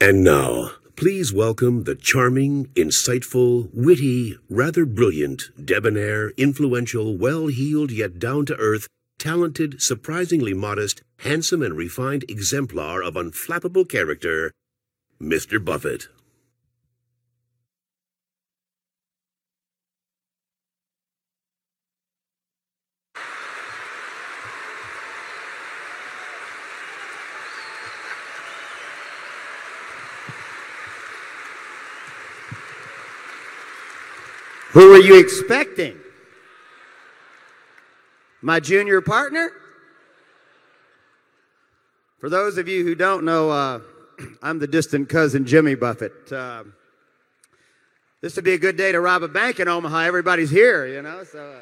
And now, please welcome the charming, insightful, witty, rather brilliant, debonair, influential, well heeled yet down to earth, talented, surprisingly modest, handsome and refined exemplar of unflappable character, mister Buffet. Who are you expecting? My junior partner? For those of you who don't know, I'm the distant cousin, Jimmy Buffett. This would be a good day to rob a bank in Omaha. Everybody's here, you know. So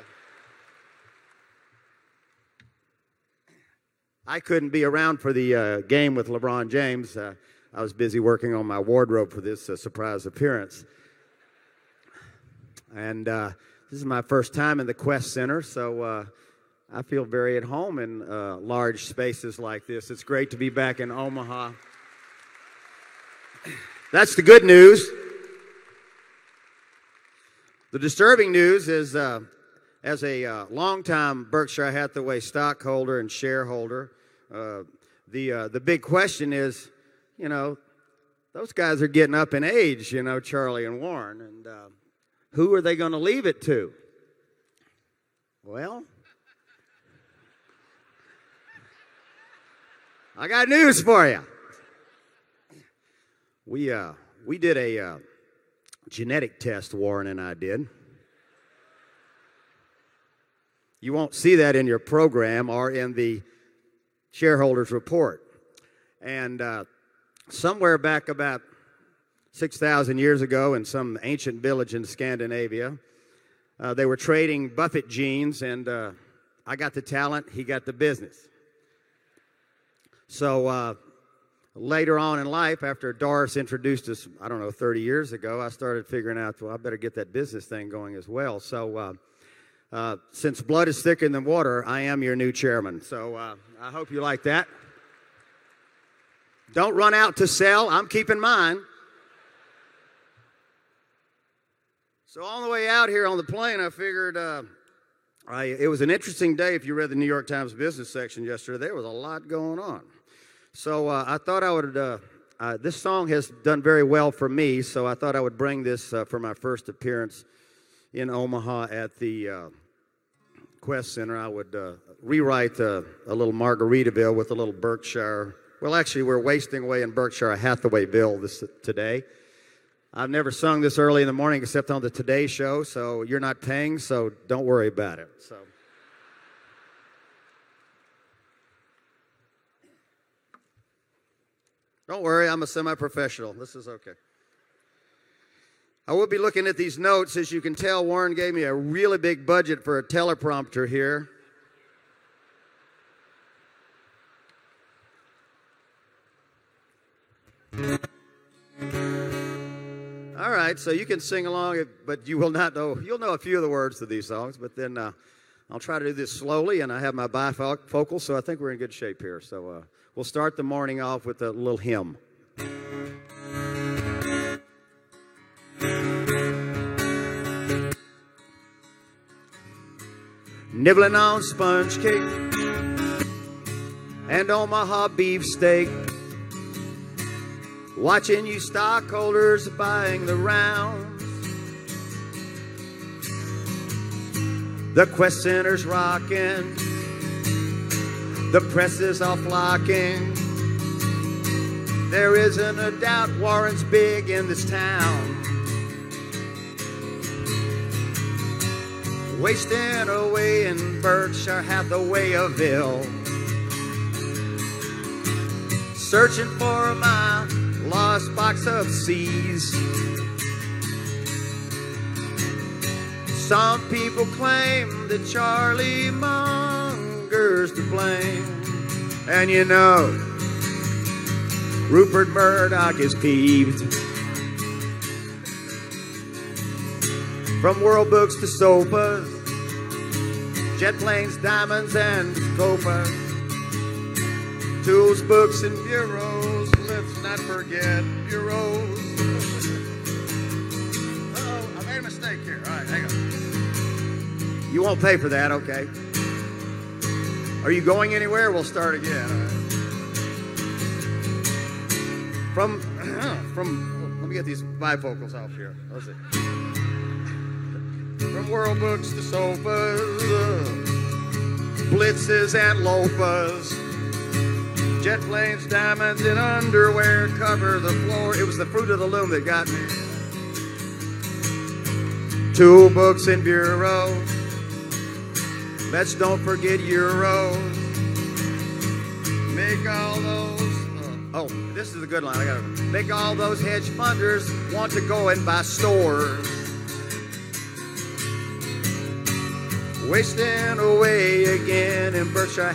I couldn't be around for the game with LeBron James. I was busy working on my wardrobe for this surprise appearance. And, this is my first time in the Quest Center, so, I feel very at home in, large spaces like this. It's great to be back in Omaha. That's the good news. The disturbing news is, as a long time Berkshire Hathaway stockholder and shareholder, the, the big question is, you know, those guys are getting up in age, you know, Charlie and Warren. And, who are they going to leave it to? Well, I got news for you. We, we did a genetic test, Warren and I did. You won't see that in your program or in the shareholders report. And, somewhere back about 6000 years ago in some ancient village in Scandinavia, they were trading buffet jeans and, I got the talent, he got the business. So, later on in life after Doris introduced us, I don't know, 30 years ago, I started figuring out, well, I better get that business thing going as well. So, since blood is thicker than water, I am your new chairman. So, I hope you like that. Don't run out to sell. I'm keeping mine. So on the way out here on the plane, I figured, I it was an interesting day if you read the New York Times business section yesterday. There was a lot going on. So, I thought I would, this song has done very well for me, so I thought I would bring this, for my first appearance in Omaha at the Quest Center, I would rewrite a little Margarita bill with a little Berkshire. Well, actually, we're wasting away in Berkshire Hathaway bill this today. I've never sung this early in the morning except on the Today show so you're not paying so don't worry about it. So Don't worry. I'm a semi professional. This is okay. I will be looking at these notes. As you can tell, Warren gave me a really big budget for a teleprompter here. Alright. So you can sing along, but you will not know you'll know a few of the words of these songs. But then, I'll try to do this slowly and I have my bifocal so I think we're in good shape here. So, we'll start the morning off with a little hymn. Nibbleing on sponge cake and Omaha beefsteak, watching you stockholders buying the round. The quest center's rockin' The press is all flocking There isn't a doubt Warren's big in this town. Wasting away and birch, I have the way of ill. Rupert Murdoch is peeved. From world books to sofas, jet planes, diamonds, and COFA, tools, books, and bureaus. Let's not You won't pay for that, okay? Are you going anywhere? We'll start again. From, from, let me get these bifocals out here. From world books to sofas, blitzes and loafers, jet blades, diamonds in underwear cover the floor. It was the fruit of the little that got me. 2 books in bureau. Want to go and buy stores. Wasting away again in Berkshire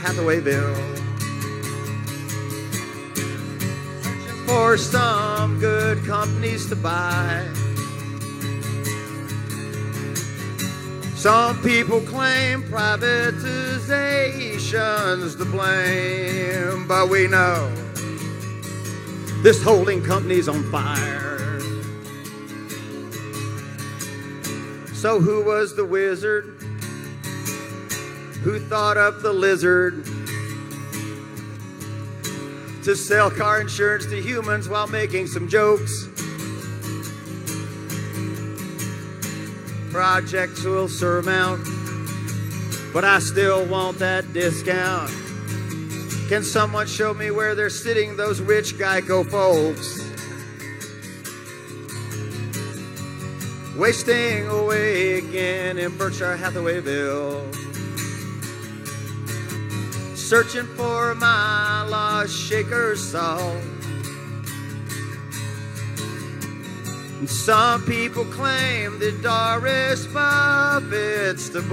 Some people claim Privatizations to blame But we know this holding company's on fire. So who was the wizard who thought of the lizard to sell car insurance to humans while making some jokes? Projects will surmount, but I still want that discount. Can someone show me where they're sitting those rich GEICO folks? Wasting away again in Berkshire Hathawaybill, searching for my law shaker song. Song. Some people claim that Doris Bobbitt's and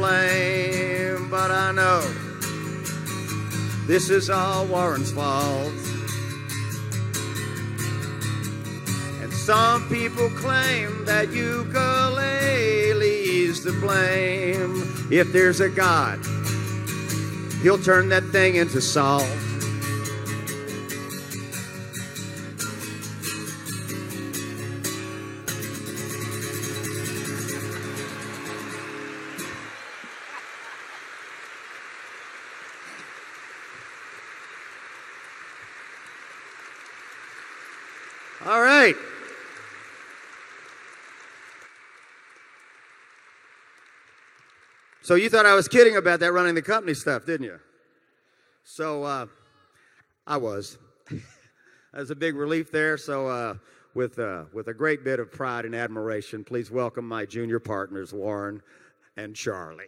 some people claim that you go lazy to blame. If there's a god, he'll turn that thing into Saul. All right. So you thought I was kidding about that running the company stuff, didn't you? So, I was. That's a big relief there. So, with, with a great bit of pride and admiration, please welcome my junior partners, Warren and Charlie.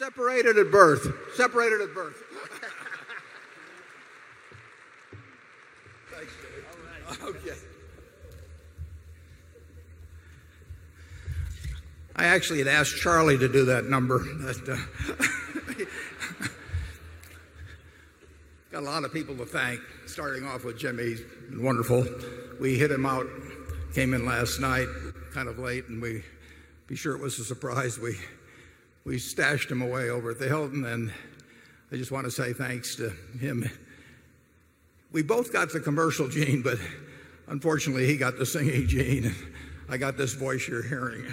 Separated at birth. Separated at birth. Actually had asked Charlie to do that number. But got a lot of people to thank. Starting off with Jimmy. He's wonderful. We hit him out, came in last night, kind of late. And we be sure it was a surprise. We we stashed him away over at the Hilton and I just want to say thanks to him. We both got the commercial gene, but unfortunately, he got the singing gene. I got this voice you're hearing.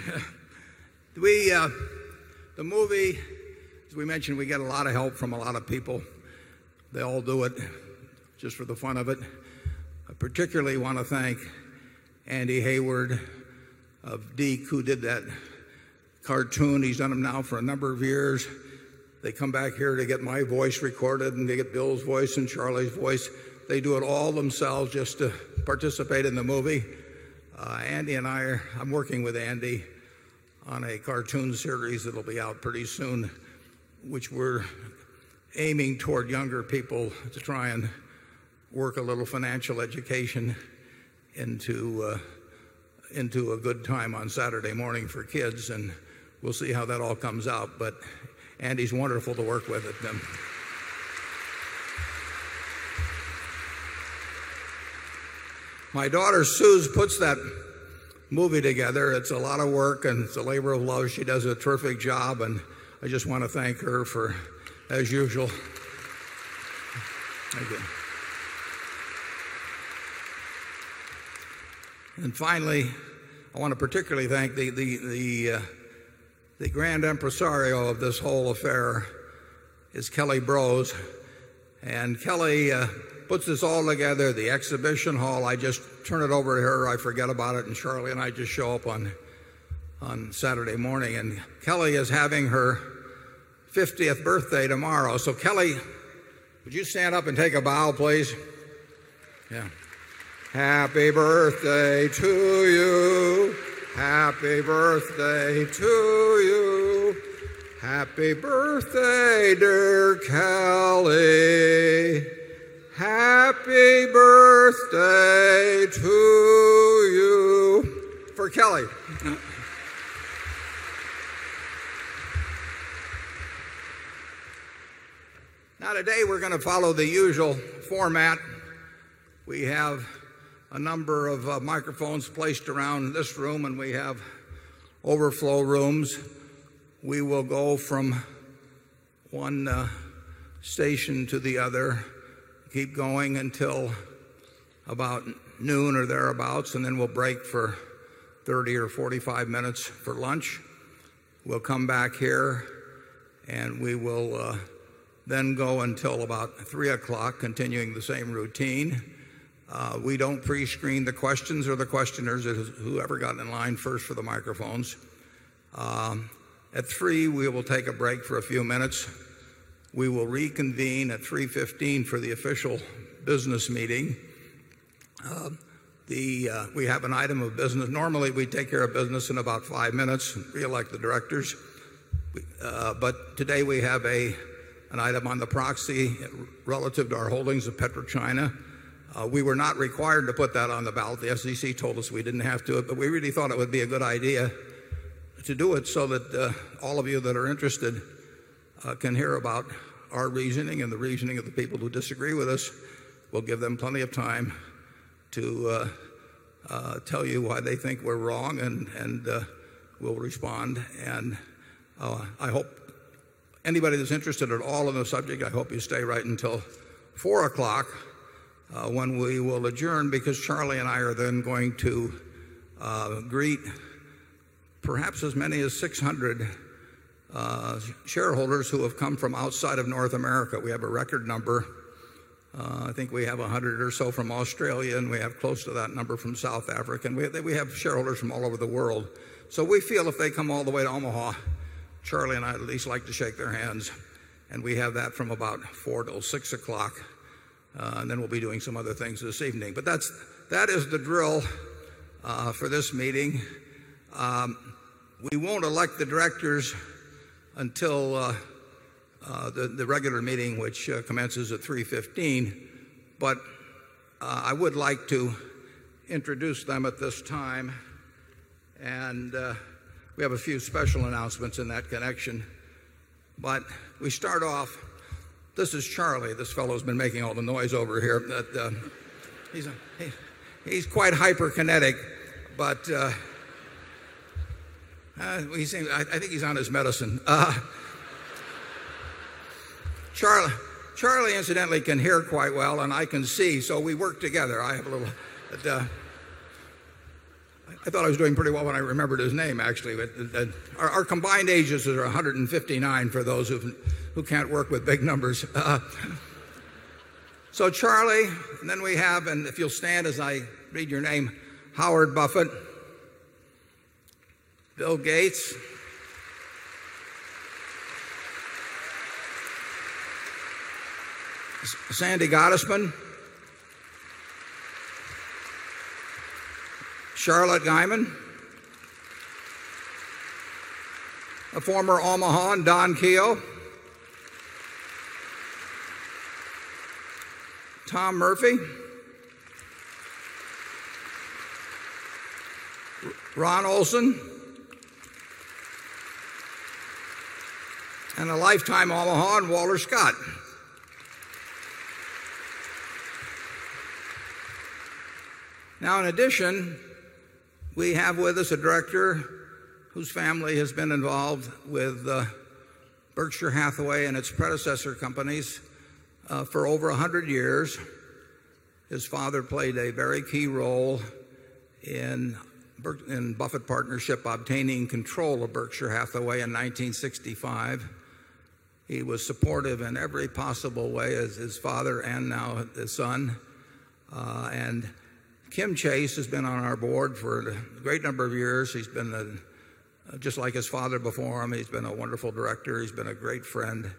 We, the movie, as mentioned, we get a lot of help from a lot of people. They all do it just for the fun of it. I particularly want to thank Andy Hayward of Deac who did that cartoon. He's done them now for a number of years. They come back here to get my voice recorded and they get Bill's voice and Charlie's voice. They do it all themselves just to participate in the movie. Andy and I are I'm working with Andy on a cartoon series that will be out pretty soon, which we're aiming toward younger people to try and work a little financial education into a good time on Saturday morning for kids and we'll see how that all comes out. But Andy's wonderful to work with at them. My daughter, Suss, puts that movie together. It's a lot of work and it's a labor of love. She does a terrific job, and I just want to thank her for as usual. And finally, I want to particularly thank the grand impresario of this whole affair is Kelly Brose. And Kelly, puts this all together, the exhibition hall. I just turn it over to her. I forget about it. And Shirley and I just show up on on Saturday morning. And Kelly is having her 50th birthday tomorrow. So Kelly, would you stand up and take a bow, please? Yeah. Happy birthday to you. Happy birthday to you. Happy birthday, dear Kelly. Now today, we're going to follow the usual format. We have a number of microphones placed around this room and we have overflow rooms. We will go from one station to the other, keep going until about noon or thereabouts, and then we'll break for 30 or 45 minutes for lunch. We'll come back here and we will then go until about 3 o'clock continuing the same routine. We don't prescreen the questions or the questioners, whoever got in line first for the microphones. At 3, we will take a break for a few minutes. We will reconvene at 3:15 for the official business meeting. We have an item of business. Normally, we take care of business in about 5 minutes and reelect the directors. But today we have an item on the proxy relative to our holdings of PetroChina. We were not required to put that on the ballot. The SEC told us we didn't have to. But we really thought it would be a good idea to do it so that all of you that are interested can hear about our reasoning and the reasoning of the people who disagree with us. We'll give them plenty of time to tell you why they think we're wrong and we'll respond. And I hope anybody that's interested at all in the subject, I hope you stay right until 4 o'clock when we will adjourn because Charlie and I are then going to greet perhaps as many as 600 shareholders who have come from outside of North America. We have a record number. I think we have 100 or so from Australia and we have close to that number from South Africa and we have shareholders from all over the world. So we feel if they come all the way to Omaha, Charlie and I at least like to shake their hands. And we have that from about 4 to 6 o'clock And then we'll be doing some other things this evening. But that's that is the drill for this meeting. We won't elect the directors until the regular meeting, which commences at 3:15. But I would like to introduce them at this time. And we have a few special announcements in that connection. But we start off, this is Charlie. This fellow has been making all the noise over here. He's quite hyperkinetic, but he seems I think he's on his medicine. Charlie incidentally can hear quite well and I can see so we work together. I have a little I thought I was doing pretty well when I remembered his name actually. But our combined ages are 159 for those who can't work with big numbers. So Charlie, then we have, and if you'll stand as I read your name, Howard Buffett, Bill Gates, Sandy Gottesman, Charlotte Guymon, a former Omaha, Don Kio, Tom Murphy, Ron Olson and a lifetime Omaha, Walter Scott. Now in addition, we have with us a director whose family has been involved with Berkshire Hathaway and its predecessor companies for over a 100 years. His father played a very key role in in Buffett Partnership obtaining control of Berkshire Hathaway in 1965. He was supportive in every possible way as his father and now his son. And Kim Chase has been on our Board for a great number of years. He's been just like his father before him. He's been a wonderful director. He's been a great friend.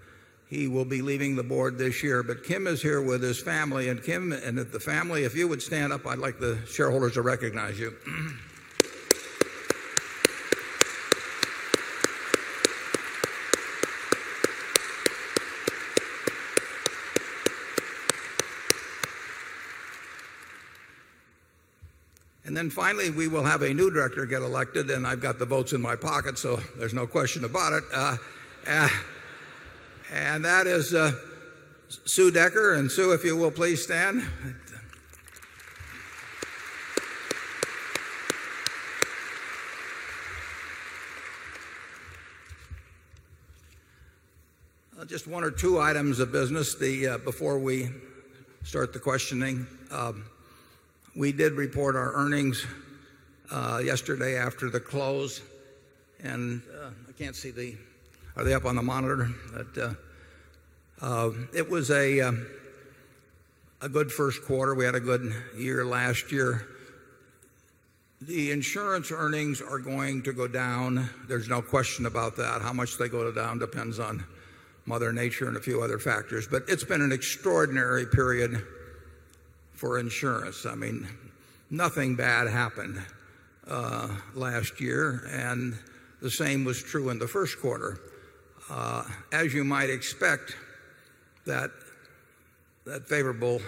He will be leaving the Board this year. But Kim is here with his family. And Kim and the family, if you would stand up, I'd like the shareholders to recognize you. And then finally, we will have a new director get elected and I've got the votes in my pocket. So there's no question about it. And that is Sue Decker. And Sue, if you will please stand. Just 1 or 2 items of business before we start the questioning. We did report our earnings yesterday after the close and I can't see the are they up on the monitor? But it was a good Q1. We had a good year last year. The insurance earnings are going to go down. There's no question about that. How much they go down depends on mother nature and a few other factors. But it's been an extraordinary period for insurance. I mean, nothing bad happened last year and the same was true in the Q1. As you might expect, that favorable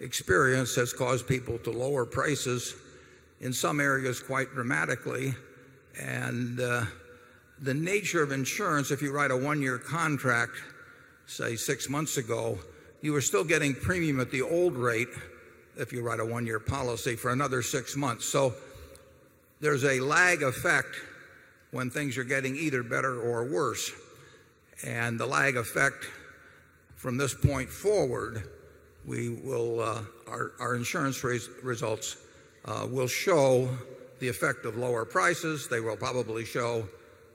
experience has caused people to lower prices in some areas quite dramatically. And the nature of insurance, if you write a 1 year contract, say 6 months ago, you are still getting premium at the old rate if you write a 1 year policy for another 6 months. So there's a lag effect when things are getting either better or worse. And the lag effect from this point forward, we will our insurance results will show the effect of lower prices. They will probably show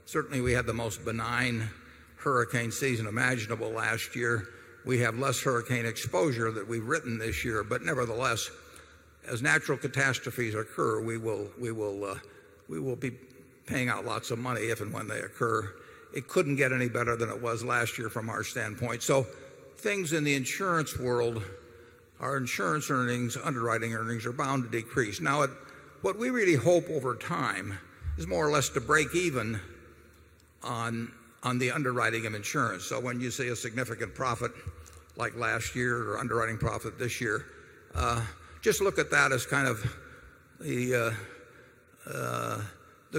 certainly we had the most benign hurricane season imaginable last year. We have less hurricane exposure that we've written this year. But nevertheless, as natural catastrophes occur, we will be paying out lots of money if and when they occur. It couldn't get any better than it was last year from our standpoint. So things in the insurance world, our insurance earnings, underwriting earnings are bound to decrease. Now what we really hope over time is more or less to break even on the underwriting of insurance. So when you see a significant profit like last year or underwriting profit this year, Just look at that as kind of the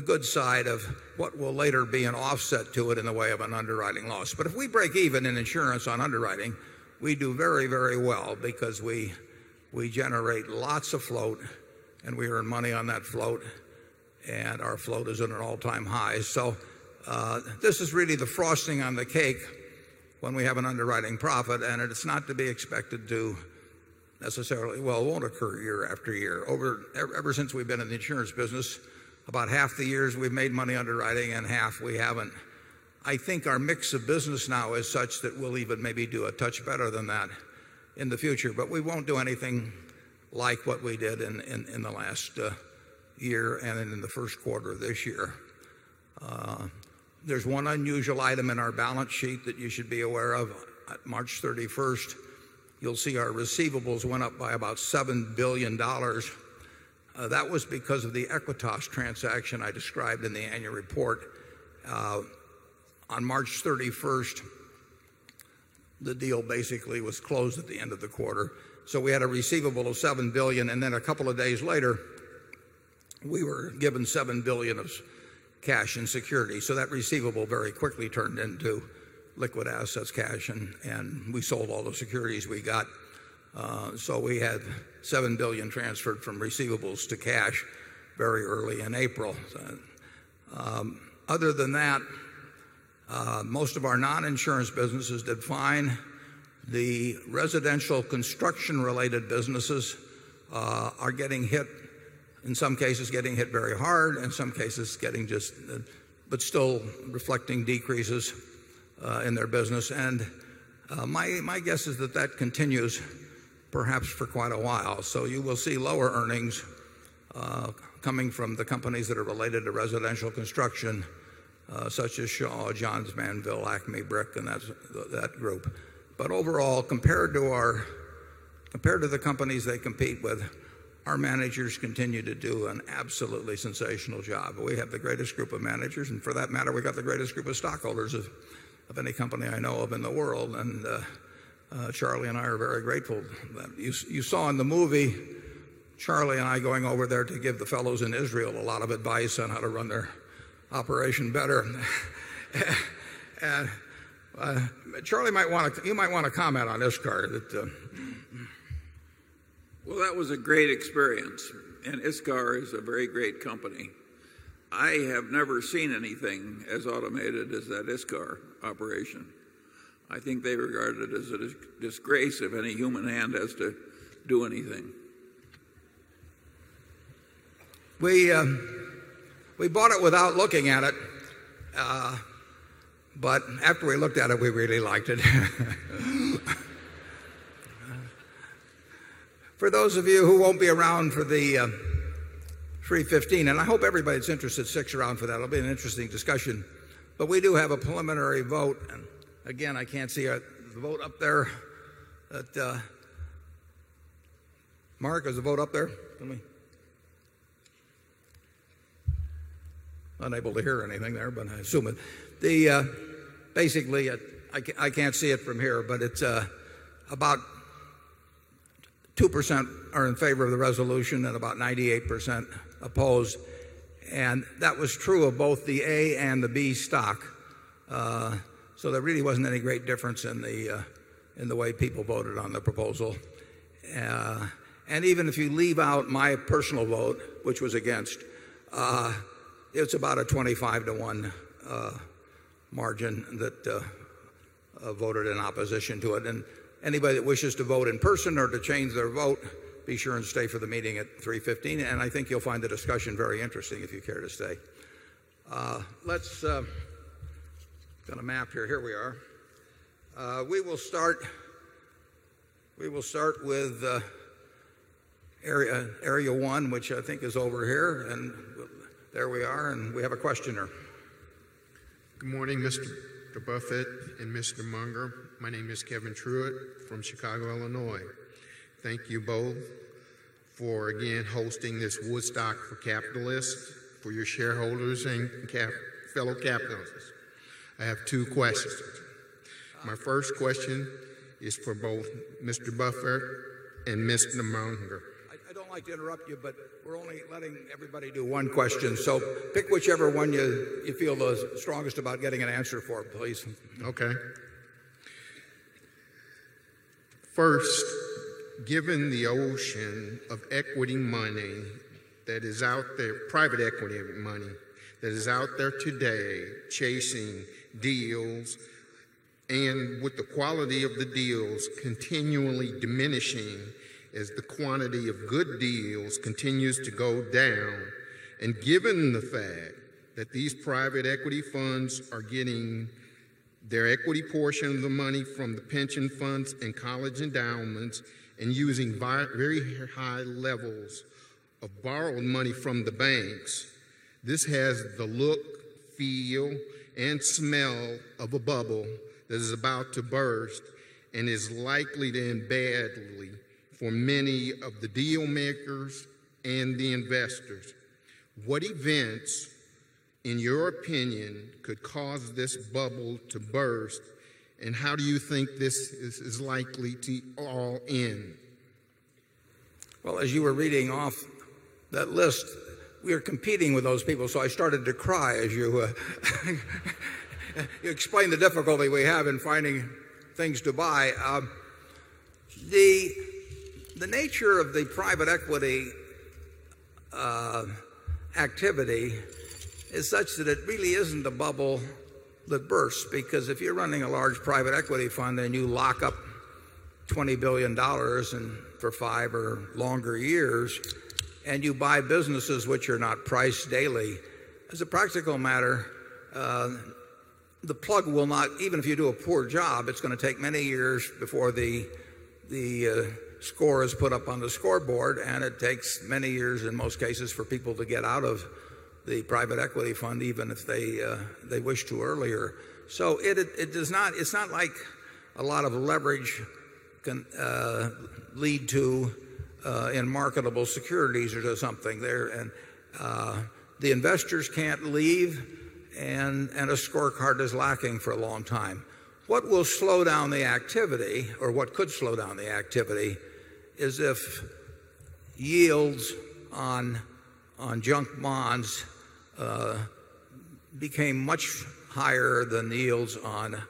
good side of what will later be an offset to it in the way of an underwriting loss. But if we break even in insurance on underwriting, we do very, very well because we generate lots of float and we earn money on that float and our float is at an all time high. So this is really the frosting on the cake when we have an underwriting profit and it is not to be expected to necessarily well, it won't occur year after year. Over ever since we've been in the insurance business, about half the years we've made money underwriting and half we haven't. I think our mix of business now is such that we'll even maybe do a touch better than that in the future. But we won't do anything like what we did in the last year and in the Q1 of this year. There's one unusual item in our balance sheet that you should be aware of. At March 31, you'll see our receivables went up by about $7,000,000,000 That was because of the Equitas transaction I described in the annual report. On March 31, the deal basically was closed at the end of the quarter. So we had a receivable of $7,000,000,000 and then a couple of days later, we were given $7,000,000,000 of cash and securities. So that receivable very quickly turned into liquid assets, cash and we sold all the securities we got. So we had $7,000,000,000 transferred from receivables to cash very early in April. Other than that, most of our non insurance businesses did fine. The residential construction related businesses are getting hit, in some cases getting hit very hard, in some cases getting just but still reflecting decreases in their business. And my guess is that that continues perhaps for quite a while. So you will see lower earnings coming from the companies that are related to residential construction such as Shaw, Johns Van Ville, Acme Brick and that group. But overall, compared to the companies they compete with, our managers continue to do an absolutely sensational job. We have the greatest group of managers and for that matter we've got the greatest group of stockholders of any company I know of in the world and Charlie and I are very grateful. You saw in the movie, Charlie and I going over there to give the fellows in Israel a lot of advice on how to run their operation better. And Charlie might want to you might want to comment on ISCAR. Well, that was a great experience and ISCAR is a very great company. I have never seen anything as automated as that ISCAR operation. I think they regard it as a disgrace if any human hand has to do anything. We bought it without looking at it. But after we looked at it, we really liked it. For those of you who won't be around for the 315, and I hope everybody's interested sticks around for that. It'll be an interesting discussion. But we do have a preliminary vote. Again, I can't see the vote up there. Mark, is the vote up there? Unable to hear anything there, but I assume it. Basically, I can't see it from here, but it's about 2% are in favor of the resolution and about 98% opposed. And that was true of both the A and the B stock. So there really wasn't any great difference in the way people voted on the proposal. And even if you leave out my personal vote, which was against, it's about a 25 to 1 margin that voted in opposition to it. And anybody that wishes to vote in person or to change their vote, be sure and stay for the meeting at 3:15. And I think you'll find the discussion very interesting if you care to stay. Let's got a map here. Here we are. We will start with Area 1, which I think is over here. And there we are and we have a questioner. Good morning Mr. Buffet and Mr. Munger. My name is Kevin Truett from Chicago, Illinois. Thank you both for again, hosting this Woodstock for Capitalists, for your shareholders and fellow capitalists. I have 2 questions. My first question is for both mister Buffer and miss Nemoonga. I don't like to interrupt you, but we're only letting everybody do one question. So pick whichever one you feel the strongest about getting an answer for, please. Okay. First, given the ocean of equity money that is out there, private equity money that is out there today chasing deals and with the quality of the deals continually diminishing as the quantity of good deals continues to go down. And given the fact that these private equity funds are getting their equity portion of the money from the pension funds and college endowments and using very high levels of borrowed money from the banks. This has the look, feel and smell of a bubble that is about to burst and is likely to end badly for many of the deal makers and the investors. What events in your opinion could cause this bubble to burst? And how do you think this is likely to all end? Well, as you were reading off that list, we are competing with those people. So I started to cry as you explained the difficulty we have in finding things to buy. The nature of the private equity activity is such that it really isn't a bubble that bursts because if you're running a large private equity fund and you lock up $20,000,000,000 for 5 or longer years and you buy businesses which are not priced daily, as a practical matter, the plug will not even if you do a poor job, it's going to take many years before the score is put up on the scoreboard and it takes many years in most cases for people to get out of the private equity fund even if they wish to earlier. So it does not it's not like a lot of leverage can lead to in marketable securities or something there. And the investors can't leave and a scorecard is lacking for a long time. What will slow down the activity or what could slow down the activity is if yields on junk bonds became much higher than yields on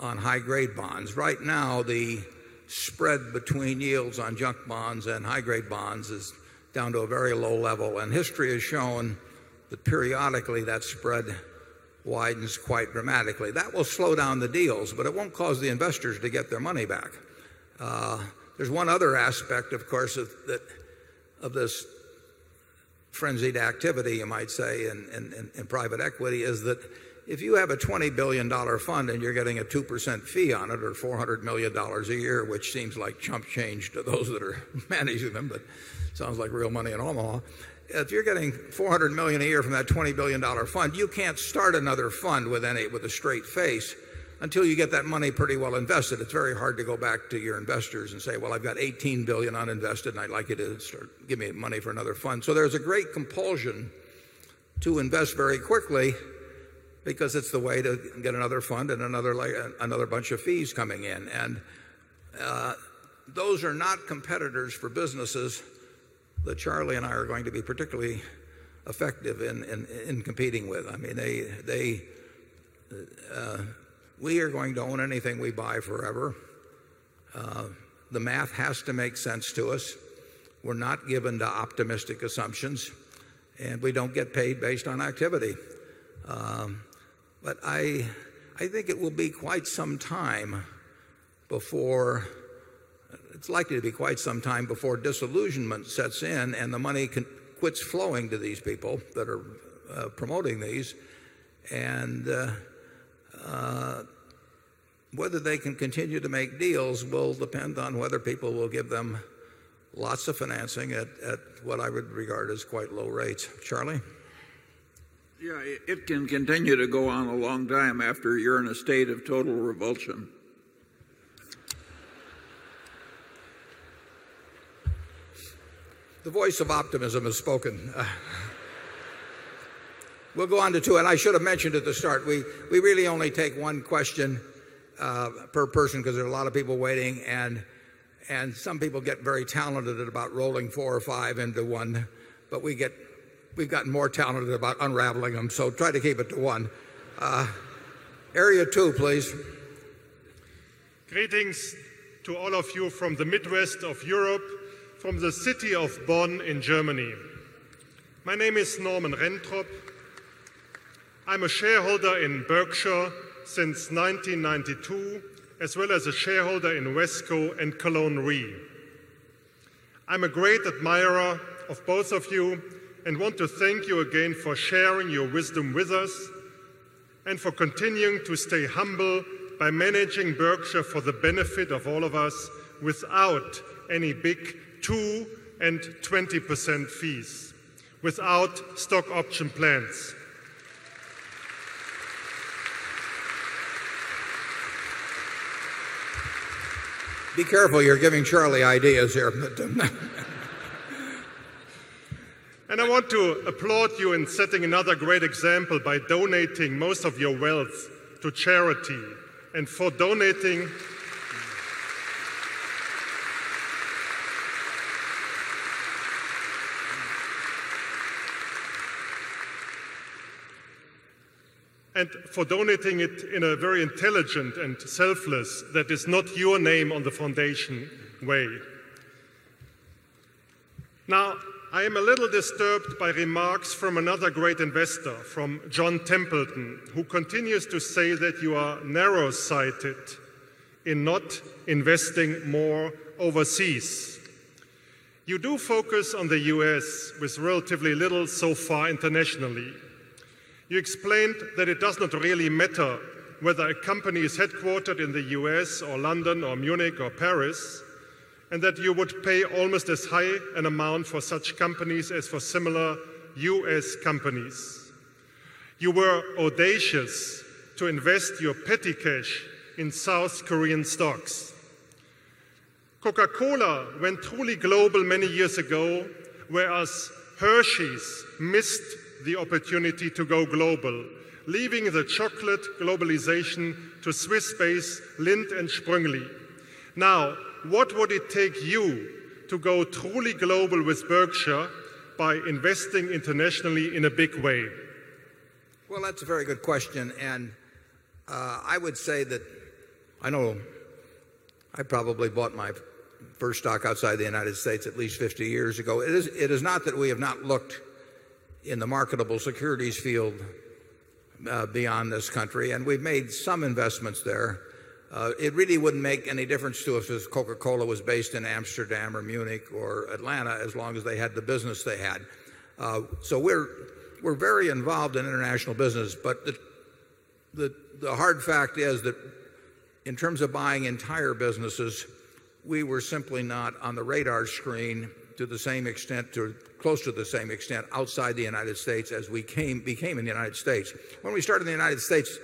high grade bonds. Right now, the spread between yields on junk bonds and high grade bonds is down to a very low level. And history has shown that periodically that spread widens quite dramatically. That will slow down the deals, but it won't cause the investors to get their money back. There's one other aspect, of course, of this frenzied activity, you might say, in private equity is that if you have a $20,000,000,000 fund and you're getting a 2% fee on it or $400,000,000 a year, which seems like chump change to those that are managing them, but sounds like real money at Omaha. If you're getting $400,000,000 a year from that $20,000,000,000 fund, you can't start another fund with any with a straight face until you get that money pretty well invested. It's very hard to go back to your investors and say, well, I've got $18,000,000,000 uninvested and I'd like you to give me money for another fund. So there's a great compulsion to invest very quickly because it's the way to get another fund and another bunch of fees coming in. And those are not competitors for businesses that Charlie and I are going to be particularly effective in competing with. I mean, they we are going to own anything we buy forever. The math has to make sense to us. We're not given to optimistic assumptions and we don't get paid based on activity. But I think it will be quite some time before it's likely to be quite some time before disillusionment sets in and the money quits flowing to these people that are promoting these. And whether they can continue to make deals will depend on whether people will give them lots of financing at what I would regard as quite low rates. Charlie? Yeah. It can continue to go on a long time The voice of optimism has spoken. We'll go on to 2 and I should have mentioned at the start, we really only take one question per person because there are a lot of people waiting and some people get very talented at about rolling 4 or 5 into 1. But we've gotten more talented about unraveling them. So try to keep it to 1. Area 2, please. Greetings to all of you from the Midwest of Europe, from the city of Bonn in Germany. My name is Norman Rentrop. I'm a shareholder in Berkshire since 1992 as well as a shareholder in Wesco and Cologne Re. I'm a great admirer of both of you and want to thank you again for sharing your wisdom with us and for continuing to stay humble by managing Berkshire for the benefit of all of us without any big 2 and 20% fees, without stock option plans. Be careful. You're giving Charlie ideas here. And I want to applaud you in setting another great example by donating most of your wealth to charity and for donating And for donating it in a very intelligent and selfless that is not your name on the foundation way. Now I am a little disturbed by remarks from another great investor from John Templeton who continues to say that you are narrow sighted in not investing more overseas. You do focus on the US with relatively little so far internationally. You explained that it does not really matter whether a company is headquartered in the US or London or Munich or Paris and that you would pay almost as high an amount for such companies as for similar U. S. Companies. You were audacious to invest your petty cash in South Korean stocks. Coca Cola went truly global many years ago whereas Hershey's missed the opportunity to go global leaving the chocolate globalization to Swiss based Linde and Sprungli. Now what would it take you to go truly global with Berkshire by investing internationally in a big way? Well, that's a very good question. And, I would say that I know I probably bought my first stock outside the United States at least 50 years ago. It is not that we have not looked in the marketable securities field beyond this country and we've made some investments there. It really wouldn't make any difference to us if Coca Cola was based in Amsterdam or Munich or Atlanta as long as they had the business they had. So we're very involved in international business but the hard fact is that in terms of buying entire businesses, we were simply not on the radar screen to the same extent or close to the same extent outside the United States as we came became in the United States. When we started in the United States,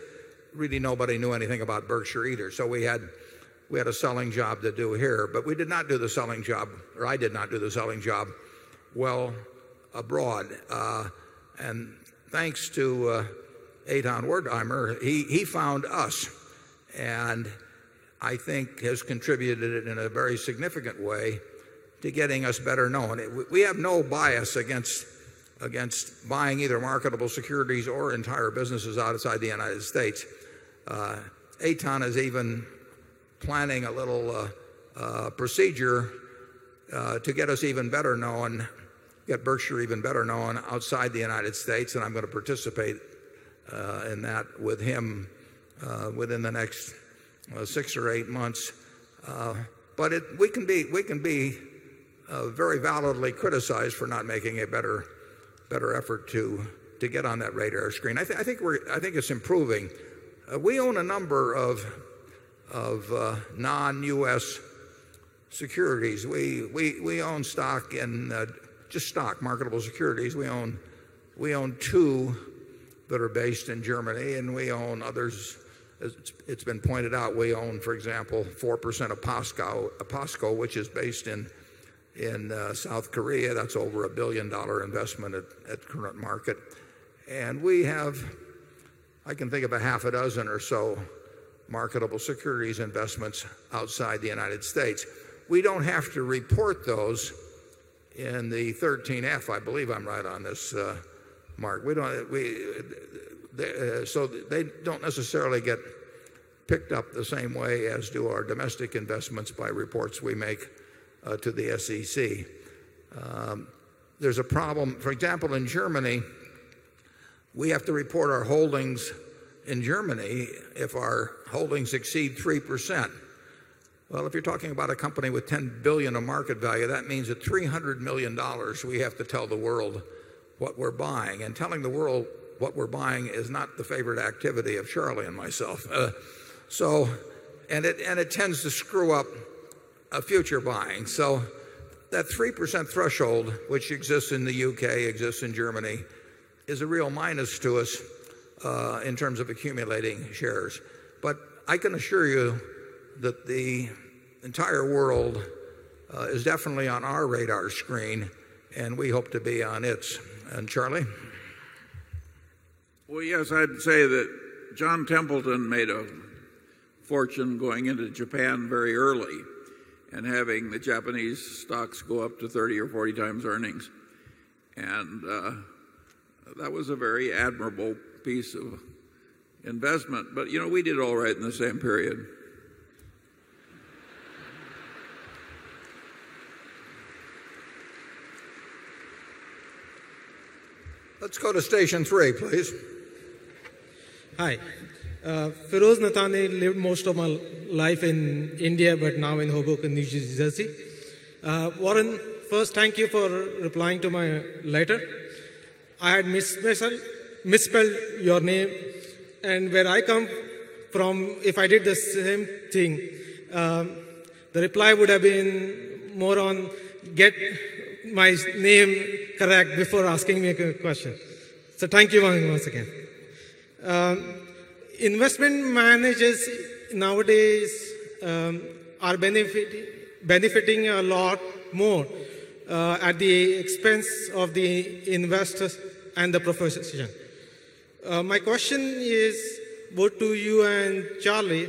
really nobody knew anything about Berkshire either. So we had we had a selling job to do here but we did not do the selling job or I did not do the selling job well abroad. And thanks to Adan Wertheimer, he found us and I think has contributed it in a very significant way to getting us better known. We have no bias against buying either marketable securities or entire businesses outside the United States. Aton is even planning a little, procedure, to get us even better known, get Berkshire even better known outside the United States and I'm going to participate in that with him within the next 6 or 8 months. But we can be very validly criticized for not making a better effort to get on that radar screen. I think it's improving. We own a number of non US securities. We own stock in just stock marketable securities. We own 2 that are based in Germany and we own others. It's been pointed out, we own, for example, 4% of PASCO which is based in South Korea. That's over a $1,000,000,000 investment at current market. And we have, I can think of a half a dozen or so marketable securities investments outside the United States. We don't have to report those in the 13 F. I believe I'm right on this mark. We don't so they don't necessarily get picked up the same way as do our domestic investments by reports we make to the SEC. There's a problem. For example, in Germany, we have to report our holdings in Germany if our holdings exceed 3%. Well, if you're talking about a company with $10,000,000,000 of market value, that means that $300,000,000 we have to tell the world what we're buying. And telling the world what we're buying is not the favorite activity of Charlie and myself. So and it tends to screw up future buying. So that 3% threshold which exists in the UK, exists in Germany is a real minus to us in terms of accumulating shares. But I can assure you that the entire world is definitely on our radar screen and we hope to be on its. And Charlie? Well, yes, I'd say that John Templeton made a fortune going into Japan very early and having the Japanese stocks go up to 30 or 40 times earnings. And that was a very admirable piece of investment but we did all right in the same period. Let's go to station 3, please. Hi. Firoz Natane lived most of my life in India but now in Hoboken, New Jersey. Warren, first thank you for replying to my letter. I had misspelled your name and where I come from if I did the same thing the reply would have been more on get my name correct before asking me a question. So thank you once again. Investment managers nowadays are benefiting a lot more at the expense of the investors and the professional decision. My question is both to you and Charlie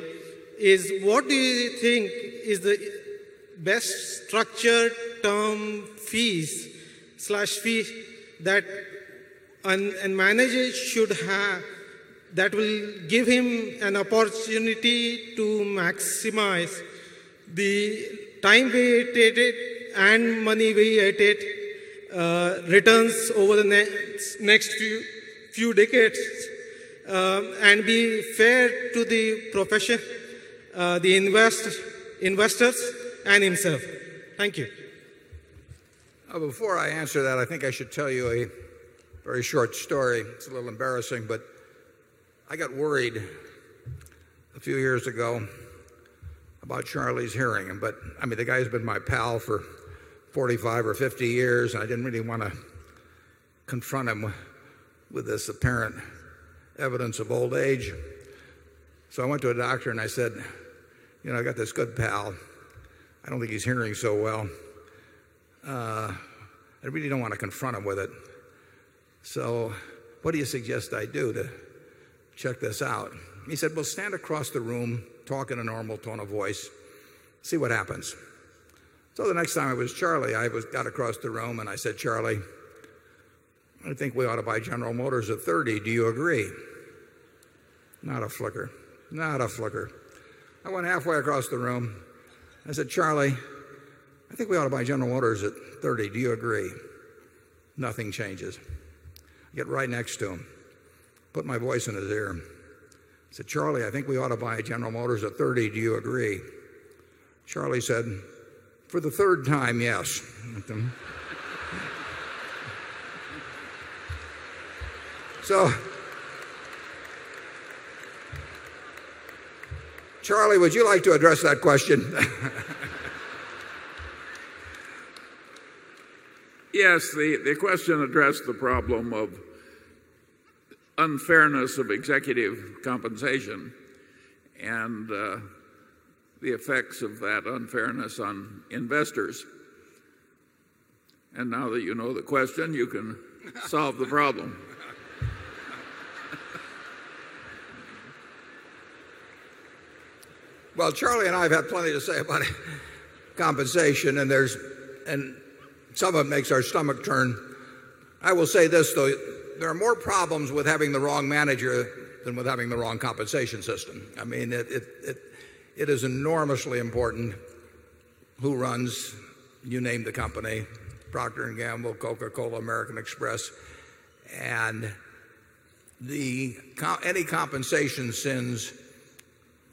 is what do you think is the best structured term fees slash fees that a manager should have that will give him an opportunity to maximize the time he had paid and money he had paid returns over the next few decades and be fair to the profession, the investors and himself. Thank you. Before I answer that, I think I should tell you a very short story. It's a little embarrassing but I got worried a few years ago about Charlie's hearing. But I mean, the guy has been my pal for 45 or 50 years. I didn't really want to confront him with this apparent evidence of old age. So I went to a doctor and I said, you know, I got this good pal. I don't think he's hearing so well. I really don't want to confront him with it. So what do you suggest I do to check this out? He said, we'll stand across the room, talk in a normal tone of voice, see what happens. So the next time it was Charlie, I got across the room and I said, Charlie, I think we ought to buy General Motors at 30. Do you agree? Not a flicker. Not a flicker. I went halfway across the room. I said, Charlie, I think we ought to buy General Motors at 30. Do you agree? Nothing changes. I get right next to him, put my voice in his ear. I said, Charlie, I think we ought to buy General Motors at 30. Do you agree? Charlie said, for the 3rd time, yes. So Charlie, would you like to address that question? Yes. The question addressed the problem of unfairness of executive compensation and the effects of that unfairness on investors. And now that you know the question, you can solve the problem. Well, Charlie and I have had plenty to say about compensation and there's and some of it makes our stomach turn. I will say this though, there are more problems with having the wrong manager than with having the wrong compensation system. I mean, it is enormously important who runs, you name the company, Procter and Gamble, Coca Cola, American Express. And the any compensation sins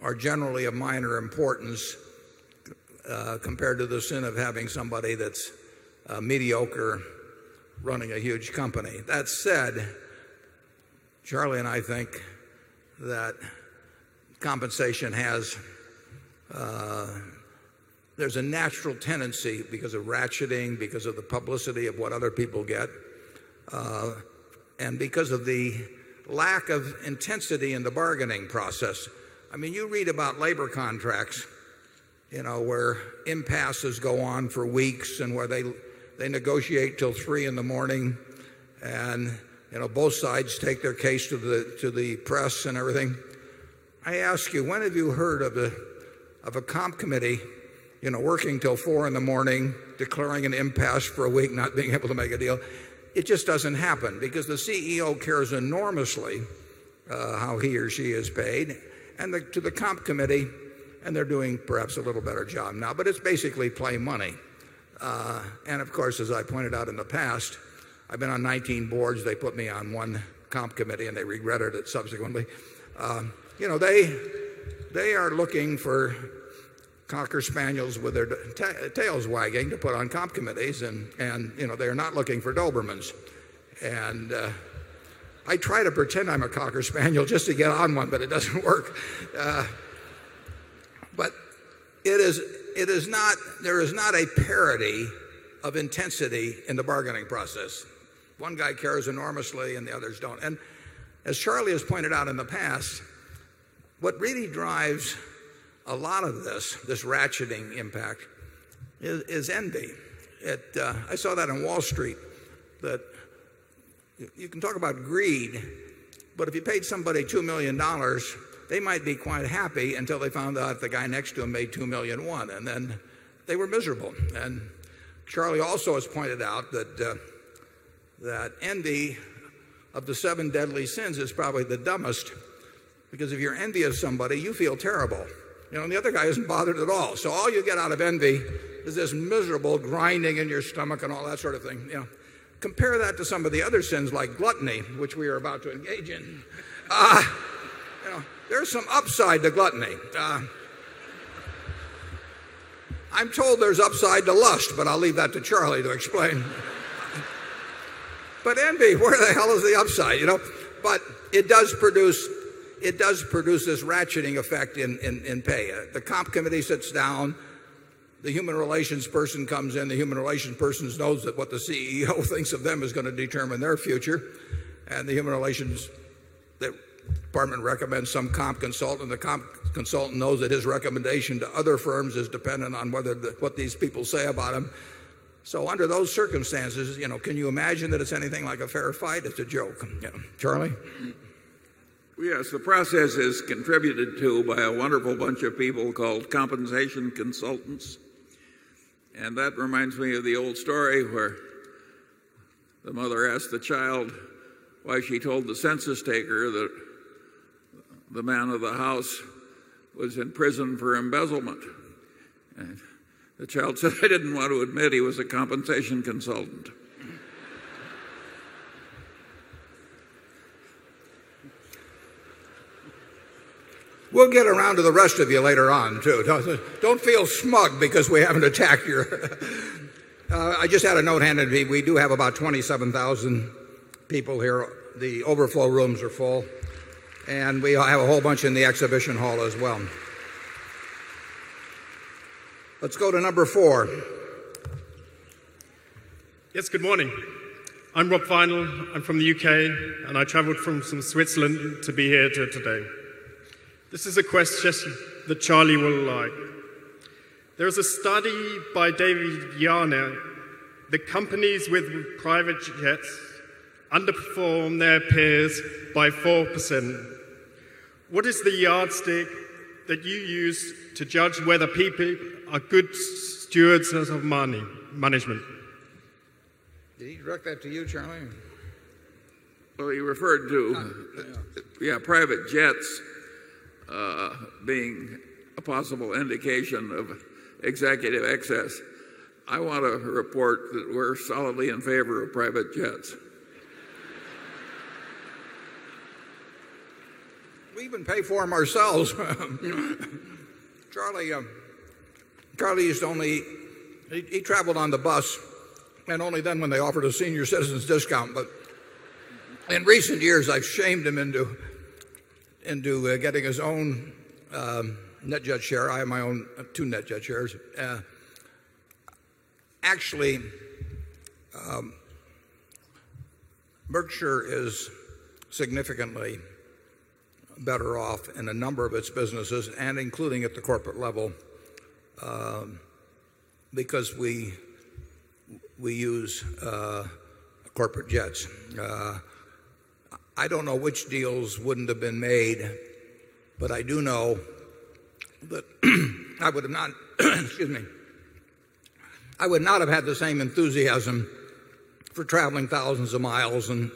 are generally of minor importance compared to the sin of having somebody that's mediocre running a huge company. That said, Charlie and I think that compensation has, there's a natural tendency because of ratcheting, because of the publicity of what other people get, and because of the lack of intensity in the bargaining process. I mean you read about labor contracts where impasses go on for weeks and where they negotiate till 3 in the morning and both sides take their case to the press and everything. I ask you, when have you heard of a comp committee working till 4 in the morning declaring an impasse for a week, not being able to make a deal? It just doesn't happen because the CEO cares enormously how he or she is paid and to the comp committee and they're doing perhaps a little better job now. But it's basically play money. And of course, as I pointed out in the past, I've been on 19 boards. They put me on 1 comp committee and they regretted it subsequently. They are looking for Conker Spaniels with their tails wagging to put on comp committees and they are looking for Dobermans. And I try to pretend I'm a Cocker spaniel just to get on one but it doesn't work. But it is not there is not a parody of intensity in the bargaining process. 1 guy cares enormously and the others don't. And as Charlie has pointed out in the past, what really drives a lot of this, this ratcheting impact is envy. It, I saw that on Wall Street that you can talk about greed, but if you paid somebody $2,000,000 they might be quite happy until they found out the guy next to him made $2,100,000 and then they were miserable. And Charlie also has pointed out that that envy of the 7 deadly sins is probably the dumbest because if you're envy of somebody, you feel terrible. Know, the other guy isn't bothered at all. So all you get out of envy is this miserable grinding in your stomach and all that sort of thing. You know, Compare that to some of the other sins like gluttony, which we are about to engage in. There's some upside to gluttony. I'm told there's upside to lust, but I'll leave that to Charlie to explain. But envy, where the hell is the upside, you know? But it does produce it does produce this ratcheting effect in in in pay. The comp committee sits down. The human relations person comes in. The human relations person knows that what the CEO thinks of them is going to determine their future. And the human relations department recommends some comp consultant. The comp consultant knows that his recommendation to other firms is dependent on whether what these people say about him. So under those circumstances, can you imagine that it's anything like a fair fight? It's a joke. Charlie? Yes. The process is contributed to by a wonderful bunch of people called compensation consultants. And that reminds me of the old story where the mother asked the child why she told the census taker that the man of the house was in prison for embezzlement. The child said, I didn't want to admit he was a compensation consultant. We'll get around to the rest of you later on too. Don't feel smug because we haven't attacked you. I just had a note handed to you. We do have about 27,000 people here. The overflow rooms are full. And we have a whole bunch in the exhibition hall as well. Let's go to number 4. Yes. Good morning. I'm Rob Vinal. I'm from the UK. I traveled from Switzerland to be here today. This is a question that Charlie will like. There is a study by David Yana. The companies with private jets underperformed their peers by 4%. What is the yardstick that you use to judge whether people are good stewards of money management? Do you direct that to you, Charlie? Well, you referred to, yes, private jets, being a possible indication of executive excess. I want to report that we're solidly in favor of private jets. We even pay for them ourselves. Charlie used only he traveled on the bus and only then when they offered a senior citizens discount. But in recent years, I've shamed him into getting his own net debt share. I have my own 2 net debt shares. Actually, Mercure is significantly better off in a number of its businesses and including at the corporate level because we use corporate jets. I don't know which deals wouldn't have been made, but I do know that I would have not excuse me I would not have had the same enthusiasm for traveling thousands of miles and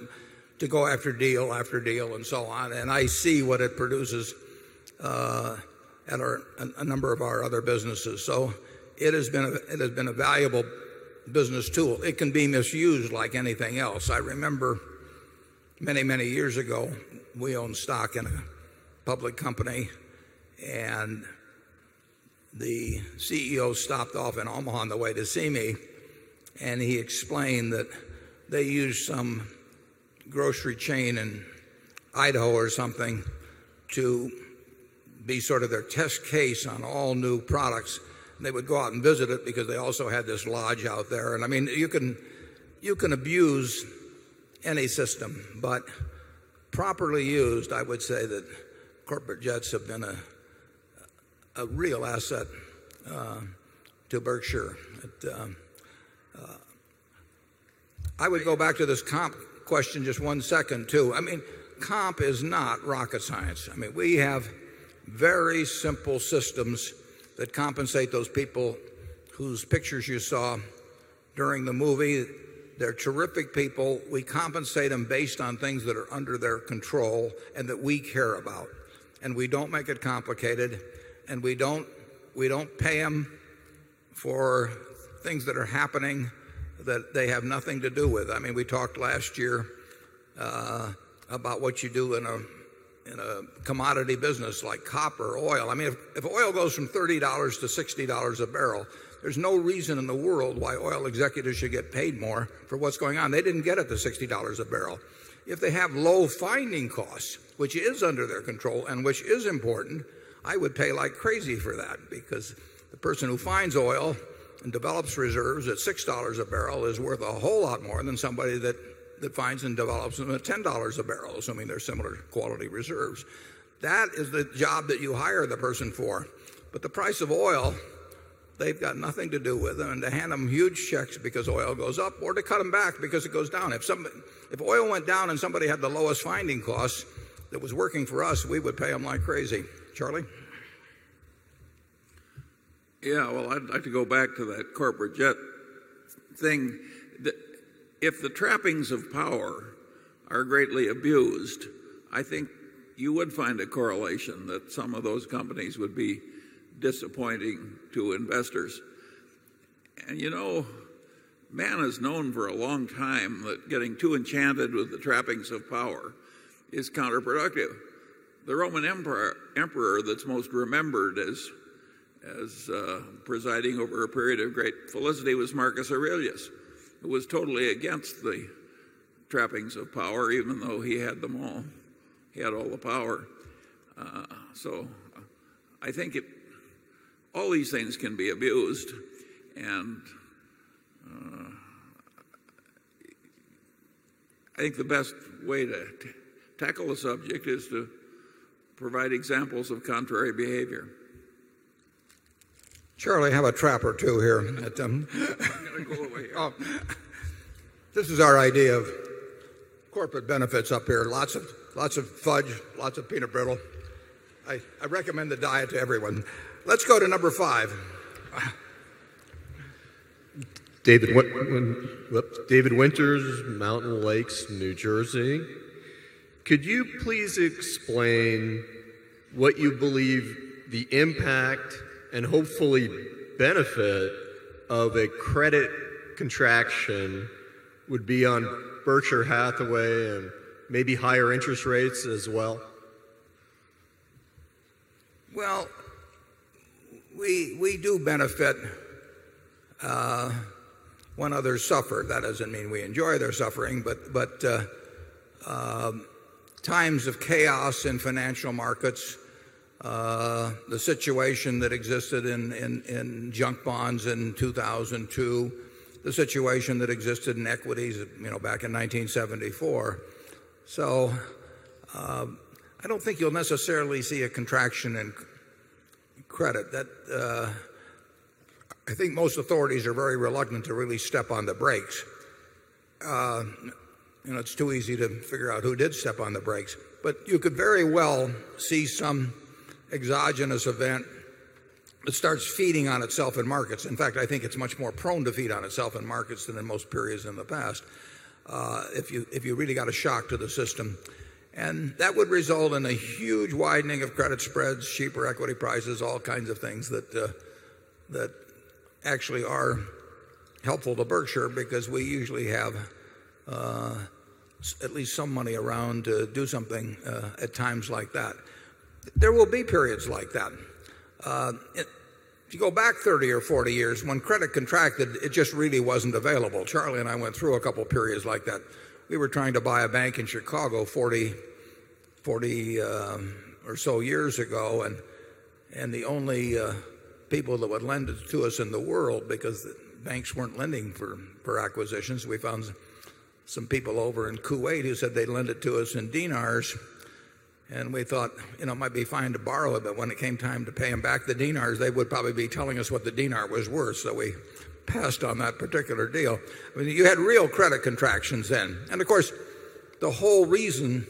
to go after deal after deal and so on. And I see what it produces at a number of our other businesses. So it has been a valuable business tool. It can be misused like anything else. I remember many, many years ago we owned stock in a public company and the CEO stopped off in Omaha on the way to see me and he explained that they used some grocery chain in Idaho or something to be sort of their test case on all new products. They would go out and visit it because they also had this lodge out there. And I mean, you can abuse any system but properly used, I would say that corporate jets have been a real asset to Berkshire. I would go back to this comp question just one second too. I mean, comp is not rocket science. I mean, we have very simple systems that compensate those people whose pictures you saw during the movie. They're terrific people. We compensate them based on things that are under their control and that we care about. And we don't make it complicated and we don't pay them for things that are happening that they have nothing to do with. I mean, we talked last year about what you do in a commodity business like copper, oil. I mean, if oil goes from $30 to $60 a barrel, there's no reason in the world why oil executives should get paid more for what's going on. They didn't get it to $60 a barrel. If they have low finding costs, which is under their control and which is important, I would pay like crazy for that because the person who finds oil and develops reserves at $6 a barrel is worth a whole lot more than somebody that finds and develops them at $10 a barrel assuming they're similar quality reserves. That is the job that you hire the person for. But the price of oil, they've got nothing to do with them and to hand them huge checks because oil goes up or cut them back because it goes down. If oil went down and somebody had the lowest finding costs that was working for us, we would pay them like crazy. Charlie? Yes. Well, I'd like to go back to that corporate jet thing. If the trappings of power are greatly abused, I think you would find a correlation that some of those companies would be disappointing to investors. And you know, man has known for a long time that getting too enchanted with the trappings of power is counterproductive. The Roman Emperor that's most remembered as, presiding over a period of great felicity was Marcus Aurelius who was totally against the trappings of power even though he had them all. He had all the power. So I think all these things can be abused. And I think the best way to tackle the subject is to provide examples of contrary behavior. Charlie, I have a trap or 2 here. I'm going to go away. This is our idea of corporate benefits up here. Lots of fudge, lots of peanut brittle. I recommend the diet to everyone. Let's go to number 5. David Winters, Mountain Lakes, New Jersey. Could you please explain what you believe the impact and hopefully benefit of a credit contraction would be on Berkshire Hathaway and maybe higher interest rates as well? Well, we do benefit when others suffer. That doesn't mean we enjoy their suffering, but times of chaos in financial markets, the situation that existed in junk bonds in 2002, the situation that existed in equities back in 1974. So, I don't think you'll necessarily see a contraction in credit that I think most authorities are very reluctant to really step on the brakes. It's too easy to figure out who did step on the brakes. But you could very well see some exogenous event that starts feeding on itself in markets. In fact, I think it's much more prone to feed on itself in markets than in most periods in the past, if you really got a shock to the system. And that would result in a huge widening of credit spreads, cheaper equity prices, all kinds of things that actually are helpful to Berkshire because we usually have at least some money around to do something at times like that. There will be periods like that. If you go back 30 or 40 years, when credit contracted, it just really wasn't available. Charlie and I went through a couple of periods like that. We were trying to buy a bank in Chicago 40 or so years ago and the only people that would lend it to us in the world because banks weren't lending for acquisitions. We found some people over in Kuwait who said they'd lend it to us in DNARs and we thought it might be fine to borrow it. But when it came time to pay them back the DNARs, they would probably be telling us what the DNR was worth, so we passed on that particular deal. You had real credit contractions then. And of course, the whole reason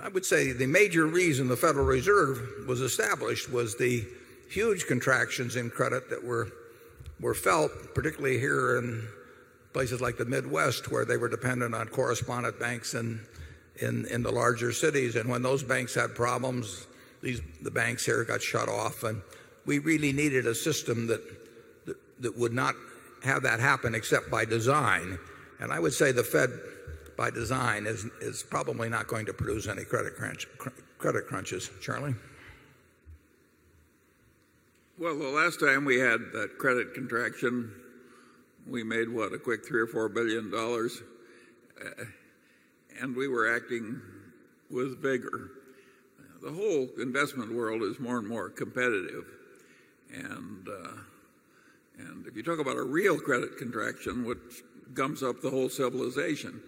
I would say the major reason the Federal Reserve was established was the huge contractions in credit that were felt particularly here in places like the Midwest where they were dependent on correspondent banks in the larger cities. And when those banks had problems, the banks here got shut off and we really needed a system that would not have that happen except by design. And I would say the Fed by design is probably not going to produce any credit crunches. Charlie? Well, the last time we had that credit contraction, we made what a quick $3,000,000,000 or $4,000,000,000 and we were acting with bigger. The whole investment world is more and more competitive. And if you talk about a real credit contraction, which gums up the whole civilization,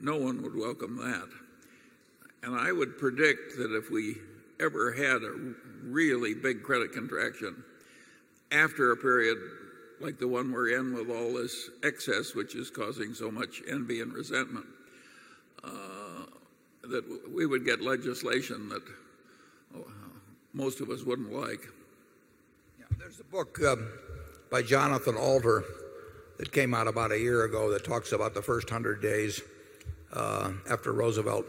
no one would welcome that. And I would predict that if we ever had a really big credit contraction after a period like the one we're in with all this excess which is causing so much envy and resentment, that we would get legislation that most of us wouldn't like. There's a book by Jonathan Alter that came out about a year ago that talks about the 1st 100 days after Roosevelt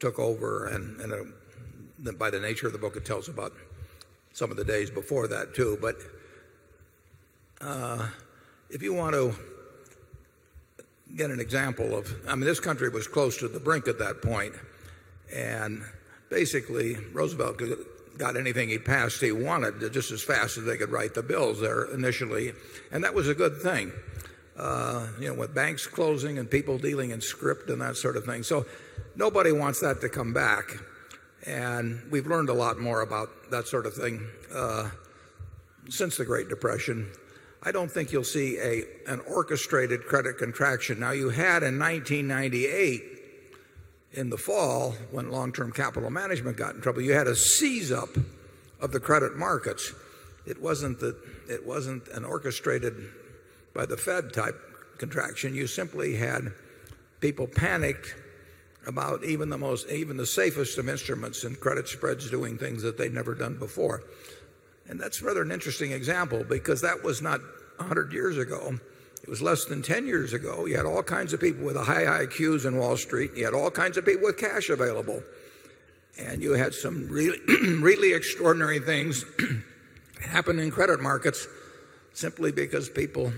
took over and by the nature of the book, it tells about some of the days before that too. But if you want to get an example of I mean, this country was close to the brink at that point and basically Roosevelt got anything he passed he wanted just as fast as they could write the bills there initially and that was a good thing, with banks closing and people dealing in script and that sort of thing. So nobody wants that to come back And we've learned a lot more about that sort of thing since the Great Depression. I don't think you'll see an orchestrated credit contraction. Now you had in 1998 in the fall when long term capital management got in trouble, you had a seize up of the credit markets. It wasn't that it wasn't an orchestrated by the Fed type contraction. You simply had people panic about even the most even the safest of instruments and credit spreads doing things that they'd never done before. And that's rather an interesting example because that was not 100 years ago, it was less than 10 years ago. You had all kinds of people with high IQs in Wall Street. You had all kinds of people with cash available and you had some really extraordinary things happen in credit markets simply because people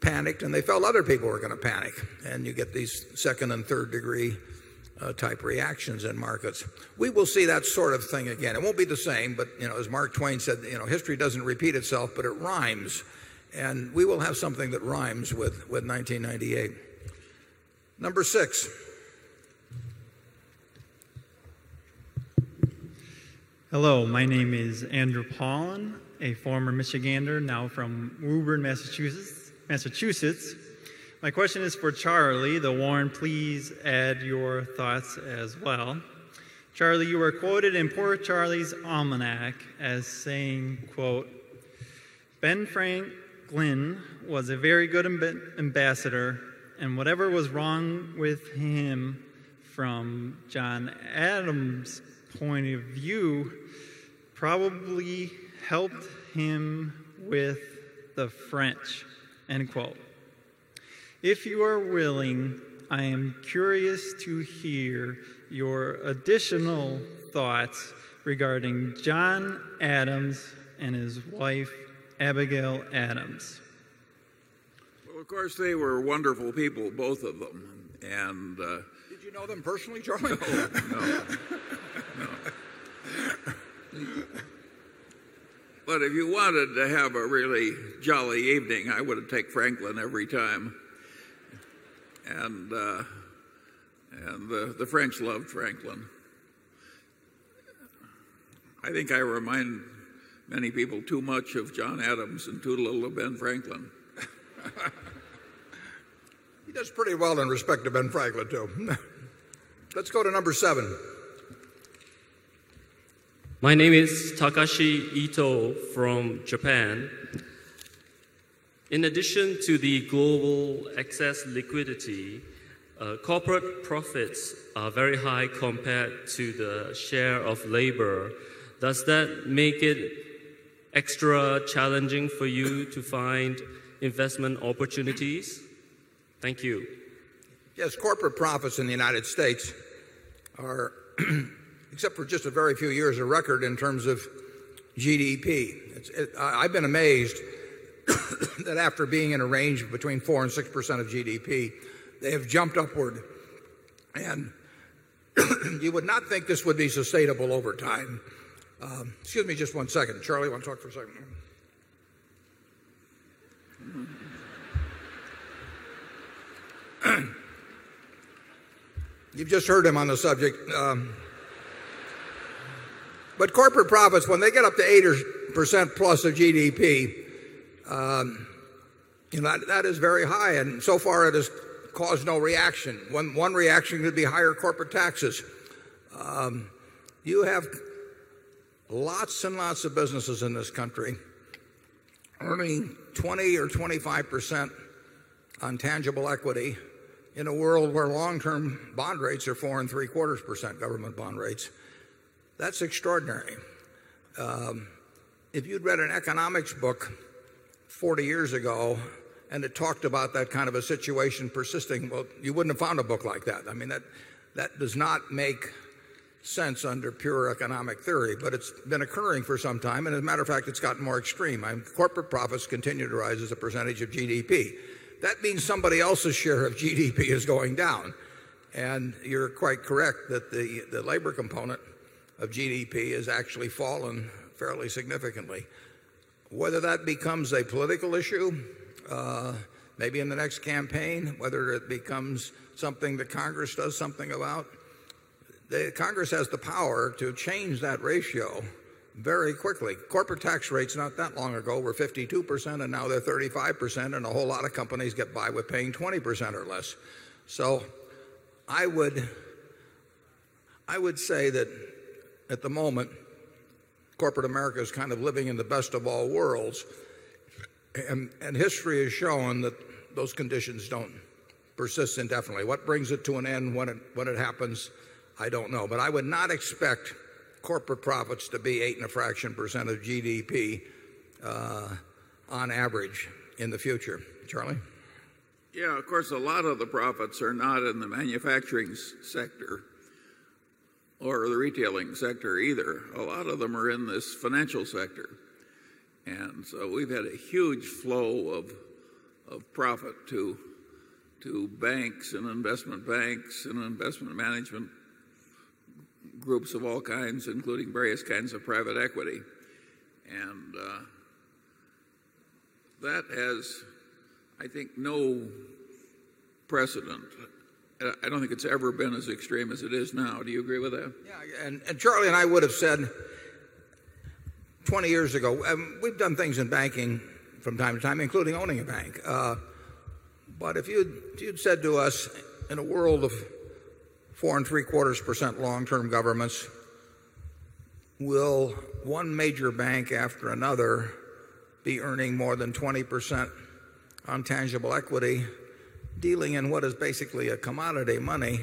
panicked and they felt other people were going to panic and you get these 2nd and third degree type reactions in markets. We will see that sort of thing again. It won't be the same, but as Mark Twain said, history doesn't repeat itself, but it rhymes. And we will have something that rhymes with 1998. Number 6. Hello. My name is Andrew Paulin, a former Michigander now from Woburn, Massachusetts, Massachusetts. My question is for Charlie, the Warren. Please add your thoughts as well. Charlie, you were quoted in Port Charlie's Almanac as saying quote, Ben Frank Glynn was a very good ambassador and whatever was wrong with him from John Adams' point of view probably helped him with the French end quote. If you are willing I am curious to hear your additional thoughts regarding John Adams and his wife Abigail Adams. Well of course they were wonderful people both of them. And Did you know them personally, Charlie? No. But if you wanted to have a really jolly evening, I would have take Franklin every time. And the French love Franklin. I think I remind many people too much of John Adams and too little of Ben Franklin. He does pretty well in respect to Ben Franklin too. Let's go to number 7. My name is Takashi Ito from Japan. In addition to the global excess liquidity, corporate profits are very high compared to the share of labor. Does that make it extra challenging for you to find investment opportunities? Thank you. Yes, corporate profits in the United States are, except for just a very few years, a record in terms of GDP. I've been amazed that after being in a range of between 4% 6% of GDP, they have jumped upward. And you would not think this would be sustainable over time. Excuse me just one second. Charlie, you want to talk for a second? You've just heard him on the subject. But corporate profits, when they get up to 8% plus of GDP, that is very high. And so far, it has caused no reaction. One reaction would be higher corporate taxes. You have lots and lots of businesses in this country earning 20% or 25% on tangible equity in a world where long term bond rates are 4.75% government bond rates, that's extraordinary. If you'd read an economics book 40 years ago and it talked about that kind of a situation persisting, well, you wouldn't have found a book like that. I mean, that does not make sense under pure economic theory, but it's been occurring for some time. And as a matter of fact, it's gotten more extreme. Corporate profits continue to rise as a percentage of GDP. That means somebody else's share of GDP is going down. And you're quite correct that the labor component of GDP has actually fallen fairly significantly. Whether that becomes a political issue, maybe in the next campaign, whether it becomes something that Congress does something about, Congress has the power to change that ratio very quickly. Corporate tax rates not that long ago were 52% and now they're 35% and a whole lot of companies get by with paying 20% or less. So I would say that at the moment, corporate America is kind of living in the best of all worlds and history has shown that those conditions don't persist indefinitely. What brings it to an end when it happens, I don't know. But I would not expect corporate profits to be 8 and a fraction percent of GDP on average in the future. Charlie? Yes. Of course, a lot of the profits are not in the manufacturing sector or the retailing sector either. A lot of them are in this financial sector. And so we've had a huge flow of profit to banks and investment banks and investment management groups of all kinds, including various kinds of private equity. And that has, I think, no precedent. I don't think it's ever been as extreme as it is now. Do you agree with that? Yes. And Charlie and I would have said 20 years ago, we've done things in banking from time to time including owning a bank. But if you'd said to us in a world of 4 3 quarters percent long term governments, will one major bank after another be earning more than 20% on tangible equity, dealing in what is basically a commodity money,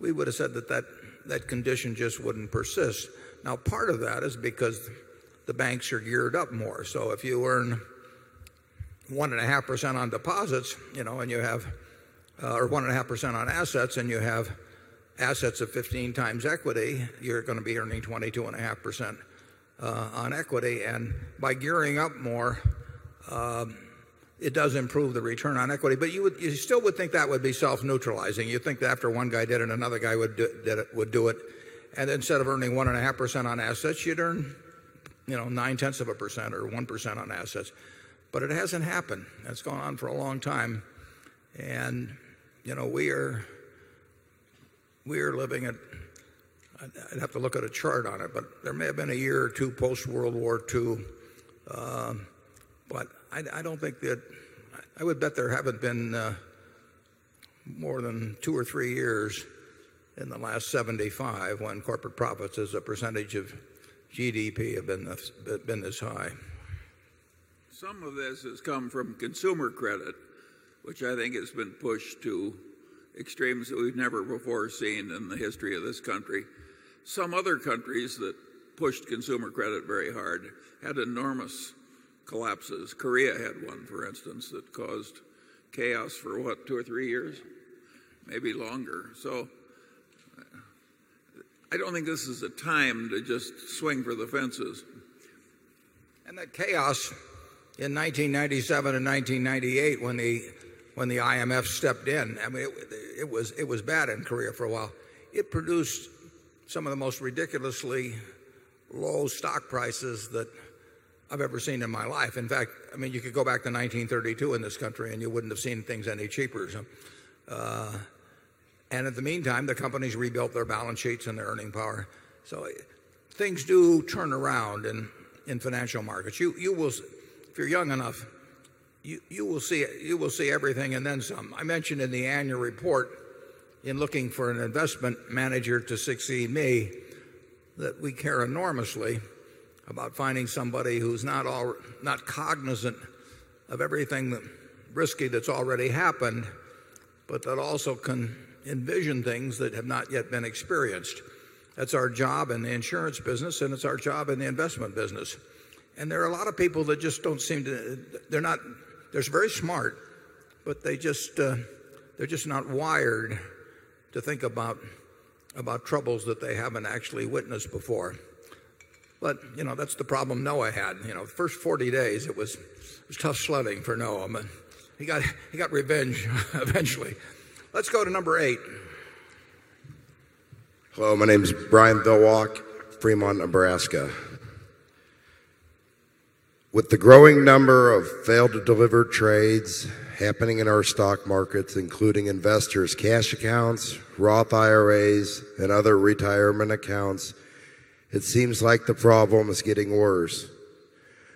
we would have said that that condition just wouldn't persist. Now part of that is because the banks are geared up more. So if you earn 1.5% on deposits and you have 1.5% on assets and you have assets of 15 times equity, you're going to be earning 22.5% on equity. And by gearing up more, it does improve the return on equity. But you still would think that would be self neutralizing. You'd think that after one guy did it, another guy would do it and instead of earning 1.5% on assets, you'd earn 9 10ths of a percent or 1% on assets. But it hasn't happened. That's gone on for a long time. And we are living at I'd have to look at a chart on it, but there may have been a year or 2 post World War II. But I don't think that I would bet there haven't been more than 2 or 3 years in the last 75 when corporate profits as a percentage of GDP have been this high. Some of this has come from consumer credit, which I think has been pushed to extremes that we've never before seen in the history of this country. Some other countries that pushed consumer credit very hard had enormous collapses. Korea had one, for instance, that caused chaos for what, 2 or 3 years, maybe longer. So I don't think this is a time to just swing for the fences. And that chaos in 1997 1998 when the IMF stepped in, I mean, it was bad in Korea for a while. It produced some of the most ridiculously low stock prices that I've ever seen in my life. In fact, I mean, you could go back to 1932 in this country and you wouldn't have seen things any cheaper. And in the meantime, the companies rebuilt their balance sheets and their earning power. So things do turn around in financial markets. If you're young enough, you will see everything and then some. I mentioned in the annual report in looking for an investment manager to succeed me that we care enormously about finding somebody who's not cognizant of everything risky that's already happened, but that also can envision things that have not yet been experienced. That's our job in the insurance business and it's our job in the investment business. And there are a lot of people that just don't seem to they're not they're very smart, but they're just not wired to think about troubles that they haven't actually witnessed before. But that's the problem Noah had. The 1st 40 days, it was tough sledding for Noah. He got revenge eventually. Let's go to number 8. Hello. My name is Brian Bilwach, Fremont, Nebraska. With the growing number of failed to deliver trades happening in our stock markets, including investors' cash accounts, Roth IRAs and other retirement accounts, it seems like the problem is getting worse.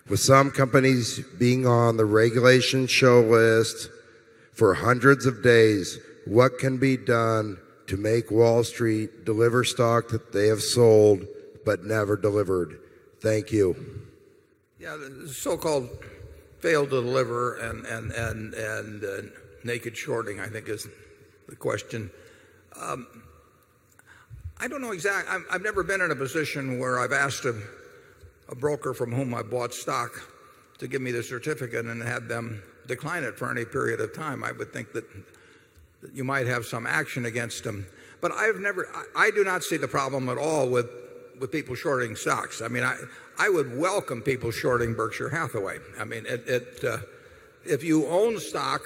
With some companies being on the regulation show list for 100 of days, what can be done to make Wall Street deliver stock that they have sold but never delivered? Thank you. The so called failed to deliver and naked shorting, I think is the question. I don't know exact I've never been in a position where I've asked a broker from whom I bought stock to give me the certificate and had them decline it for any period of time, I would think that you might have some action against them. But I have never I do not see the problem at all with people shorting stocks. I mean, I would welcome people shorting Berkshire Hathaway. I mean, if you own stock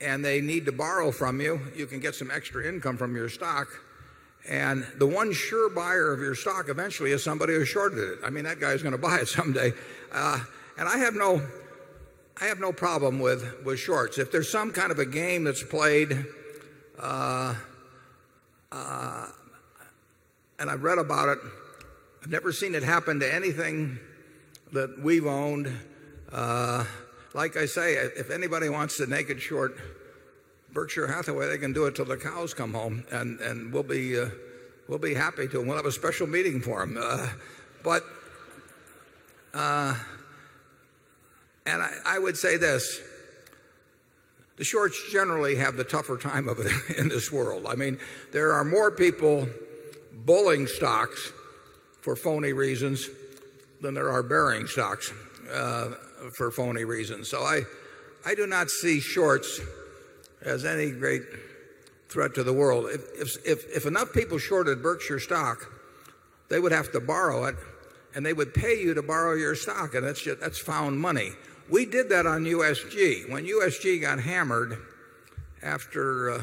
and they need to borrow from you, you can get some extra income from your stock. And the one sure buyer of your stock eventually is somebody who shorted it. I mean that guy is going to buy it someday. And I have no problem with with shorts. If there's some kind of a game that's played and I read about it. I've never seen it happen to anything that we've owned. Like I say, if anybody wants a naked short Berkshire Hathaway, they can do it till the cows come home and and we'll be we'll be happy to. We'll have a special meeting for them. But, and I would say this, the shorts generally have the tougher time of it in this world. I mean, there are more people bulling stocks for phony reasons than there are bearing stocks for phony reasons. So I do not see shorts as any great threat to the world. If enough people shorted Berkshire stock, they would have to borrow it and they would pay you to borrow your stock and that's found money. We did that on USG. When USG got hammered after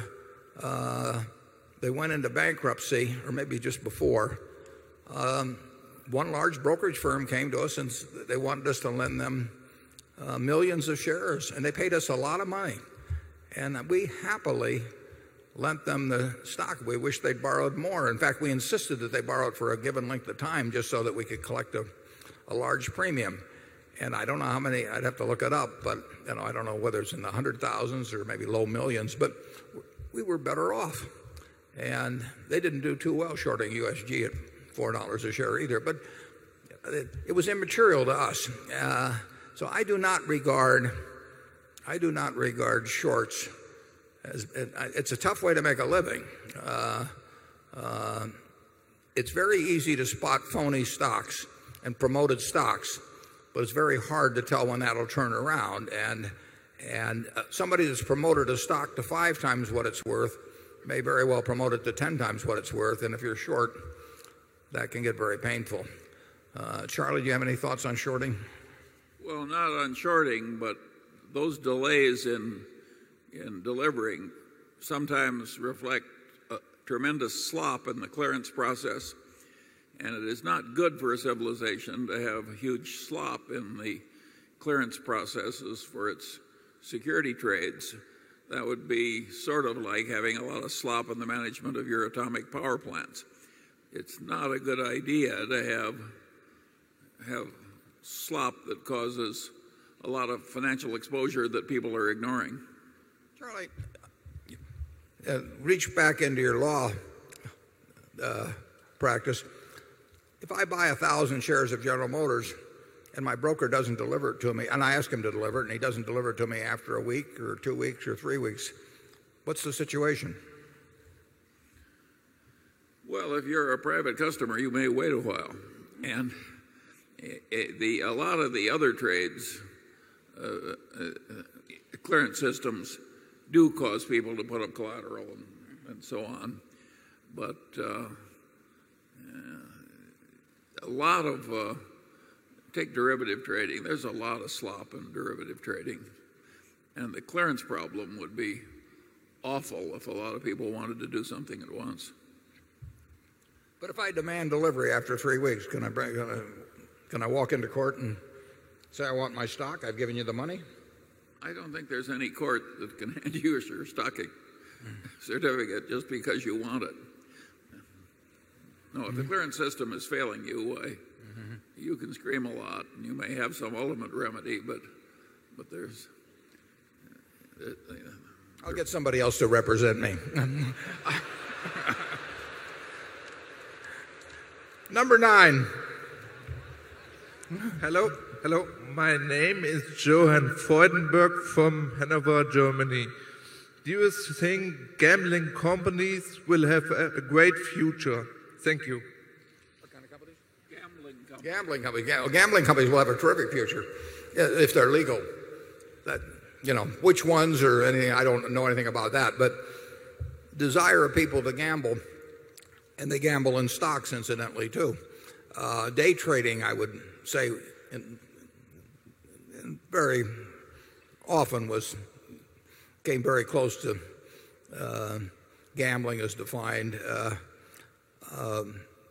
they went into bankruptcy or maybe just before, one large brokerage firm came to us and they wanted us to lend them millions of shares and they paid us a lot of money. And we happily lent them the stock. We wish they borrowed more. In fact, we insisted that they borrowed for a given length of time just so that we could collect a large premium. And I don't know how many I'd have to look it up, but I don't know whether it's in the 100,000 or maybe low 1,000,000, but we were better off. And they didn't do too well shorting USG at $4 a share either, but it was immaterial to us. So I do not regard shorts as it's a tough way to make a living. It's very easy to spot phony stocks and promoted stocks but it's very hard to tell when that will turn around. And somebody who's promoted a stock to 5 times what it's worth may very well promote it to 10 times what it's worth and if you're short that can get very painful. Charlie, do you have any thoughts on shorting? Well, not on shorting but those delays in delivering sometimes reflect a tremendous slop in the clearance process and it is not good for a civilization to have huge slop in the clearance processes for its security trades. That would be sort of like having a lot of slop in the management of your atomic power plants. It's not a good idea to have slop that causes a lot of financial exposure that people are ignoring. Charlie, reach back into your law practice. If I buy a 1,000 shares of General Motors and my broker doesn't deliver it to me and I ask him to deliver it and he doesn't deliver it to me after a week or 2 weeks or 3 weeks, what's the situation? Well, if you're a private customer, you may wait a while. And a lot of the other trades, clearance systems do cause people to put up collateral and so on. But a lot of take derivative trading, there's a lot of slop in derivative trading. And the clearance problem would be awful if a lot of people wanted to do something at once. But if I demand delivery after 3 weeks, can I walk into court and say I want my stock, I've given you the money? I don't think there's any court that can hand you your stocking certificate just because you want it. Now, if the clearance system is failing you, you can scream a lot and you may have some ultimate remedy, but there's I'll get somebody else to represent me. Number 9. Hello. Hello. My name is Johan Freudenburg from Hannover, Germany. Do you think gambling companies will have a great future? Thank you. Gambling company. Gambling company. Gambling companies will have a terrific future if they're legal. That, you know, which ones or anything, I don't know anything about that. But desire of people to gamble and they gamble in stocks incidentally too. Day trading, I would say very often was came very close to gambling as defined.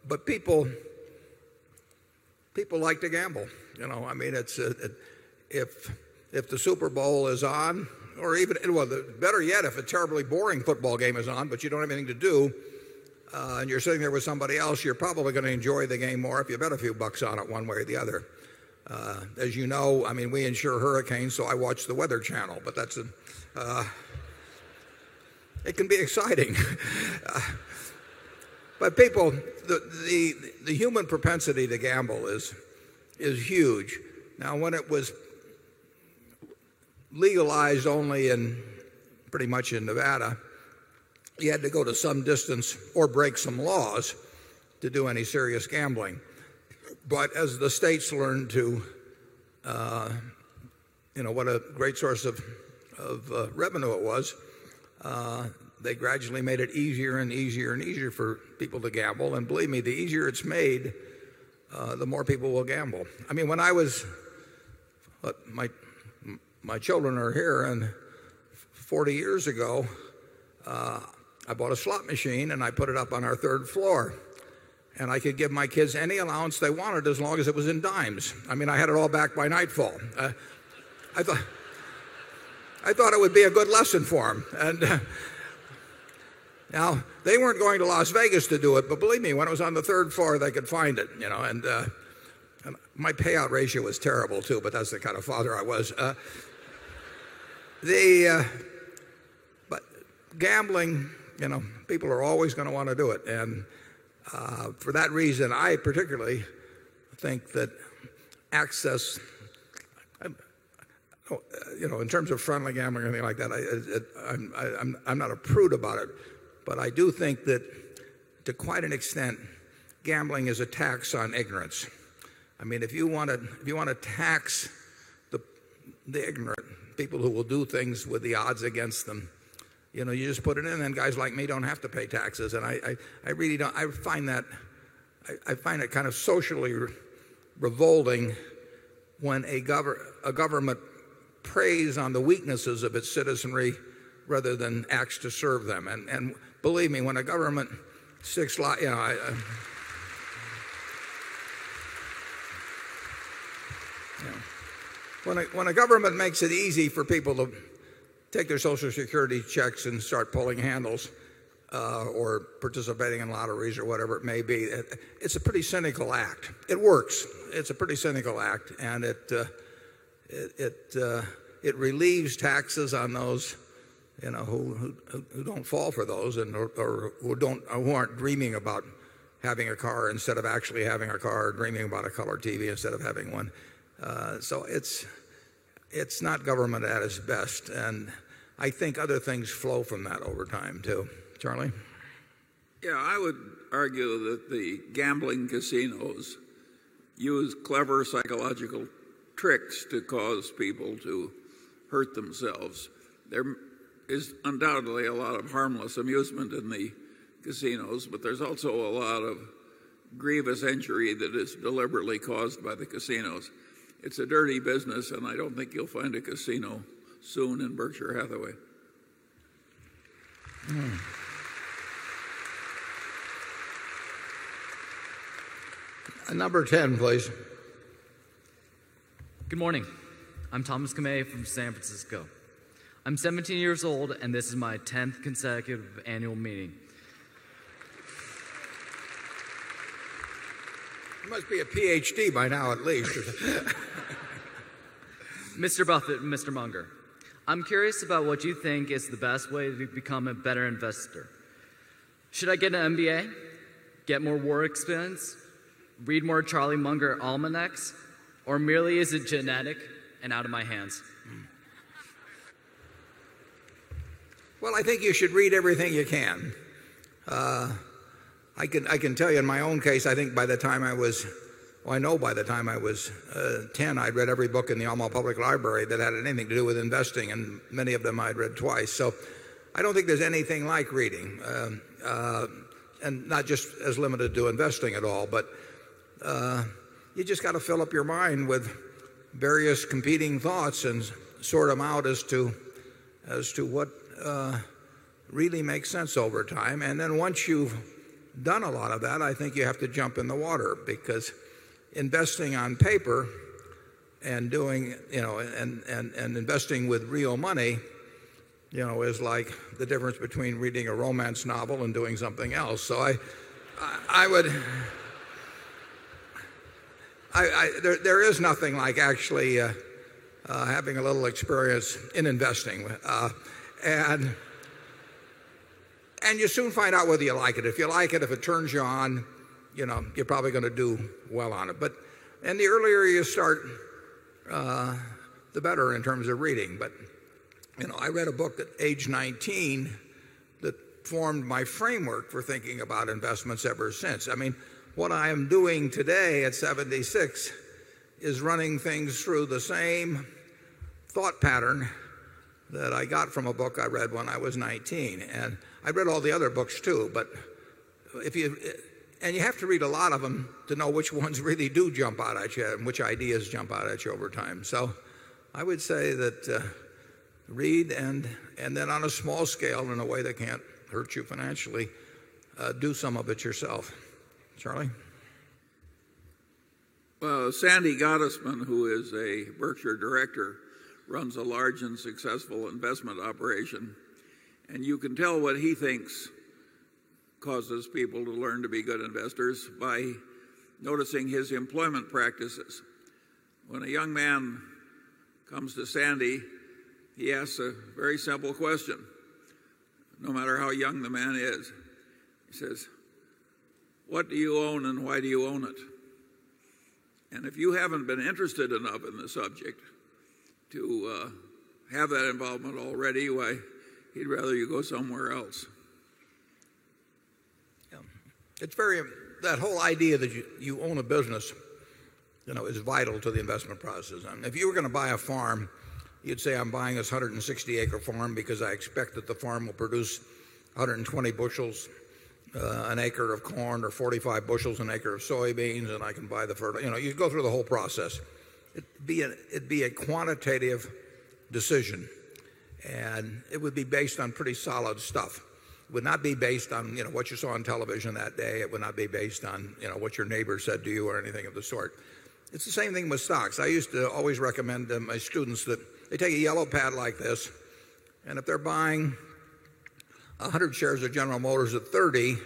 But people like to gamble. I mean, if the Super Bowl is on or even better yet, if a terribly boring football game is on, but you don't have anything to do, and you're sitting there with somebody else, you're probably going to enjoy the game more if you bet a few bucks on it one way or the other. As you know, I mean, we ensure hurricanes, so I watch the weather channel, but that's it can be exciting. But people, the human propensity to gamble is huge. Now when it was legalized only in pretty much in Nevada. You had to go to some distance or break some laws to do any serious gambling. But as the states learned to what a great source of revenue it was, they gradually made it easier and easier and easier for people to gamble and believe me, the easier it's made, the more people will gamble. I mean when I was my children are here and 40 years ago, I bought a slot machine and I put it up on our 3rd floor. And I could give my kids any allowance they as long as it was in dimes. I mean, I had it all back by nightfall. I thought it would be a good lesson for them. Now they weren't going to Las Vegas to do it. But believe me, when it was on the 3rd floor, they could find it. And my payout ratio was terrible too, but that's the kind of father I was. But gambling, people are always going to want to do it and for that reason, I particularly think that access in terms of friendly gambling or anything like that, I'm not a prude about it. But I do think that to quite an extent, gambling is a tax on ignorance. I mean, if you want to tax the ignorant people who will do things with the odds against them, you just put it in and guys like me don't have to pay taxes. And I really don't I find it kind of socially revolting when a government preys on the weaknesses of its citizenry rather than acts to serve them. And believe me, when a government When a government makes it easy for people to take their social security checks and start pulling handles or participating in lotteries or whatever it may be. It's a pretty cynical act. It works. It's a pretty cynical act and it relieves taxes on those who don't fall for those and who aren't dreaming about having a car instead of actually having a car, dreaming about a color TV instead of having one. So it's not government at its best and I think other things flow from that over time too. Charlie? Yes, I would argue that the gambling casinos use clever psychological tricks to cause people to hurt themselves. There is undoubtedly a lot of harmless amusement in the casinos but there's also a lot of grievous injury that is deliberately caused by the casinos. It's a dirty business and I don't think you'll find a casino soon in Berkshire Hathaway. Number 10 please. Good morning. I'm Thomas Kamay from San Francisco. I'm 17 years old and this is my 10th consecutive annual meeting. Must be a PhD by now at least. Mr. Buffet and Mr. Munger, I'm curious about what you think is the best way to become a better investor. Should I get an MBA? Get more work experience? Read more Charlie Munger almanacs? Or merely is it genetic and out of my hands? Well, I think you should read everything you can. I can I can tell you in my own case, I think by the time I was I know by the time I was 10, I'd read every book in the Alma Public Library that had anything to do with investing and many of them I'd read twice? So I don't think there's anything like reading and not just as limited to investing at all. But you just got to fill up your mind with various competing thoughts and sort them out as to what really makes sense over time. And then once you've done a lot of that, I think you have to jump in the water because investing on paper and doing and investing with real money is like the difference between reading a romance novel and doing something else. So There is nothing like actually having a little experience in investing. And you soon find out whether you like it. If you like it, if it turns you on, you're probably going to do well on it. But and the earlier you start, the better in terms of reading. But I read a book at age 19 that formed my framework for thinking about investments ever since. I mean, what I am doing today at 76 is running things through the same thought pattern that I got from a book I read when I was 19. And I read all the other books too. But And you have to read a lot of them to know which ones really do jump out at you and which ideas jump out at you over time. So I would say that, read and then on a small scale in a way that can't hurt you financially, do some of it yourself. Charlie? Well, Sandy Gottesman who is a Berkshire Director runs a large and successful investment operation and you can tell what he thinks causes people to learn to be good investors by noticing his employment practices. When a young man comes to Sandy, he asks a very simple question. No matter how young the man is, he says, what do you own and why do you own it? And if you haven't been interested enough in the subject to have that involvement already, why you'd rather you go somewhere else. It's very that whole idea that you own a business is vital to the investment process. And if you were going to buy a farm, say I'm buying this 160 acre farm because I expect that the farm will produce 120 bushels an acre of corn or 45 bushels an acre soybeans and I can buy the fertilizer. You go through the whole process. It'd be a quantitative decision and it would be based on pretty solid stuff. It would not be based on what you saw on television that day. It would not be based on what your neighbors said to you or anything of the sort. It's the same thing with stocks. I used to always recommend to my students that they take a yellow pad like this and if they're buying 100 shares of General Motors at 30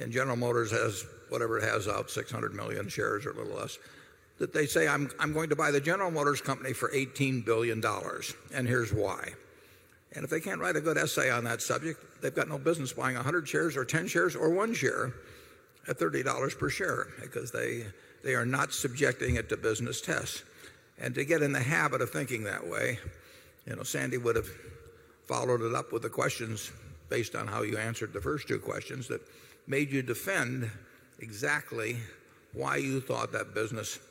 and General Motors has whatever it has out, 600,000,000 shares or a little less, that they say I'm going to buy the General Motors company for $18,000,000,000 and here's why. And if they can't write a good essay on that subject, they've got no business buying 100 shares or 10 shares or 1 share at $30 per share because they are not subjecting it to business tests. And to get in the habit of thinking that way, Sandy would have followed it up with the questions based on how you answered the first two questions that made you defend exactly why you thought that business was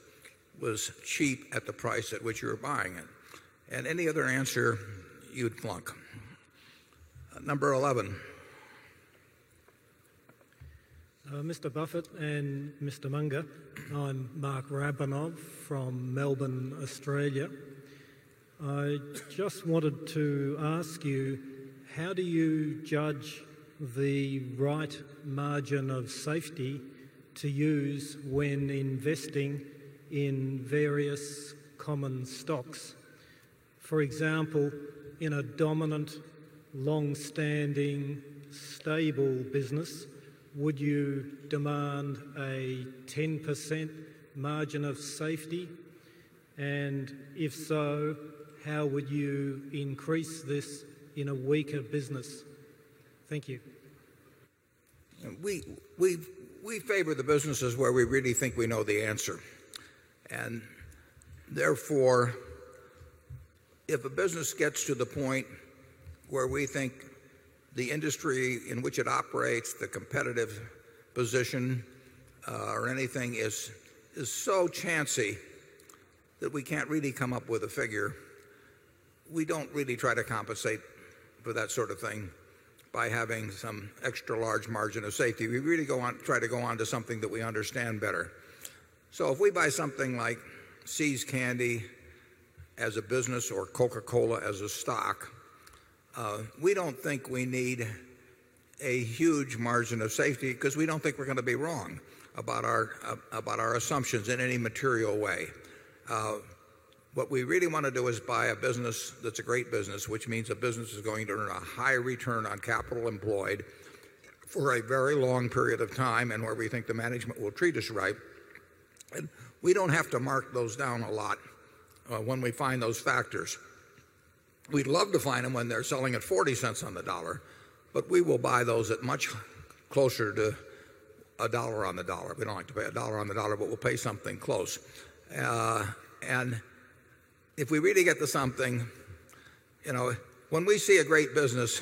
cheap at the price at which you're buying it. And any other answer, you'd plunk. Number 11. Mr. Buffet and Mr. Munger, I'm Mark Rabbanov from Melbourne, Australia. I just wanted to ask you, how do you judge the right margin of safety to use when investing in various common stocks. For example, in a dominant long standing stable business, would you demand a 10% margin of safety? And if so, how would you increase this in a weaker business? Thank you. We favor the businesses where we really think we know the answer. And therefore, if a business gets to the point where we think the industry in which it operates, the competitive position or anything is so chancey that we can't really come up with a figure. We don't really try to compensate for that sort of thing by having some extra large margin of safety. We really go on try to go on to something that we understand better. So if we buy something like See's Candy as a business or Coca Cola as a stock, we don't think we need a huge margin of safety because we don't think we're going to be wrong about our assumptions in any material way. What we really want to do is buy a business that's a great business, which means the business is going to earn a high return on capital employed for a very long period of time and where we think the management will treat us right. And we don't have to mark those down a lot when we find those factors. We'd love to find them when they're selling at $0.40 on the dollar, but we will buy those at much closer to a dollar on the dollar. We don't like to pay a dollar on the dollar, but we'll pay something close. And if we really get to something, when we see a great business,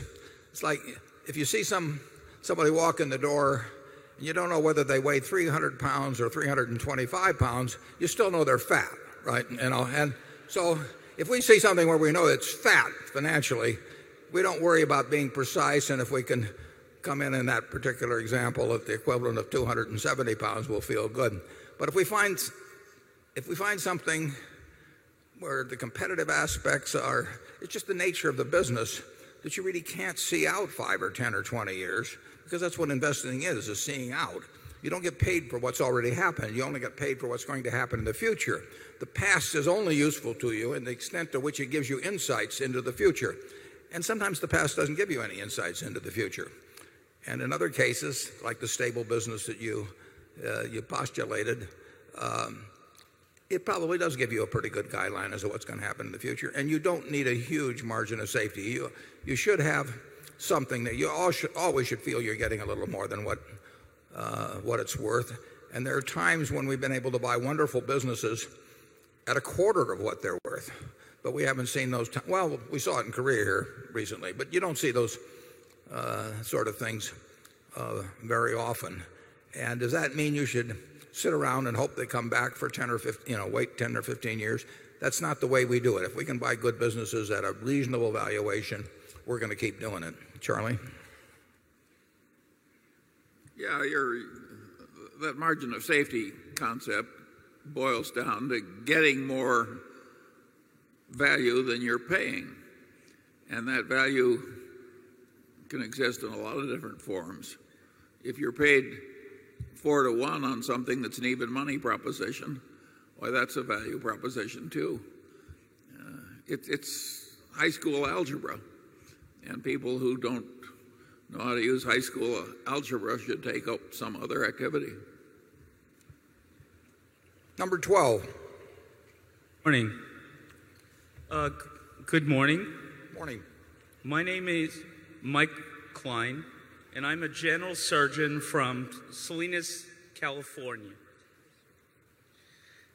it's like if you see somebody walk in the door, you don't know whether they weigh £300 or £325, you still know they're fat, right? And so if we see something where we know it's fat financially, we don't worry about being precise and if we can come in, in that particular example of the equivalent of £270, we'll feel good. But if we find something where the competitive aspects are, it's just the nature of the business that you really can't see out 5 or 10 or 20 years because that's what investing is, is seeing out. You don't get paid for what's already happened. You only get paid for what's going to happen in the future. The past is only useful to you and the extent to which it gives you insights into the future. And sometimes the past doesn't give you any insights into the future. And in other cases, like the stable business that you postulated, it probably does give you a pretty good guideline as to what's going to happen in the future and you don't need a huge margin of safety. You should have something that you always should feel you're getting a little more than what it's worth. And there are times when we've been able to buy wonderful businesses at a quarter of what they're worth. But we haven't seen those well, we saw it in Korea here recently, but you don't see those sort of things very often. And does that mean you should sit around and hope they come back for 10 or 15 years? That's not the way we do it. If we can buy good businesses at a reasonable valuation, we're going to keep doing it. Charlie? Yes. That margin of safety concept boils down to getting more value than you're paying. And that value can exist in a lot of different forms. If you're paid 4 to 1 on something that's an even money proposition, well, that's a value proposition too. It's high school algebra and people who don't know how to use high school algebra should take up some other activity. Number 12. Good morning. Good morning. My name is Mike Klein and I'm a general surgeon from Salinas, California.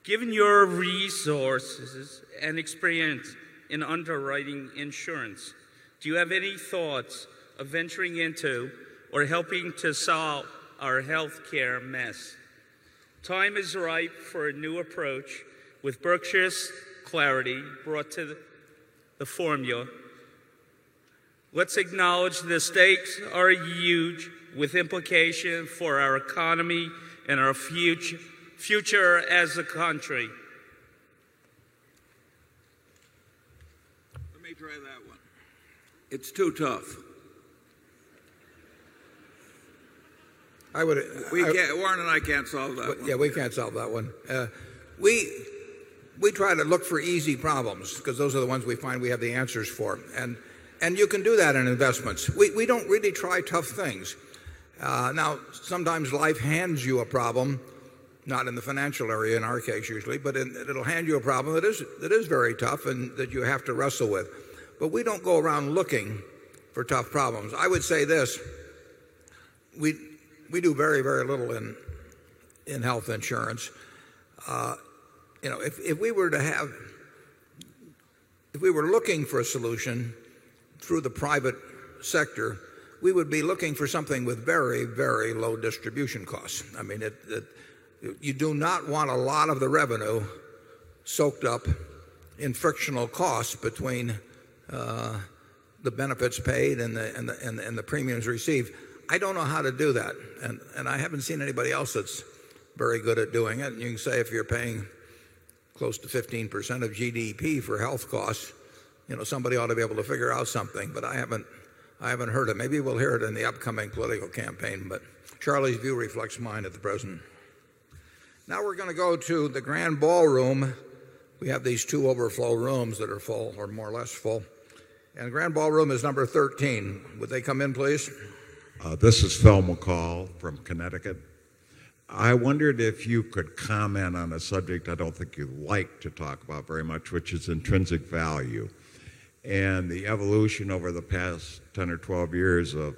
Given your resources and experience in underwriting insurance, do you have any thoughts of venturing into or helping to solve our healthcare mess? Time is ripe for a new approach with Berkshire's clarity brought to the formula. Let's acknowledge the stakes are huge with implications for our economy and our future as a country. Let me try that one. It's too tough. Warren and I can't solve that. Yes, we can't solve that one. We try to look for easy problems because those are the ones we find we have the answers for. And you can do that in investments. We don't really try tough things. Now sometimes life hands you a problem, not in the financial area in our case usually, but it'll hand you a problem that is very tough and that you have to wrestle with. But we don't go around looking for tough problems. I would say this, we do very, very little in health insurance. If we were to have if we were looking for a solution through the private sector, we would be looking for something with very, very low distribution costs. I mean, you do not want a lot of the revenue soaked up in frictional costs between the benefits paid and the premiums received. I don't know how to do that and I haven't seen anybody else that's very good at doing it. You can say if you're paying close to 15% of GDP for health costs, Somebody ought to be able to figure out something but I haven't heard it. Maybe we'll hear it in the upcoming political campaign but Charlie's view reflects mine at the present. Now we're going to go to the Grand Ballroom. We have these 2 overflow rooms that are full or more or less full. And Grand Ballroom is number 13. Would they come in please? This is Phil McCall from Connecticut. I wondered if you could comment on a subject I don't think you'd like to talk about very much, which is intrinsic value. And the evolution over the past 10 or 12 years of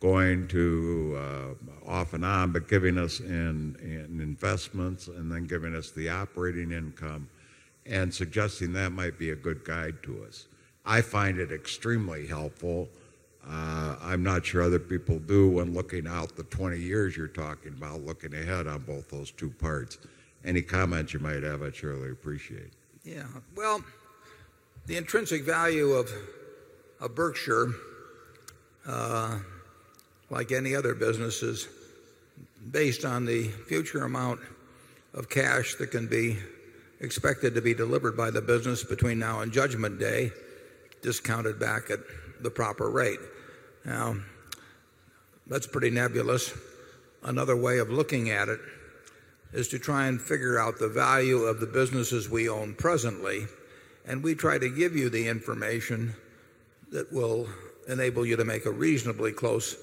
going to off and on, but giving us an investments and then giving us the operating income and suggesting that might be a good guide to us. I find it extremely helpful. I'm not sure other people do when looking out the 20 years you're talking about looking ahead on both those two parts. Any comments you might have, I'd surely appreciate. Yeah. Well, the intrinsic value of Berkshire like any other businesses based on the future amount of cash that can be expected to be delivered by the business between now and judgment day discounted back at the proper rate. Now, that's pretty nebulous. Another way of looking at it is to try and figure out the value of the businesses we own presently and we try to give you the information that will enable you to make a reasonably close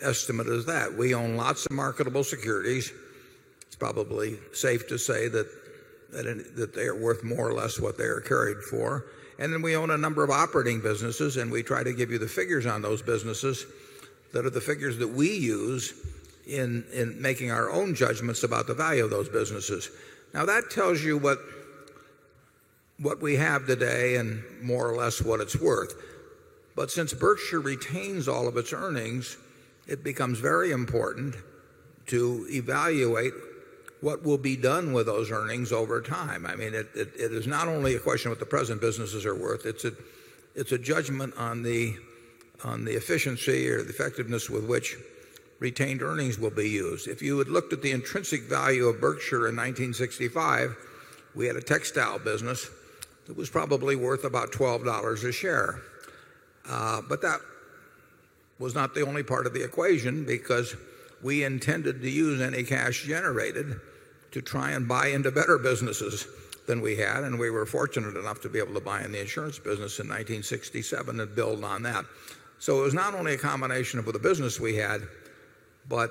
estimate of that. We own lots of marketable securities. It's probably safe to say that they are worth more or less what they are carried for. And then we own a number of operating businesses and we try to give you the what what we have today and more or less what it's worth. But since Berkshire retains all of its earnings, it becomes very important to evaluate what will be done with those earnings over time. I mean, it is not only a question of what the present businesses are worth, it's a judgment on the efficiency or the effectiveness with which retained earnings will be used. If you had looked at the intrinsic value of Berkshire in 1965, we had a textile business that was probably worth about $12 a share. But that was not the only part of the equation because we intended to use any cash generated to try and buy into better businesses than we had and we were fortunate enough to be able to buy in the insurance business in 19 7 and build on that. So it was not only a combination of the business we had, but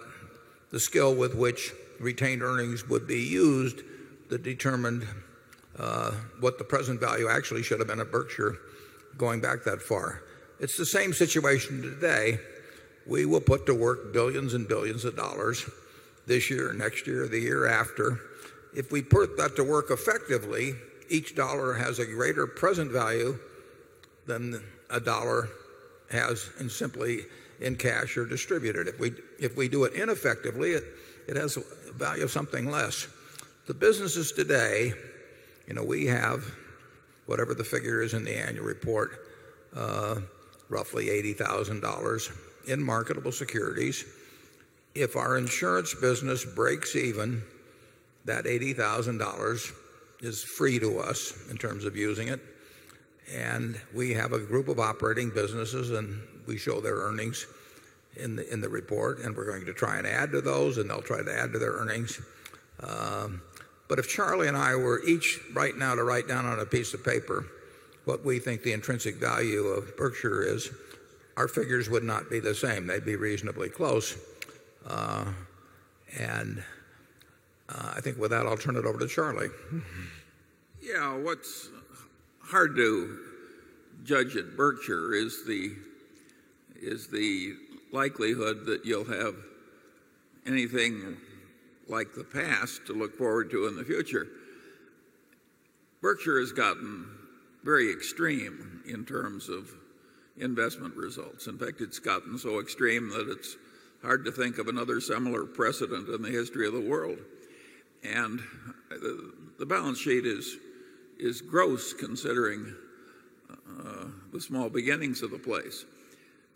the skill with which retained earnings would be used that determined what the present value actually should have been at Berkshire going back that far. It's the same situation today. We will put to work 1,000,000,000 and 1,000,000,000 of dollars this year, next year, the year after. If we put that to work effectively, each dollar has a greater present value than a dollar has and simply in cash or distributed. If we do it ineffectively, it has value of something less. The businesses today, we have whatever the figure is in the annual report, roughly $80,000 in marketable securities. If our insurance business breaks even, that $80,000 is free to us in terms of using it and we have a group of operating businesses and we show their earnings in the report and we're going to try and add to those and they'll try to add to their earnings. But if Charlie and I were each right now to write down on a piece of paper what we think the intrinsic value of Berkshire is, our figures would not be the same. They'd be reasonably close. And I think with that, I'll turn it over to Charlie. Yeah. What's hard to judge at Berkshire is the likelihood that you'll have anything like the past to look forward to in the future. Berkshire has gotten very extreme in terms of investment results. In fact, it's gotten so extreme that it's hard to think of another similar precedent in the history of the world. And the balance sheet is gross considering the small beginnings of the place.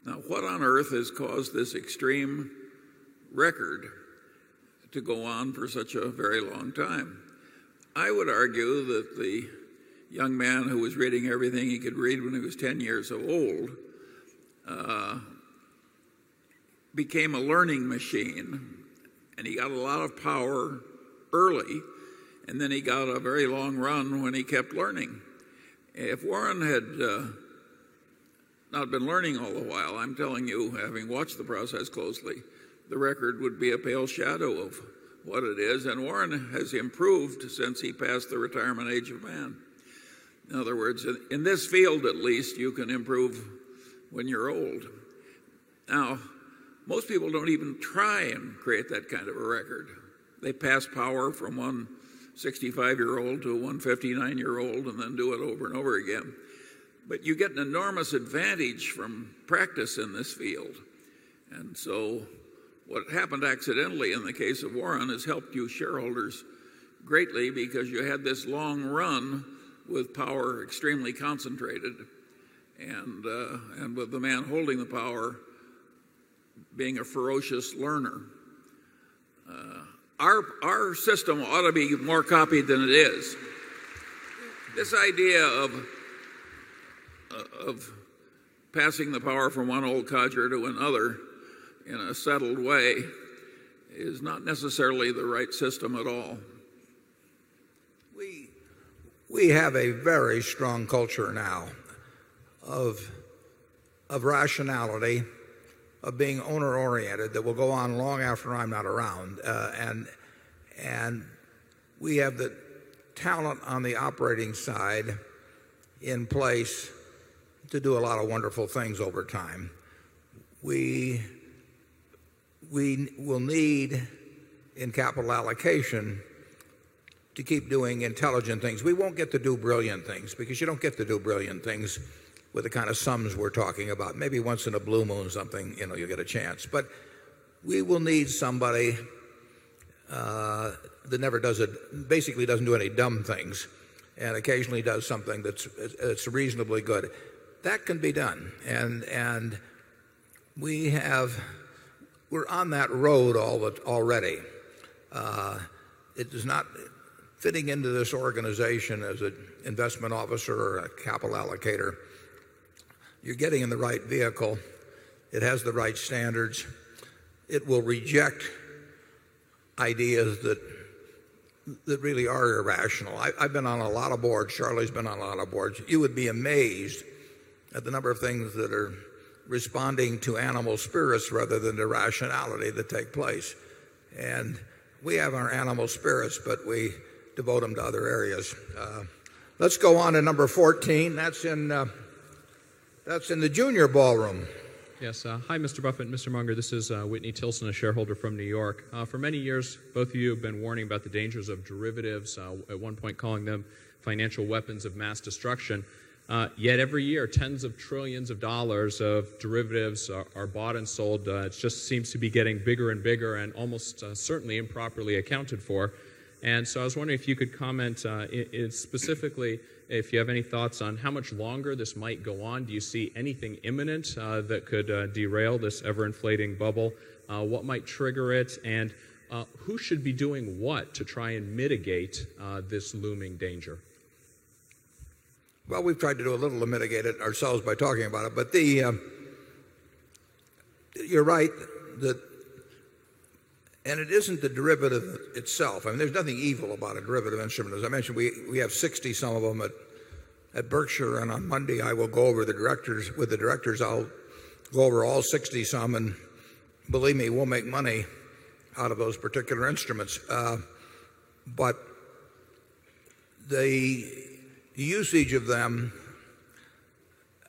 Now, what on earth has caused this extreme record to go on for such a very long time? I would argue that the young man who was reading everything he could read when he was 10 years old became a learning machine and he got a lot of power early and then he got a very long run when he kept learning. If Warren had not been learning all the while, I'm telling you having watched the process closely, the record would be a pale shadow of what it is. And Warren has improved since he passed the retirement age of man. In other words, in this field at least, you can improve when you're old. Now, most people don't even try and create that kind of a record. They pass power from 165 year old to 159 year old and then do it over and over again. But you get an enormous advantage from practice in this field. And so what happened accidentally in the case of Warren has helped you shareholders greatly because you had this long run with power extremely concentrated and with the man holding the power being a ferocious learner. Our system ought to be more copied than it is. This idea of passing the power from one old codger to another in a settled way is not necessarily the right system at all. We have a very strong culture now of rationality, of being owner oriented that will go on long after I'm not around. And we have the talent on the operating side in place to do a lot of wonderful things over time. We will need in capital allocation to keep doing intelligent things. We won't get to do brilliant things because you don't get to do brilliant things with the kind of sums we're talking about. Maybe once in a blue moon or something, you get a chance. But we will need somebody that never does it basically doesn't do any dumb things and occasionally does something that's reasonably good. That can be done. And we have we're on that road already. It is not fitting into this organization as an investment officer or a capital allocator. You're getting in the right vehicle. It has the right standards. It will reject ideas that really are irrational. I've been on a lot of boards. Charlie has been on a lot of boards. You would be amazed at the number of things that are responding to animal spirits rather than the rationality that take place. And we have our animal spirits, but we devote them to other areas. Let's go on to number 14. That's in the junior ballroom. Yes. Hi, Mr. Buffet and Mr. Munger. This is Whitney Tilson, a shareholder from New York. For many years, both of you have been warning about the dangers of derivatives, at one point calling them financial weapons of mass destruction. Yet every year, tens of 1,000,000,000,000 of dollars of derivatives are bought and sold. It just seems to be getting bigger and bigger and almost certainly improperly accounted for. And so I was wondering if you could comment specifically if you have any thoughts on how much longer this might go on? Do you see anything imminent that could derail this ever inflating bubble? What might trigger it? And who should be doing what try and mitigate this looming danger? Well, we've tried to do a little to mitigate it ourselves by talking about it. But the, you're right that and it isn't the derivative itself. I mean, there's nothing evil about a derivative instrument. As I mentioned, we have 60 some of them at Berkshire and on Monday, I will go over the directors with the directors, I'll go over all 60 some and believe me, we'll make money out of those particular instruments. But the usage of them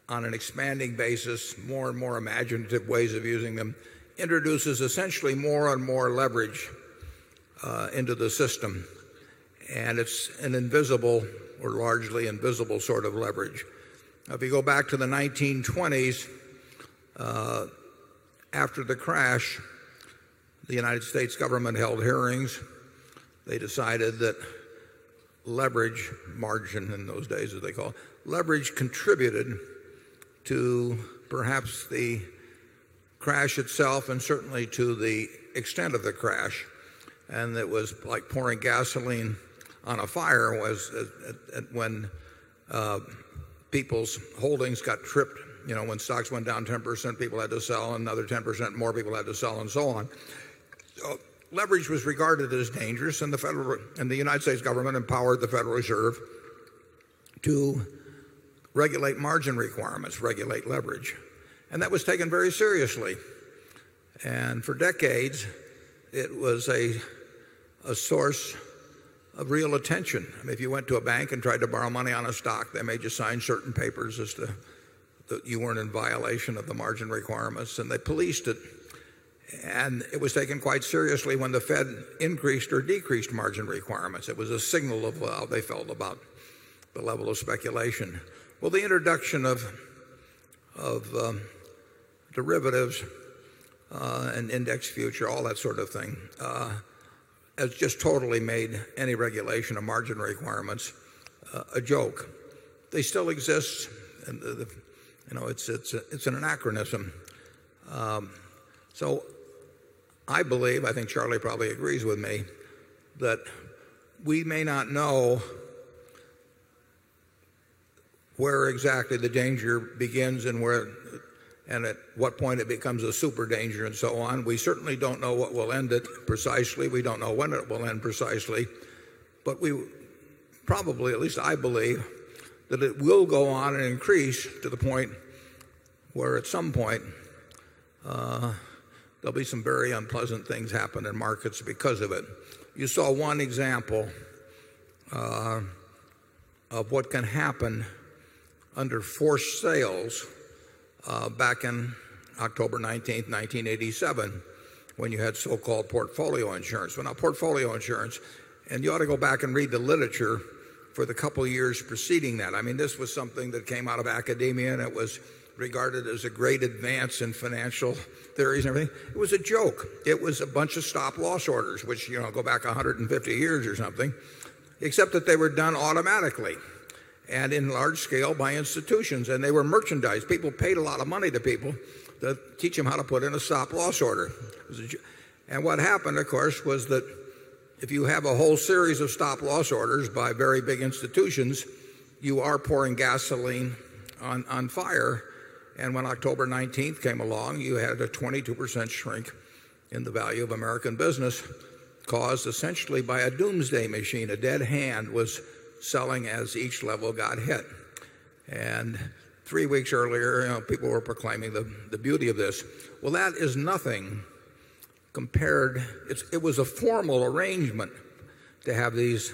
on an expanding basis, more and more imaginative ways of using them, introduces essentially more and more leverage into the system. And it's an invisible or largely invisible sort of leverage. If you go back to the 1920s, after the crash, the United States government held hearings. They decided that leverage margin in those days as they call it, leverage contributed to perhaps the crash itself and certainly to the extent of the crash. And it was like pouring gasoline on a fire was when people's holdings got tripped, when stocks went down 10%, people had to sell, another 10% more people had to sell and so on. Leverage was regarded as dangerous and the United States government empowered the Federal Reserve to regulate margin requirements, regulate leverage and that was taken very seriously. And for decades, it was a source of real attention. If you went to a bank and tried to borrow money on a stock, they made you sign certain papers as to you weren't in violation of the margin requirements and they policed it and it was taken quite seriously when the Fed increased or decreased margin requirements. It was a signal of how they felt about the level of speculation. Well, the introduction of derivatives and index future, all that sort of thing has just totally made any regulation of margin requirements a joke. They still exist and it's an anachronism. So I believe, I think Charlie probably agrees with me that we may not know where exactly the danger begins and where and at what point it becomes a super danger and so on. We certainly don't know what will end it precisely. We don't know when it will end precisely. But we probably, at least I believe, that it will go on and increase to the point where at some point, there'll be some very unpleasant things happen in markets because of it. You saw one example of what can happen under forced sales back in October 19, 1987 when you had so called portfolio insurance. Well, not portfolio insurance. And you ought to go back and read the literature for the couple of years preceding that. I mean, this was something that came out of academia and it was regarded as a great advance in financial theories and everything. It was a joke. It was a bunch of stop loss orders, which go back 150 years or something, except that they were done automatically and in large scale by institutions and they were merchandised. People paid a lot of money to people to teach them how to put in a stop loss order. And what happened of course was that if you have a whole series of stop loss orders by very big institutions, you are pouring gasoline on fire. And when October 19 came along, you had a 22% shrink in the value of American business caused essentially by a doomsday machine. A dead hand was selling as each level got hit. And 3 weeks earlier, people were proclaiming the beauty of this. Well, that is nothing compared it was a formal arrangement to have these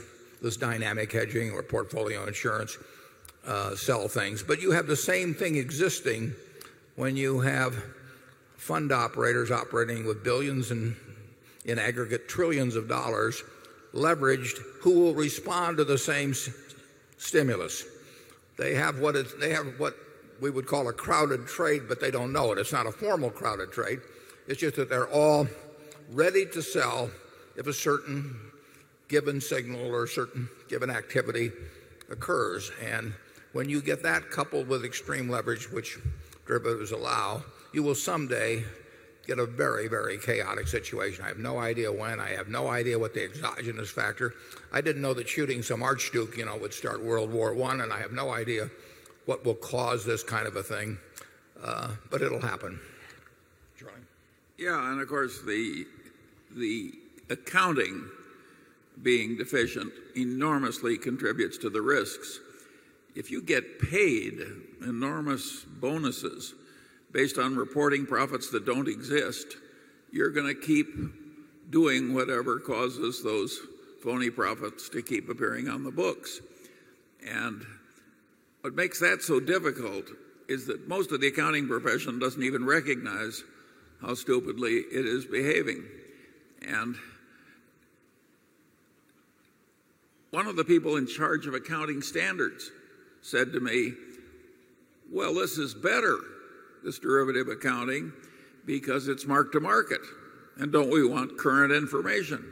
dynamic hedging or portfolio insurance sell things. But you have the same thing existing when you have fund operators operating with 1,000,000,000 in aggregate 1,000,000,000,000 of dollars leveraged who will respond to the same stimulus. They have what we would call a crowded trade but they don't know it. It's not a formal crowded trade. It's just that they're all ready to sell if a certain given signal or certain given activity occurs. And when you get that coupled with extreme leverage which derivatives allow, you will someday get a very, very chaotic situation. I have no idea when. I have no idea what the exogenous factor. I didn't know that shooting some Archduke would start World War I and I have no idea what will cause this kind of a thing, but it will happen. John? Yes. And of course, the accounting being deficient enormously contributes to the risks. If you get paid enormous bonuses based on reporting profits that don't exist, you're going to keep doing whatever causes those phony profits to keep appearing on the books. And what makes that so difficult is that most of the accounting profession doesn't even recognize how stupidly it is behaving. And one of the people in charge of accounting standards said to me, well, this is better, this derivative accounting because it's mark to market and don't we want current information.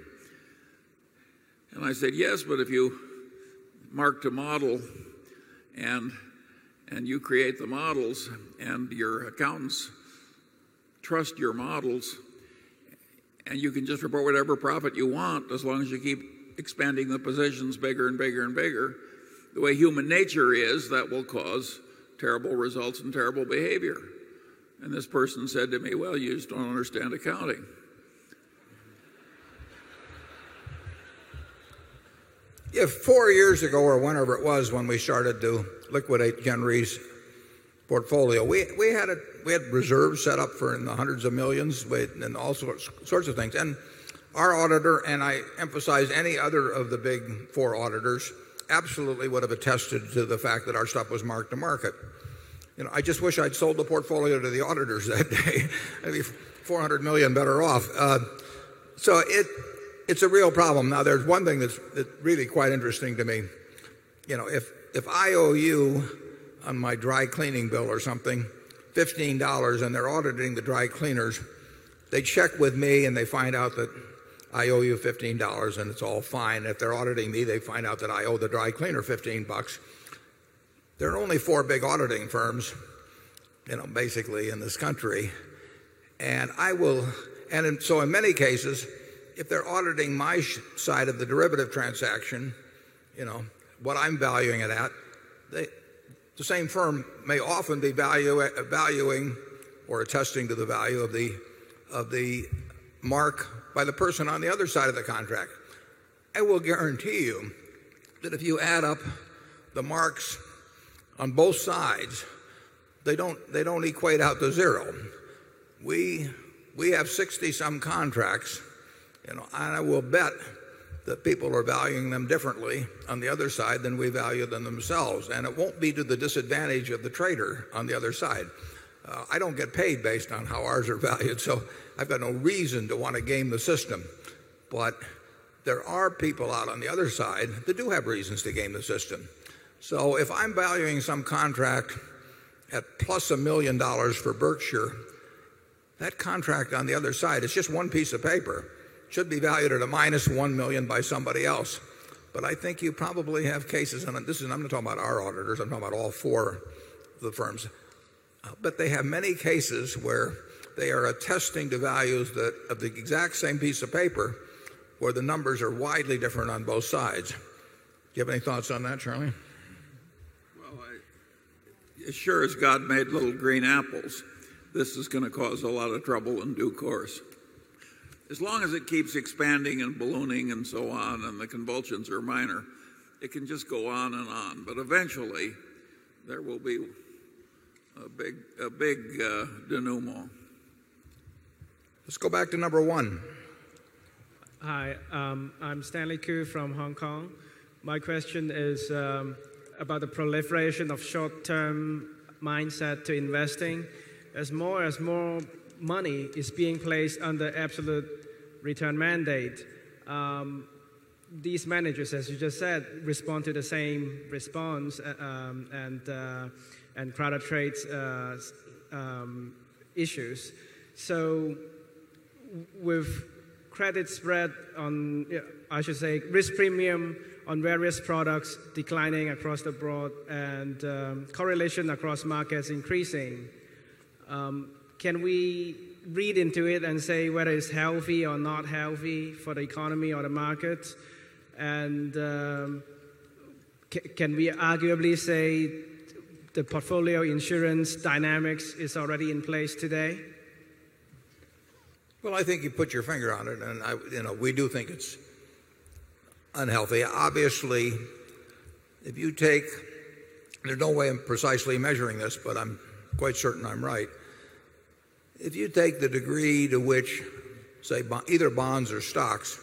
And I said, yes, but if you mark to model and you create the models and your accountants trust your models and you can just report whatever profit you want as long as you keep expanding the positions bigger and bigger and bigger. The way human nature is that will cause terrible results and terrible behavior. And this person said to me, well, you just don't understand accounting. 4 years ago or whenever it was when we started to liquidate GenRe's portfolio. We had reserves set up for 100 of 1,000,000 and all sorts of things. And our auditor and I emphasize any other of the big 4 auditors absolutely would have attested to the fact that our stuff was mark to market. I just wish I'd sold the portfolio to the auditors that day. Maybe $400,000,000 better off. So it's a real problem. Now there's one thing that's really quite interesting to me. If I owe you on my dry cleaning bill or something $15 and they're auditing the dry cleaners, they check with me and they find out that I owe you $15 and it's all fine. If they're auditing me, they find out that I owe the dry cleaner $15 There are only 4 big auditing firms basically in this country And I will and so in many cases, if they're auditing my side of the derivative transaction, what I'm valuing it at, the same firm may often be valuing or attesting to the value of the mark by the person on the other side of the contract. I will guarantee you that if you add up the marks on both sides, they don't equate out to 0. We have 60 some contracts and I will bet that people are valuing them differently on the other side than we value them themselves and it won't be to the disadvantage of the trader on the other side. I don't get paid based on how ours are valued. So I've got no reason to want to game the system. But there are people out on the other side that do have reasons to game the system. So if I'm valuing some contract at plus $1,000,000 for Berkshire, that contract on the other side, it's just one piece of paper, should be valued at a minus 1,000,000 by somebody else. But I think you probably have cases and this is I'm not talking about our auditors, I'm talking about all 4 of the firms. But they have many cases where they are attesting the values of the exact same piece of paper where the numbers are widely different on both sides. Do you have any thoughts on that, Charlie? Well, sure as God made little green apples, this is going to cause a lot of trouble in due course. As long as keeps expanding and ballooning and so on and the convulsions are minor, it can just go on and on. But eventually, there will be a big denouement. Let's go back to number 1. Hi. I'm Stanley Koo from Hong Kong. My question is about the proliferation of short term mindset to investing. As more as more money is being placed under absolute return mandate. These managers, as you just said, respond to the same response and product trade issues. So with credit spread on I should say risk premium on various products declining across the broad and correlation across markets increasing. Can we read into it and say whether it's healthy or not healthy the portfolio insurance dynamics is already in place today? Well, I think you put your finger on it and we do think it's unhealthy. Obviously, if you take there's no way I'm precisely measuring this, but I'm quite certain I'm right. If you take the degree to which say either bonds or stocks,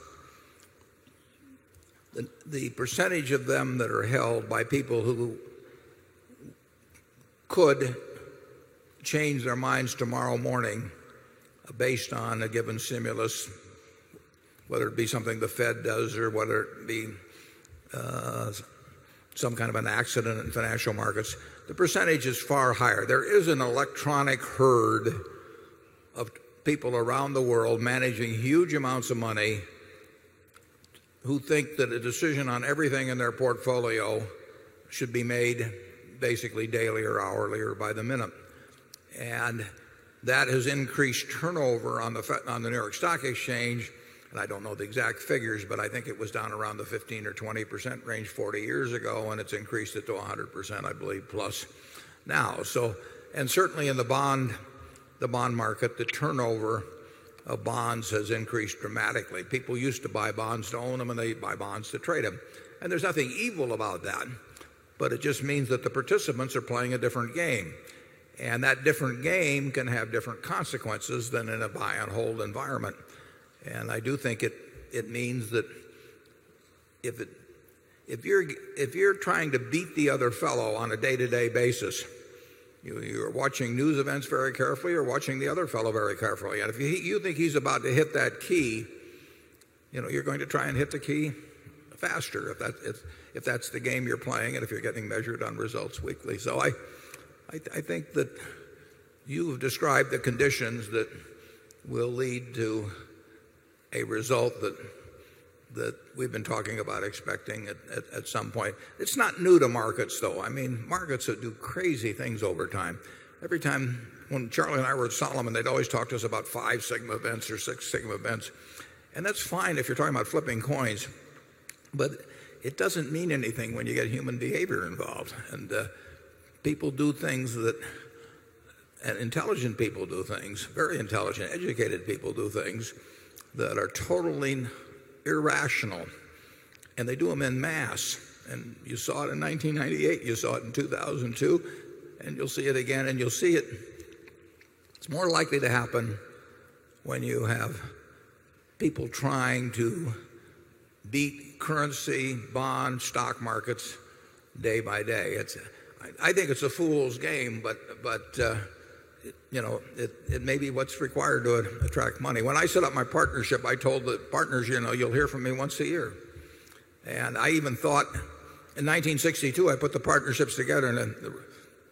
the percentage of them that are held by people who could change their minds tomorrow morning based on a given stimulus, whether it be something the Fed does or whether it be some kind of an accident in financial markets. The percentage is far higher. There is an electronic herd of people around the world managing huge amounts of money who think that a decision on everything in their portfolio should be made basically daily or hourly or by the minute. And that has increased turnover on the New York Stock Exchange. I don't know the exact figures, but I think it was down around the 15% or 20% range 40 years ago and it's increased it to 100%, I believe plus now. And certainly in the bond market, the turnover of bonds has increased dramatically. People used to buy bonds to own them and they buy bonds to trade them. And there's participants are playing a different game. And that different game can have different consequences than in a buy and hold environment. And I do think it means that if you're trying to beat the other fellow on a day to day basis, you're watching news events very carefully, you're watching the other fellow very carefully. If you think he's about to hit that key, you're going to try and hit the key faster that's the game you're playing and if you're getting measured on results weekly. So I think that you've described the conditions that will lead to a result that we've been talking about expecting at some point. It's not new to markets though. I mean markets that do crazy things over time. Every time when Charlie and I were at Solomon, they'd always talk to us about 5 sigma events or 6 sigma events. And that's fine if you're talking about flipping coins, but it doesn't mean anything when you get human behavior involved. And people do things that intelligent people do things, very intelligent educated people do things that are totally irrational and they do them in mass and you saw it in 1998, you saw it in 2002 and you'll see it again and you'll see it. It's more likely to happen when you have people trying to beat currency, bonds, stock markets day by day. I think it's a fool's game but it may be what's required to attract money. When I set up my partnership, I told the partners, you'll hear from me once a year. And I even thought in 1962, I put the partnerships together and in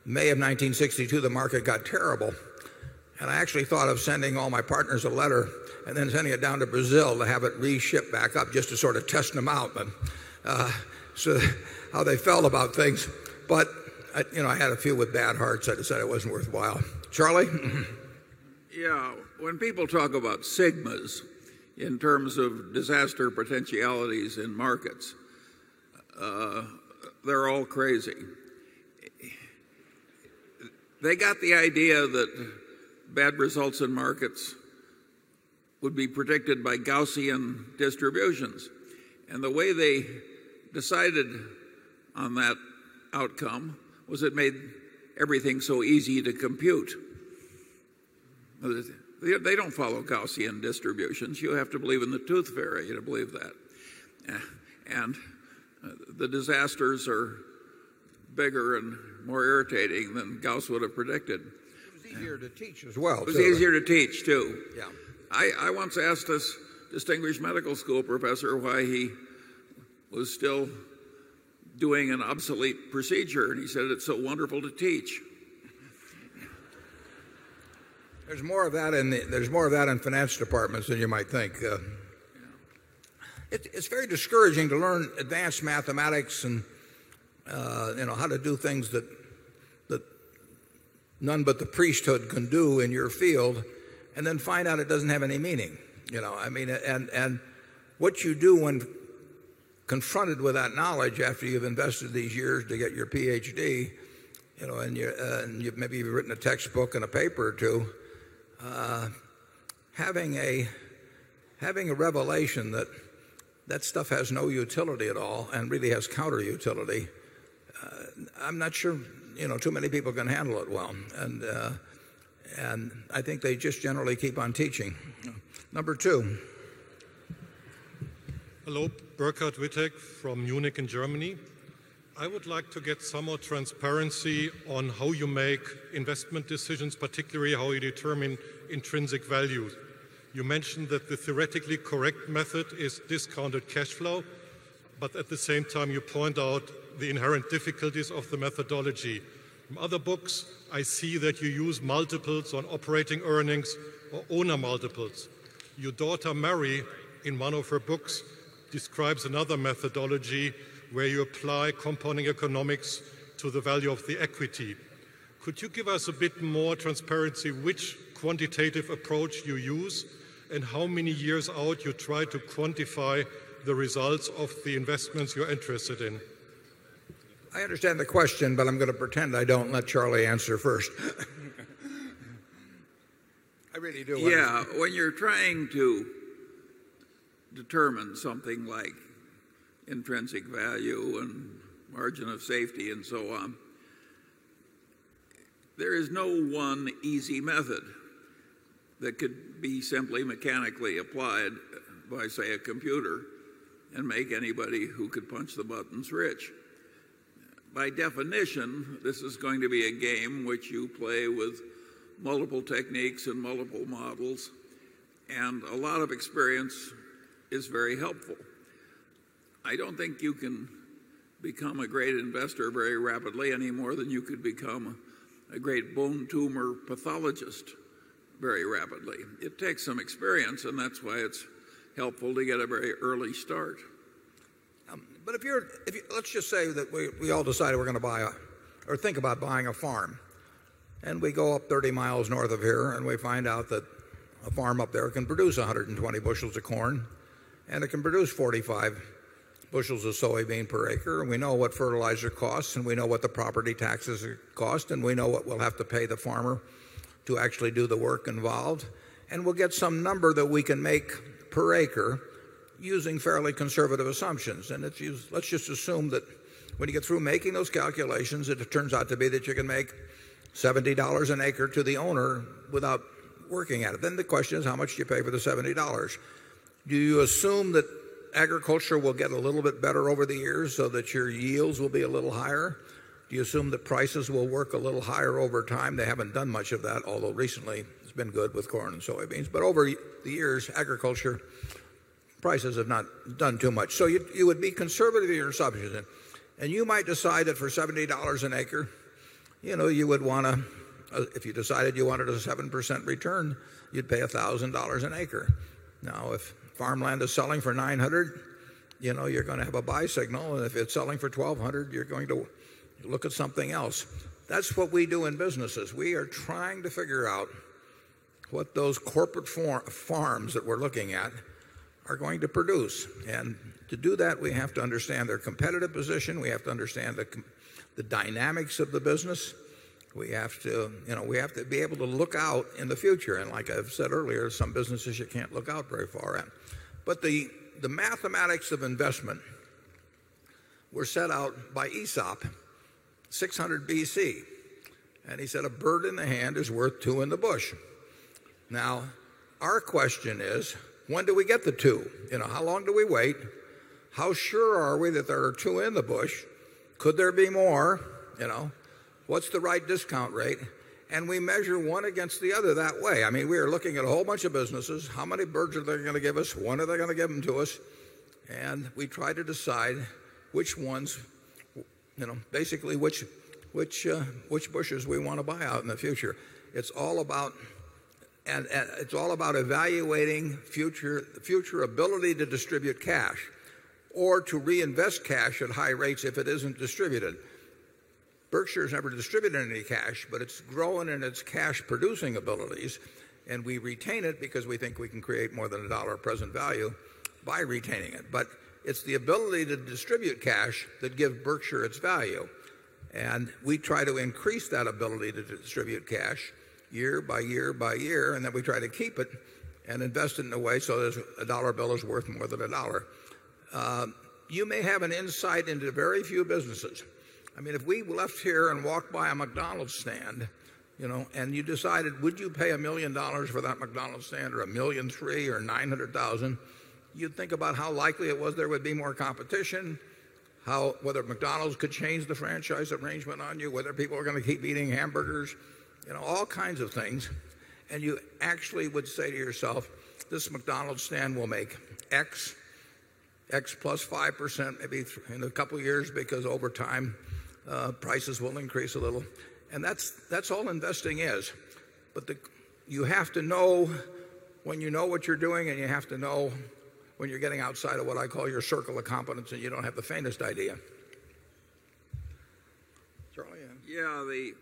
May of 1962, the market got terrible and I actually thought of sending all my partners a letter and then sending it down to Brazil to have it reship back up just to sort of test them out. So how they felt about things. But I had a few with bad hearts, I'd say it wasn't worthwhile. Charlie? Yes. When people talk about sigmas in terms of disaster potentialities in markets, They're all crazy. They got the idea that bad results in markets would be predicted by Gaussian distributions. And the way they decided on that outcome was it made everything so easy to compute. They don't follow Gaussian distributions. You have to believe in the tooth fairy to believe that. And the disasters are bigger and more irritating than Gauss would have predicted. It's easier to teach as well. It's easier to teach too. Yeah. I once asked this distinguished medical school professor why he was still doing an obsolete procedure and he said it's so wonderful to teach. There's more of that in finance departments than you might think. It's very discouraging to learn advanced mathematics and how to do things that none but the priesthood can do in your field and then find out it doesn't have any meaning. I mean and what you do when confronted with that knowledge after you've invested these years to get your PhD and you've maybe even written a textbook and a paper or 2, having a revelation that that stuff has no utility at all and really has counter utility, I'm not sure too many people can handle it well. And I think they just generally keep on teaching. Number 2. Hello, Burkhard Wittek from Munich in Germany. I would like to get some more transparency on how you make investment decisions, particularly how you determine intrinsic value. You mentioned that the theoretically correct method is discounted cash flow, but at the same time you point out the inherent difficulties of the methodology. In other books, I see that you use multiples on operating earnings or owner multiples. Your daughter, Mary, in one of her books describes another methodology where you apply component economics to the value of the equity. Could you give us a bit more transparency which quantitative approach you use and how many years out you try to quantify the results of the investments you're interested in? I understand the question but I'm going to pretend I don't let Charlie answer first. I really do. Yes. When you're trying to determine something like intrinsic value and margin of safety and so on, There is no one easy method that could be simply mechanically applied by say a computer and make anybody who could punch the buttons rich. By definition, this is going to be a game which you play with multiple techniques and multiple models and a lot of experience is very helpful. I don't think you can become a great investor very rapidly anymore than you could become a great bone tumor pathologist very rapidly. It takes some experience and that's why it's helpful to get a very early start. Let's just say that we all decided we're going to buy or think about buying a farm and we go up 30 miles north of here and we find out that a farm up there can produce 120 bushels of corn and it can produce 45 bushels of soybean per acre and we know what fertilizer costs and we know what the property taxes cost and we know what we'll have to pay the farmer to actually do the work involved and we'll get some number that we can make per acre using fairly conservative assumptions. And let's just assume that when you get through making those calculations, it turns out to be that you can make $70 an acre to the owner without working at it. Then the question is how much do you pay for the $70 Do you assume that agriculture will get a little bit better over the years so that your yields will be a little higher? Do you assume that prices will work a little higher over time? They haven't done much of that although recently it's been good with corn and soybeans. But over the years, agriculture prices have not done too much. So you would be conservative in your subject And you might decide that for $70 an acre, you would want to if you decided you wanted a 7% return, you'd pay $1,000 an acre. Now if farmland is selling for $900,000 you're going to have a buy signal and if it's selling for $1200,000 you're going to look at something else. That's what we do in businesses. We are trying to figure out what those corporate farms that we're looking at are going to produce. And to do that, we have to understand their competitive position. We have to understand the dynamics of the business. We have to be able to look out in the future. And like I've said earlier, some businesses you can't look out very far in. But the mathematics of investment were set out by Aesop 600 BC. And he said a bird in the hand is worth 2 in the bush. Now our question is, when do we get the 2? How long do we wait? How sure are we that there are 2 in the bush? Could there be more? What's the right discount rate? And we measure 1 against the other that way. I mean, we're looking at a whole bunch of businesses. How birds are they going to give us, when are they going to give them to us and we try to decide which ones basically which bushes we want to buy out in the future. It's all about evaluating future ability to distribute cash or to reinvest cash at high rates if it isn't distributed. Berkshire has never distributed any cash, but it's growing in its cash producing abilities and we retain it because we think we can create more than $1 present value by retaining it. But it's the ability to distribute cash that give Berkshire its value. And we try to increase that ability to distribute cash year by year by year and that we try to keep it and invest it in a way so that a dollar bill is worth more than a dollar. You may have an insight into very few businesses. I mean, if we left here and walked by a McDonald's stand and you decided would you pay $1,000,000 for that McDonald's stand or $1,300,000 or $900,000 you think about how likely it was there would be more competition, how whether McDonald's could change the franchise arrangement on you, whether people are going to keep eating hamburgers, all kinds of things. And you actually would say to yourself, this McDonald's stand will make X, X plus 5% maybe in a couple of years because over time, prices will increase a little. And that's all investing is. But you have to know when you know what you're doing and you have to know when you're getting outside of what I call your circle of competence and you don't have faintest idea. Charlie? Yes.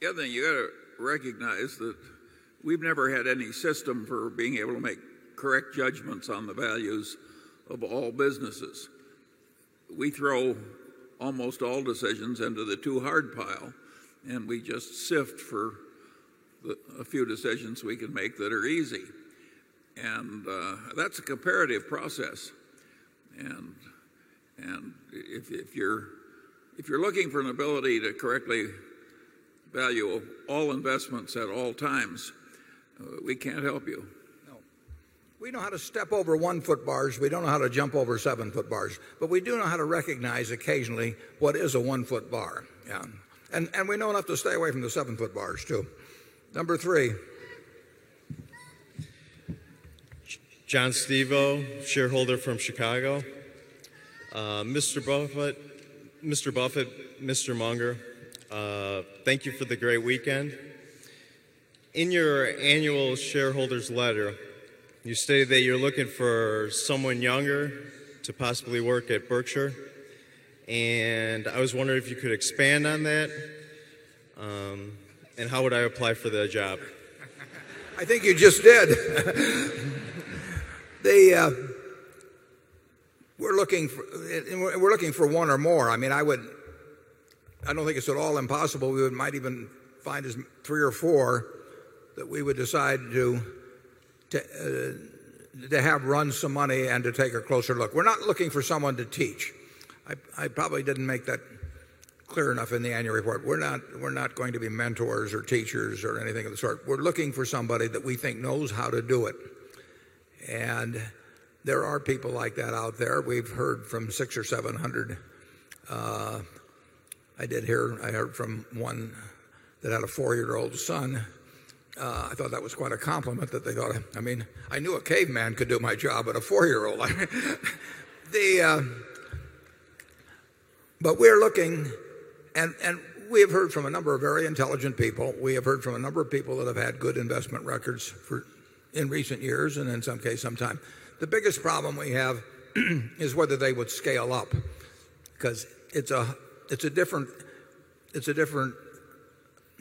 The other thing you got to recognize that we've never had any system for being able to make correct judgments on the values of all businesses. We throw almost all decisions into the too hard pile and we just sift for a few decisions we can make that are easy. And that's a comparative process. And if you're looking for an ability to correctly value all investments at all times, we can't help you. We know how to step over 1 foot bars. We don't know how to jump over 7 foot bars. But we do know how to recognize occasionally what is a 1 foot bar. And we know not to stay away from the 7 foot bars too. Number 3. John Stivo, shareholder from Chicago. Mr. Buffet, Mr. Munger, thank you for the great weekend. In your annual shareholder's letter, you stated that you're looking for someone younger to possibly work at Berkshire. And I was wondering if you could expand on that. And how would I apply for that job? I think you just did. They, we're looking for 1 or more. I mean, I would I don't think it's at all impossible. We might even find as 3 or 4 that we would decide to have run some money and to take a closer look. We're not looking for someone to teach. I probably didn't make that clear enough in the annual report. We're not going to be mentors or teachers or anything of the sort. We're looking for somebody that we think knows how to do it. And there are people like that out there. We've heard from 6 or 700. I did hear I heard from one that had a 4 year old son. I thought that was quite a compliment that they got I mean, I knew a caveman could do my job at a 4 year old. But we're looking and we've heard from a number of very intelligent people. We have heard from a number of people that have had good investment records for in recent years and in some case sometime. The biggest problem we have is whether they would scale up because it's a different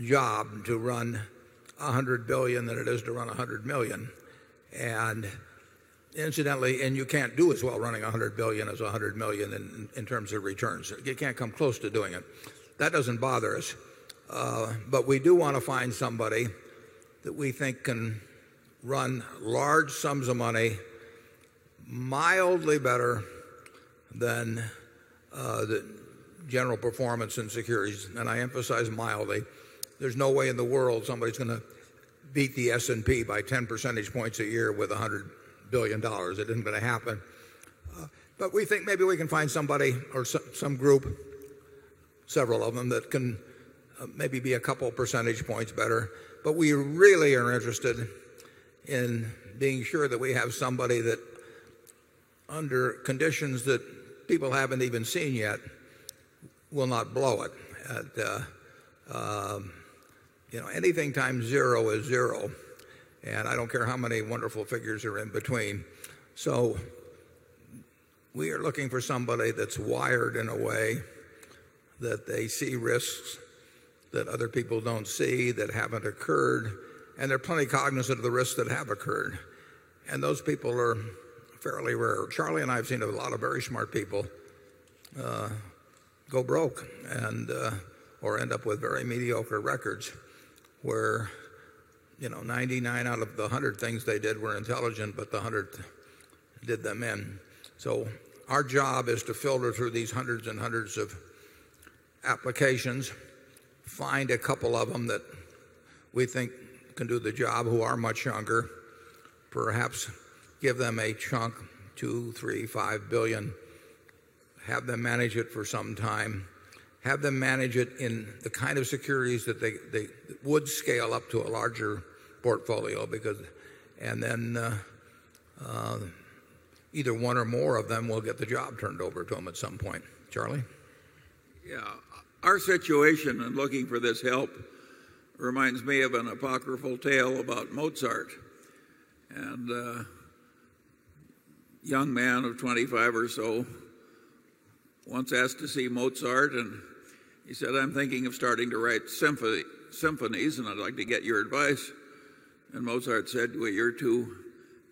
job to run $100,000,000,000 than it is to run $100,000,000 And incidentally, and you can't do as well running $100,000,000,000 as $100,000,000 in terms of returns. You can't come close to doing it. That doesn't bother us. But we do want to find somebody that we think can run large sums of money, mildly better than general performance in securities. And I emphasize mildly, there's no way in the world somebody's going to beat the S and P by 10 percentage points a year with $100,000,000,000 It isn't going to happen. But we think maybe we can find somebody or some group, several of them that can maybe be a couple of percentage points better. But we really are interested in being sure that we have somebody that under conditions that people haven't even seen yet will not blow it. Anything times 0 is 0 and I don't care how many wonderful figures are in between. So we are looking for somebody that's wired in a way that they see risks that other people don't see that haven't occurred and they're plenty of cognizant of the risks that have occurred. And those people are fairly rare. Charlie and I have seen a lot of very smart people go broke and or end up with very mediocre records where 99 out of the 100 things they did were intelligent but the 100 did them in. So our job is to filter through these 100 and 100 of applications, find a couple of them that we think can do the job who are much younger, perhaps give them a chunk, dollars 2,000,000,000, dollars 3, dollars 5,000,000,000 have them manage it for some time, have them manage it in the kind of securities that they would scale up to a larger portfolio because and then either 1 or more of them will get the job turned over to them at some point. Charlie? Yes. Our situation in looking for this help reminds me of an apocryphal tale about Mozart And a young man of 25 or so once asked to see Mozart and he said, I'm thinking of starting to write symphonies and I'd like to get your advice. And Mozart said, well, you're too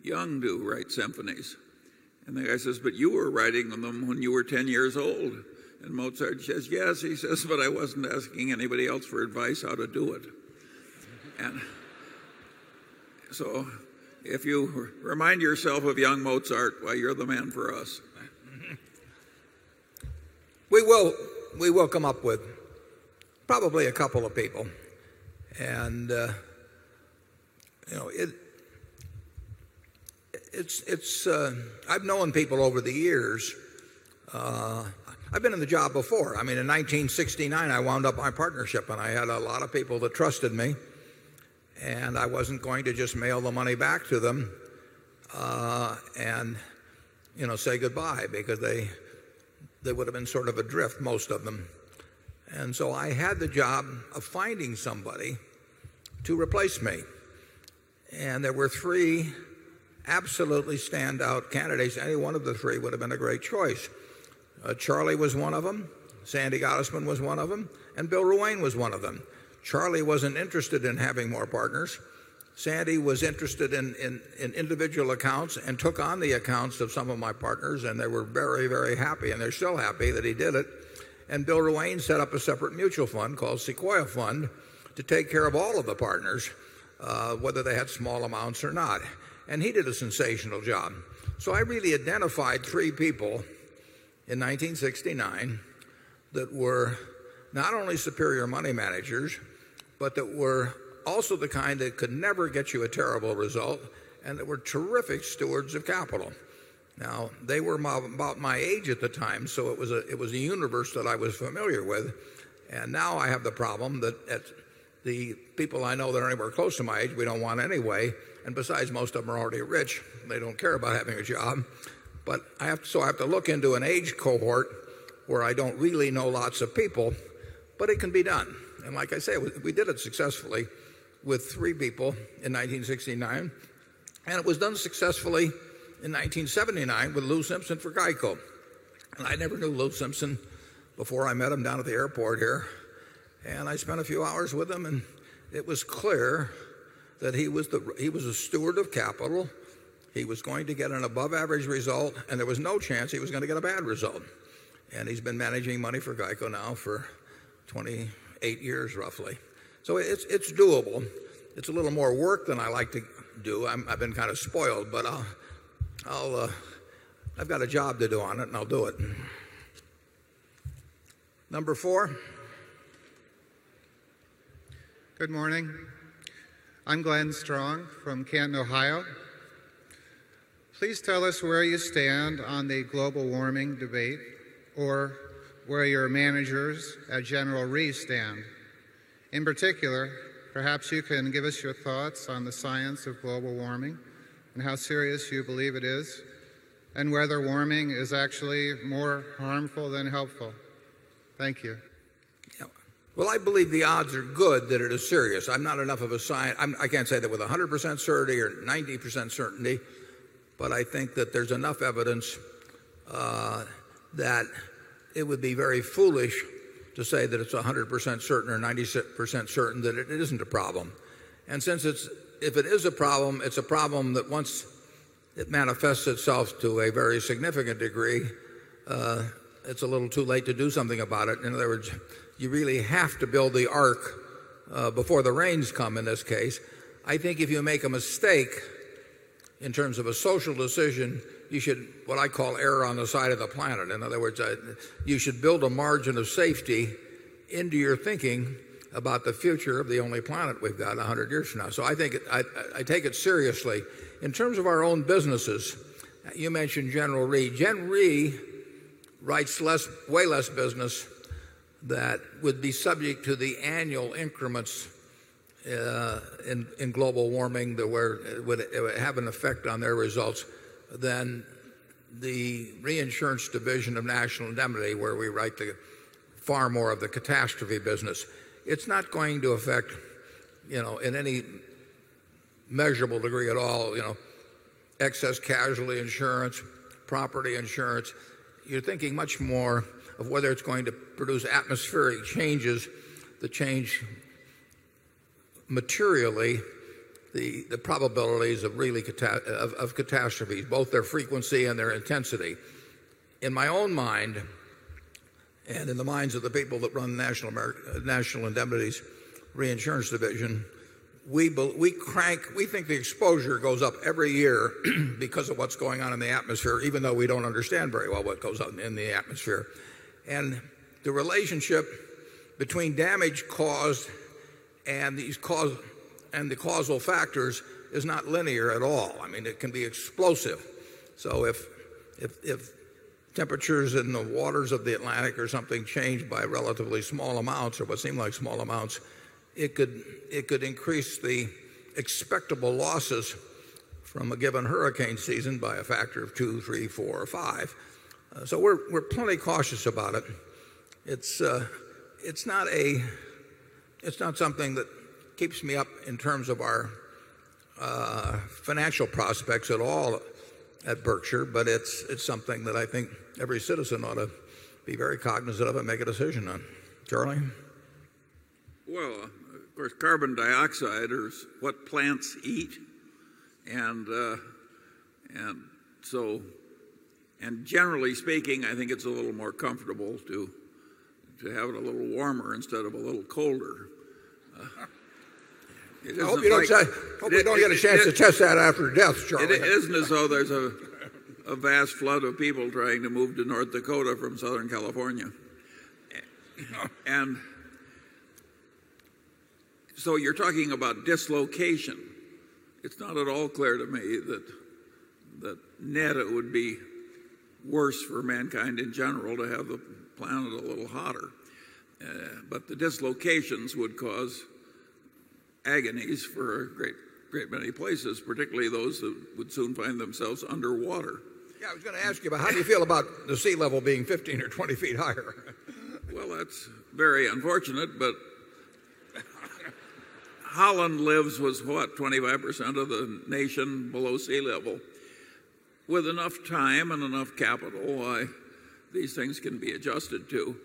young to write symphonies. And the guy says, but you were writing on them when you were 10 years old. And Mozart says, yes, he says, but I wasn't asking anybody else for advice how to do it. And so if you remind yourself of young Mozart, why you're the man for us. We will come up with probably a couple of people. And it's I've known people over the years. I've been in the job before. I mean in 1969, I wound up my partnership and I had a lot of people that trusted me and I wasn't going to just mail the money back to them and say goodbye because they would have been sort of adrift, most of them. And so I had the job of finding somebody to replace me. And there were 3 absolutely standout candidates. Any one of the 3 would have been a great choice. Charlie was one of them. Sandy Gottesman was one of them, and Bill Ruane was one of them. Charlie wasn't interested in having more partners. Sandy was interested in individual accounts and took on the accounts of some of my partners and they were very, very happy and they're so happy that he did it. And Bill Duane set up a separate mutual fund called Sequoia Fund to take care of all of the partners, whether they had small amounts or not. And he did a sensational job. So I really identified 3 people in 1969 that were not only superior money managers, but that were also the kind that could never get you a terrible result and that were terrific stewards of capital. Now they were about my age at the time, so it was a universe that I was familiar with. And now I have the problem that the people I know that are anywhere close to my age, we don't want anyway. And besides, most of them are already rich. They don't care about having a job. But I have so I have to look into an age cohort where I don't really know lots of people, it can be done. And like I said, we did it successfully with 3 people in 1969 and it was done successfully in 1979 with Lou Simpson for GEICO. And I never knew Lou Simpson before I met him down at the airport here And I spent a few hours with him and it was clear that he was a steward of capital. He was going to get an above average result and there was no chance he was going to get a bad result. And he's been managing money for GEICO now for 28 years roughly. So it's doable. It's a little more work than I like to do. I've been kind of spoiled, but I've got a job to do on it and I'll do it. Number 4. Good morning. I'm Glenn Strong from Canton, Ohio. Please tell us where you stand on the global warming debate or where your managers at General Rees stand. In particular, perhaps you can give us your thoughts on the science of global warming and how serious you believe it is and whether warming is actually more harmful than helpful? Thank you. Well, I believe the odds are good that it is serious. I'm not enough of a science I can't say that with a 100% certainty or 90% certainty, but I think that there's enough evidence that it would be very foolish to say that it's 100% certain or 90% certain that it isn't a problem. And since it's if it is a problem, it's a problem that once it manifests itself to a very significant degree, It's a little too late to do something about it. In other words, you really have to build the arc before the rains come in this case. I think if you make a mistake in terms of a social decision, you should, what I call, on the side of the planet. In other words, you should build a margin of safety into your thinking about the future of the only planet we've got 100 years from now. So I take it seriously. In terms of our own businesses, you mentioned General Re. General Re writes less way less business that would be subject to the annual increments in global warming that were it would have an effect on their results, then the reinsurance division of National Indemnity where we write to far more of the catastrophe business, it's not going to affect in any measurable degree at all excess casualty insurance, property insurance. You're thinking much more of whether it's going to produce atmospheric changes, the change materially, the probabilities of really catastrophe, both their frequency and their intensity. In my own mind and in the minds of the people that run the National Indemnity's Reinsurance Division, we crank we think the exposure goes up every year because of what's going on in the atmosphere even though we don't understand very well what goes on in the atmosphere. And the relationship between damage caused and the causal factors is not linear at all. I mean, it can be explosive. So if temperatures in the waters of the Atlantic or something change by relatively small amounts or what seemed like small amounts, it could increase the expectable losses from a given hurricane season by a factor of 2, 3, 4 or 5. So we're plenty cautious about it. It's not something that keeps me up in terms of our financial prospects at all at Berkshire, but it's something that I think every citizen ought to be very cognizant of and make a decision on. Caroline? Well, of course, carbon dioxide is what plants eat and so and generally speaking, I think it's a little more comfortable to have it a little warmer instead of a little colder. I hope you don't get a chance to test that after death, Charlie. It isn't as though there's a vast flood of people trying to move to North Dakota from Southern California. And so you're talking about dislocation. It's not at all clear to me that net it would be worse for mankind in general to have the planet a little hotter. But the dislocations would cause agonies for a great many places particularly those who would soon find themselves underwater. Yes. I was going to ask you about how do you feel about the sea level being 15 or 20 feet higher? Well, that's very unfortunate but Holland lives was what 25% of the nation below sea level. With enough time and enough capital, these things can be adjusted to.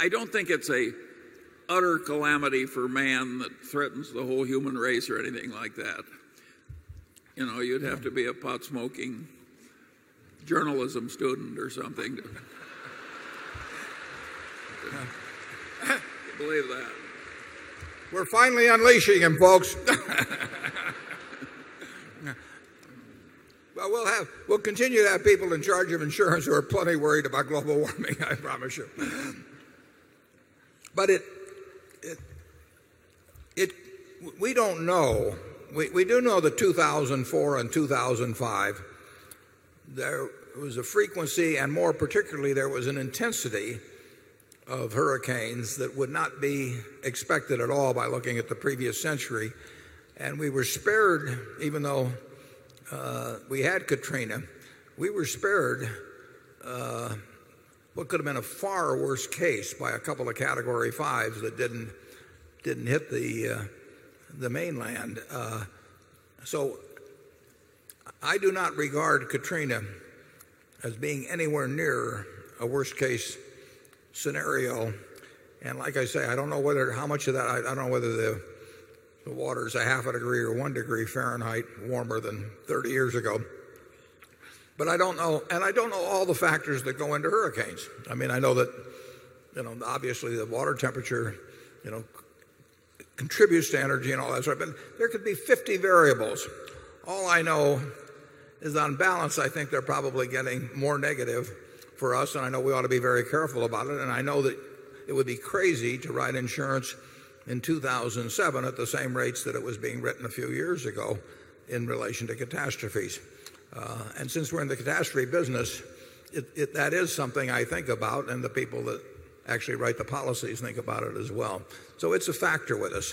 I don't think it's a utter calamity for man that threatens the whole human race or anything like that. You know, you'd have to be a pot smoking journalism student or something to believe that. We're finally unleashing them folks. We'll have we'll continue to have people in charge of insurance who are plenty worried about global warming, I promise you. But it we don't know. We do know that 2,004, 2005, there was a frequency and more particularly there was an intensity of hurricanes that would not be expected at all by looking at the previous century. And we were spared even though we had Katrina, we were spared what could have been a far worse case by a couple of category fives that didn't hit the mainland. So I do not regard Katrina as being anywhere near a worst case scenario. And like I say, I don't know whether how much of that I don't know whether the water is a half a degree or 1 degree Fahrenheit warmer than 30 years ago. But I don't know and I don't know all the factors that go into hurricanes. I mean, I know that obviously the water temperature contributes to energy and all that sort of thing. There could be 50 variables. All I know is on balance, I think they're probably getting more negative for us and I know we ought to be very careful about it and I know that it would be crazy to write insurance in 2,007 at the same rates that it was being written a few years ago in relation to catastrophes. And since we're in the catastrophe business, that is something I think about and the people that actually write the policies think about it as well. So it's a factor with us.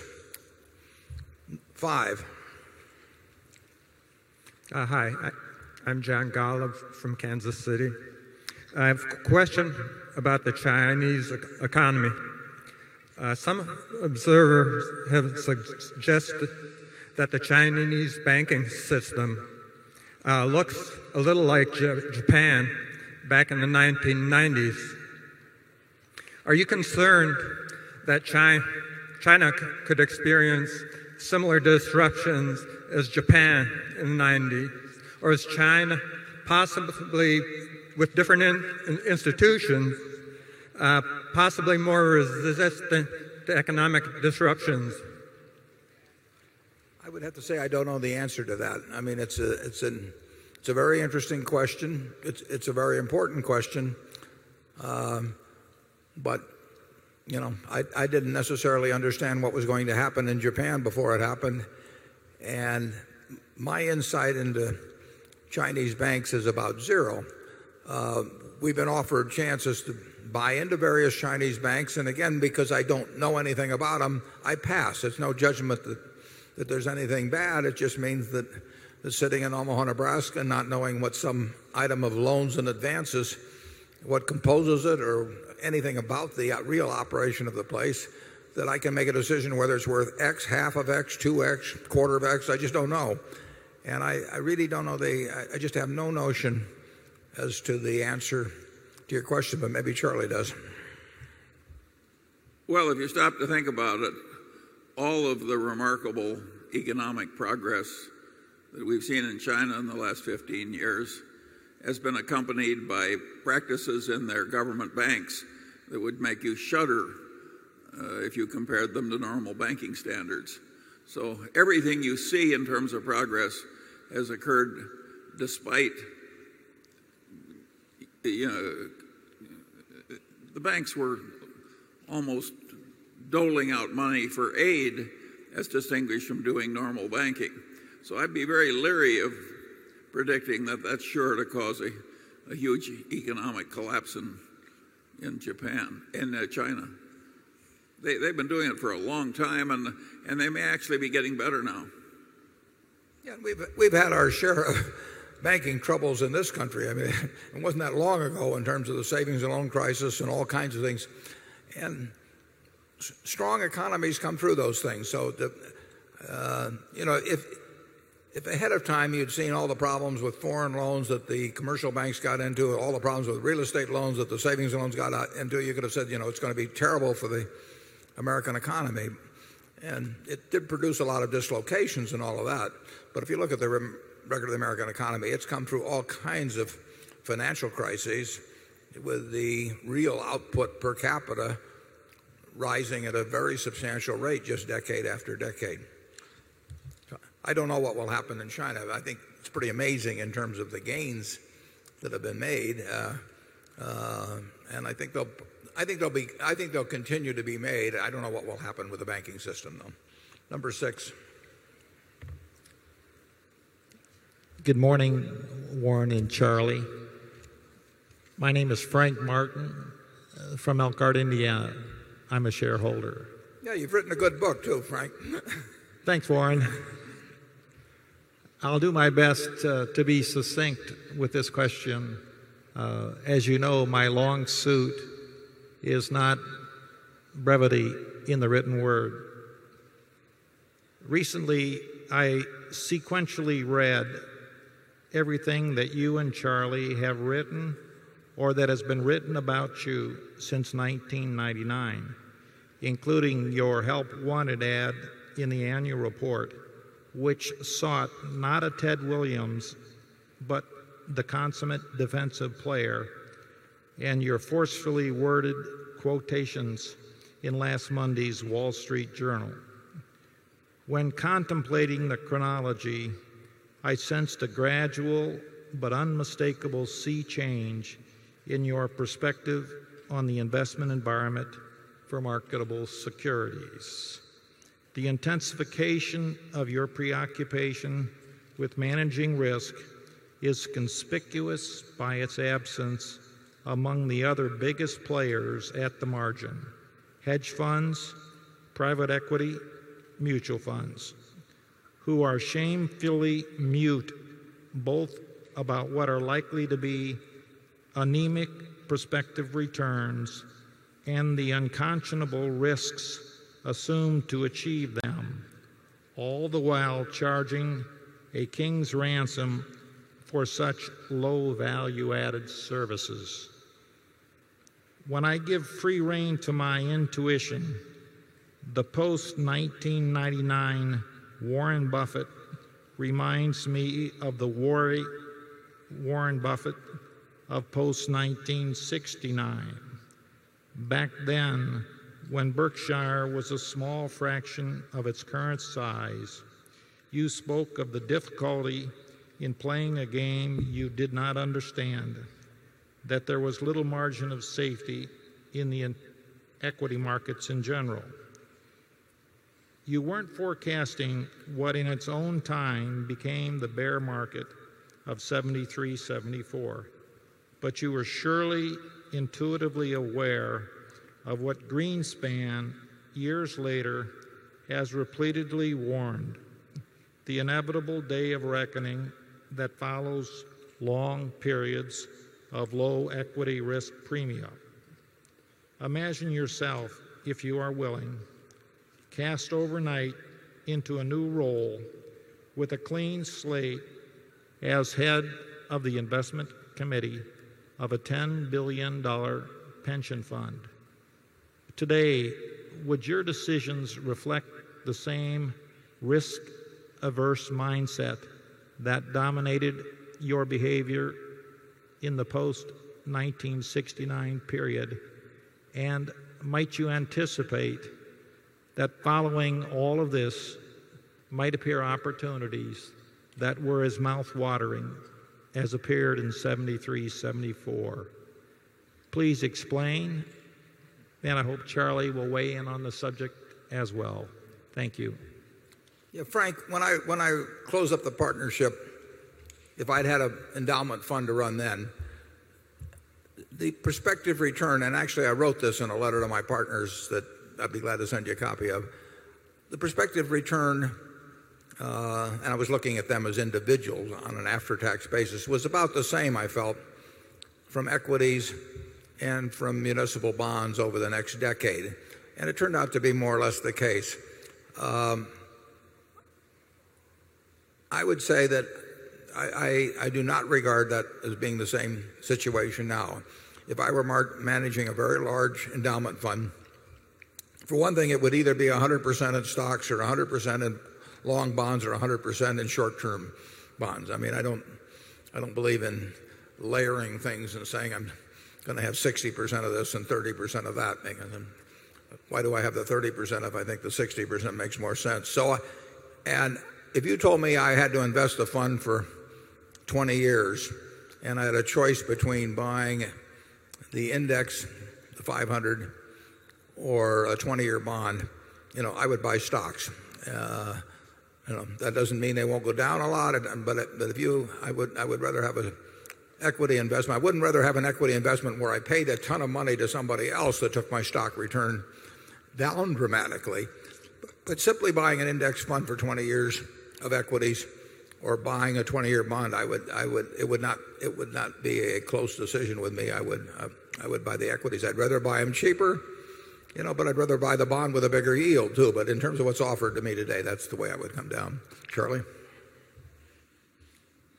5. Hi. I'm John Golub from Kansas City. I have a question about the Chinese economy. Some observers have suggested that the Chinese banking system looks a little like Japan back in the 19 nineties. Are you concerned that China could experience similar disruptions as Japan in 90 or is China possibly with different in institutions, possibly more resistant to economic disruptions? I would have to say I don't know the answer to that. I mean it's a very interesting question. It's a very important question. But you know, I didn't necessarily understand what was going to happen in Japan before it happened. And my insight into Chinese banks is about 0. We've been offered chances to buy into various Chinese banks. And again, because I don't know anything about them, I pass. There's no judgment that there's anything bad. It just means that sitting in Omaha, Nebraska and not knowing what some item of loans in advance is, what composes it or anything about the real operation of the place that I can make a decision whether it's worth X, half of X, 2X, quarter of X, I just don't know. And I really don't know the I just have no notion as to the answer to your question but maybe Charlie does. Well, if you stop to think about it, all of the remarkable economic progress that we've seen in China in the last 15 years has been accompanied by practices in their government banks that would make you shutter if you compare them to normal banking standards. So everything you see in terms of progress has occurred despite the banks were almost doling out money for aid as distinguished from doing normal banking. So I'd be very leery of predicting that that's sure to cause a huge economic collapse in Japan in China. They've been doing it for a long time and they may actually be getting better now. Yeah. We've had our share of banking troubles in this country. I mean, it wasn't that long ago in terms of the savings and loan crisis and all kinds of things. And strong economies come through those things. So if ahead of time you'd seen all the problems with foreign loans that the commercial banks got into, all the problems with real estate loans that the savings loans got into, you could have said it's going to be terrible for the American economy. And it did produce a lot of dislocations and all of that. But if you look at the regular American economy, it's come through all kinds of financial crises with the real output per capita rising at a very substantial rate just decade after decade. I don't know what will happen in China. I think it's pretty amazing in terms of the gains that have been made. And I think they'll continue to be made. I don't know what will happen with the banking system though. Number 6. Good morning, Warren and Charlie. My name is Frank Martin from Alkard, India. I'm a shareholder. Yeah. You've written a good book too, Frank. Thanks, Warren. I'll do my best to be succinct with this question. As you know, my long suit is not brevity in the written word. Recently I sequentially read everything that you and Charlie have written or that has been written about you since 1999, including your help wanted ad in the annual report which sought not a Ted Williams but the consummate defensive player and your forcefully worded quotations in last Monday's Wall Street Journal. When contemplating the chronology, I sensed a gradual but unmistakable sea change in your perspective on the investment environment for marketable securities. The intensification of your preoccupation with managing risk is conspicuous by its absence among the other biggest players at the margin. Hedge funds, private equity, mutual funds who are shamefully mute both about what are likely to be anemic prospective returns and the unconscionable risks assumed to achieve them, all the while charging a king's ransom for such low value added services. When I give free rein to my intuition, the post 1999 Warren Buffett reminds me of the worry Warren Buffett of post 1969. Back then, when Burke Shire was a small fraction of its current size, you spoke of the difficulty in playing a game you did not understand. That there was little margin of safety in the equity markets in general. You weren't forecasting what in its own time became the bear market of 70 three-seventy four, but you were surely intuitively aware of what Greenspan, years later, has repeatedly warned. The inevitable day of reckoning that follows long periods of low equity risk premia. Imagine yourself, if you are willing, cast overnight into a new role with a clean slate as head of the investment committee of a $10,000,000,000 pension fund. Today, would your decisions reflect the same risk averse mindset that dominated your behavior in the post 1969 period and might you anticipate that following all of this might appear opportunities that were as mouthwatering as appeared in 70 three-seventy four. Please explain and I hope Charlie will weigh in on the subject as well. Thank you. Frank, when I close-up the partnership, if I'd had an endowment fund to run then, the prospective return and actually I wrote this in a letter to my partners that I'd be glad to send you a copy of. The prospective return, and I was looking at them as individuals on an after tax basis, was about the same I felt from equities and from municipal bonds over the next decade. And it turned out to be more or less the case. I would say that I do not regard that as being the same situation now. If I were managing a very large endowment fund, for one thing, it would either be 100% of stocks or 100% of long bonds or 100% in short term bonds. I mean, I don't believe in layering things and saying I'm going to have 60% of this and 30% of that. Why do I have the 30% if I think the 60% makes more sense? So and if you told me I had to invest the fund for 20 years and I had a choice between buying the index 500 or a 20 year bond, I would buy stocks. That doesn't mean they won't go down a lot, but if you I would rather have an equity investment. I wouldn't rather have an equity investment where I paid a ton of money to somebody else that took my stock return down dramatically, But simply buying an index fund for 20 years of equities or buying a 20 year bond, it would not be a close decision with me. I would buy the equities. I'd rather buy them cheaper, but I'd rather buy the bond with a bigger yield too. But in terms of what's offered to me today, that's the way I would come down. Charlie?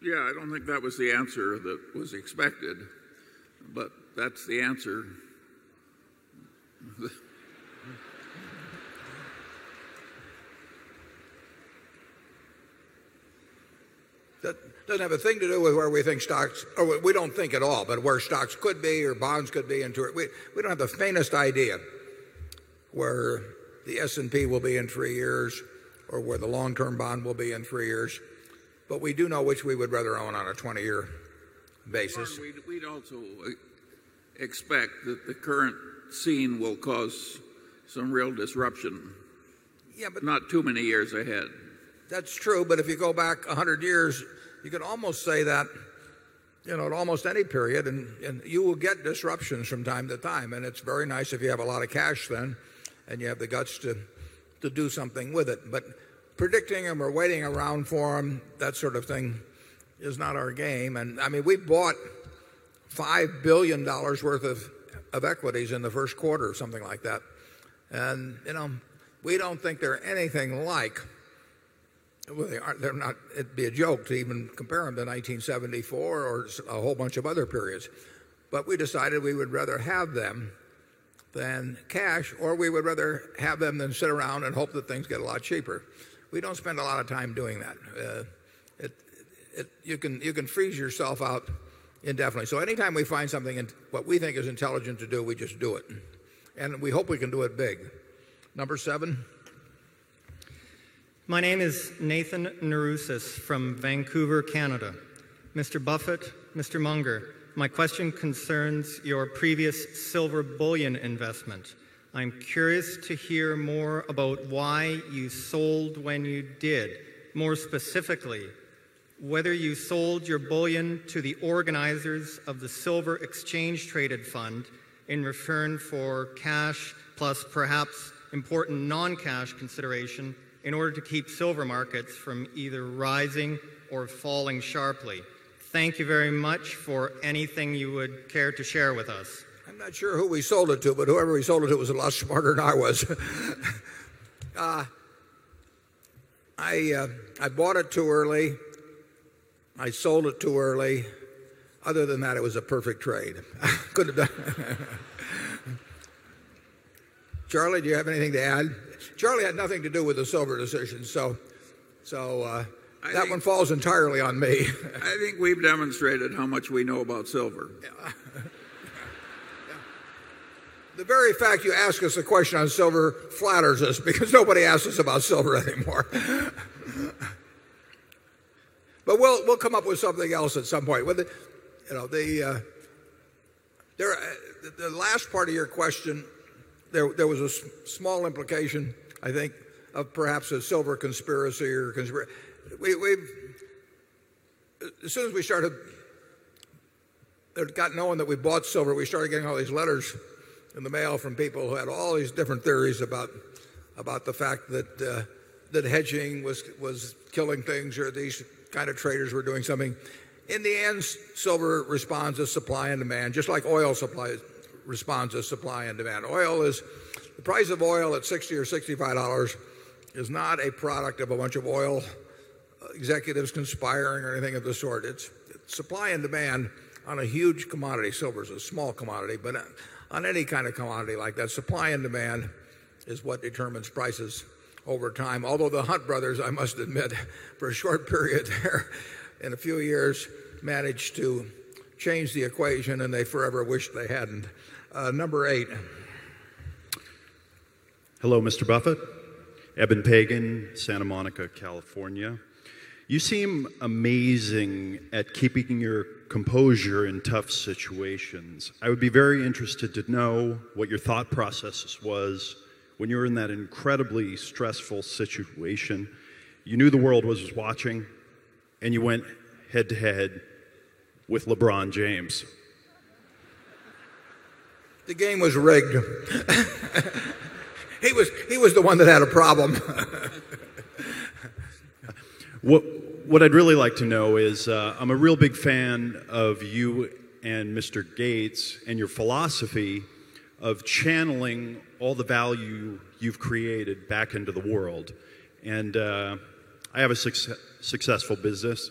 Yes. I don't think that was the answer that was expected, but that's the answer. That doesn't have a thing to do with where we think stocks or we don't think at all, but where stocks could be or bonds could be into it. We don't have the faintest idea where the S and P will be in 3 years or where the long term bond will be in 3 years, but we do know which we would rather own on a 20 year basis. We'd also expect that the current scene will cause some real disruption. Yes, but Not too many years ahead. That's true. But if you go back 100 years, you can almost say that almost any period and you will get disruptions from time to time. And it's very nice if you have a lot of cash then and you have the guts to do something with it. But predicting them or waiting around for them that sort of thing is not our game. And I mean we bought $5,000,000,000 worth of equities in the Q1 or something like that. And we don't think they're anything like they're not it'd be a joke to even compare them to 1974 or a whole bunch of other periods. But we decided we would rather have them than cash or we would rather have them than sit around and hope that things get a lot cheaper. We don't spend a lot of time doing that. You can freeze yourself out indefinitely. So anytime we find something what we think is intelligent to do, we just do it and we hope we can do it big. Number 7? My name is Nathan Naroussis from Vancouver, Canada. Mr. Buffet, Mr. Munger, my question concerns your previous silver bullion investment. I'm curious to hear more about why you sold when you did more specifically, whether you sold your bullion to the organizers of the silver exchange traded fund in return for cash plus perhaps important non cash consideration in order to keep silver markets from either rising or falling sharply. Thank you very much for anything you would care to share with us. Not sure who we sold it to but whoever we sold it to was a lot smarter than I was. I bought it too early. I sold it too early. Other than that, it was a perfect trade. Charlie, do you have anything to add? Charlie had nothing to do with the silver decision. So that one falls entirely on me. I think we've demonstrated how much we know about silver. The very fact you asked us a question on silver flatters us because nobody asks us about silver anymore. But we'll come up with something else at some point. The last part of your question, there was a small implication I think of perhaps a silver conspiracy or we've as soon as we started or got knowing that we bought silver, we started getting all these letters in the mail from people who had all these different theories about the fact that hedging was killing things or these kind of traders were doing something. In the end, silver responds to supply and demand just like oil supply responds to supply and demand. The price of oil at $60 or $65 is not a product of a bunch of oil executives conspiring or anything of the sort. It's supply and demand on a huge commodity. Silver is a small commodity, but on any kind of commodity like that, supply and demand is what determines prices over time. Although the Hunt Brothers, I must admit, for a short period there in a few years managed to change the equation and they forever wished they hadn't. Number 8. Hello, Mr. Buffet, Ebon Pagan, Santa Monica, California. You seem amazing at keeping your composure in tough situations. I would be very interested to know what your thought process was when you were in that incredibly stressful situation. You knew the world was just watching and you went head to head with LeBron James. The game was rigged. He was he was the one that had a problem. What what I'd really like to know is, I'm a real big fan of you and mister Gates and your philosophy of channeling all the value you've created back into the world. And, I have a successful business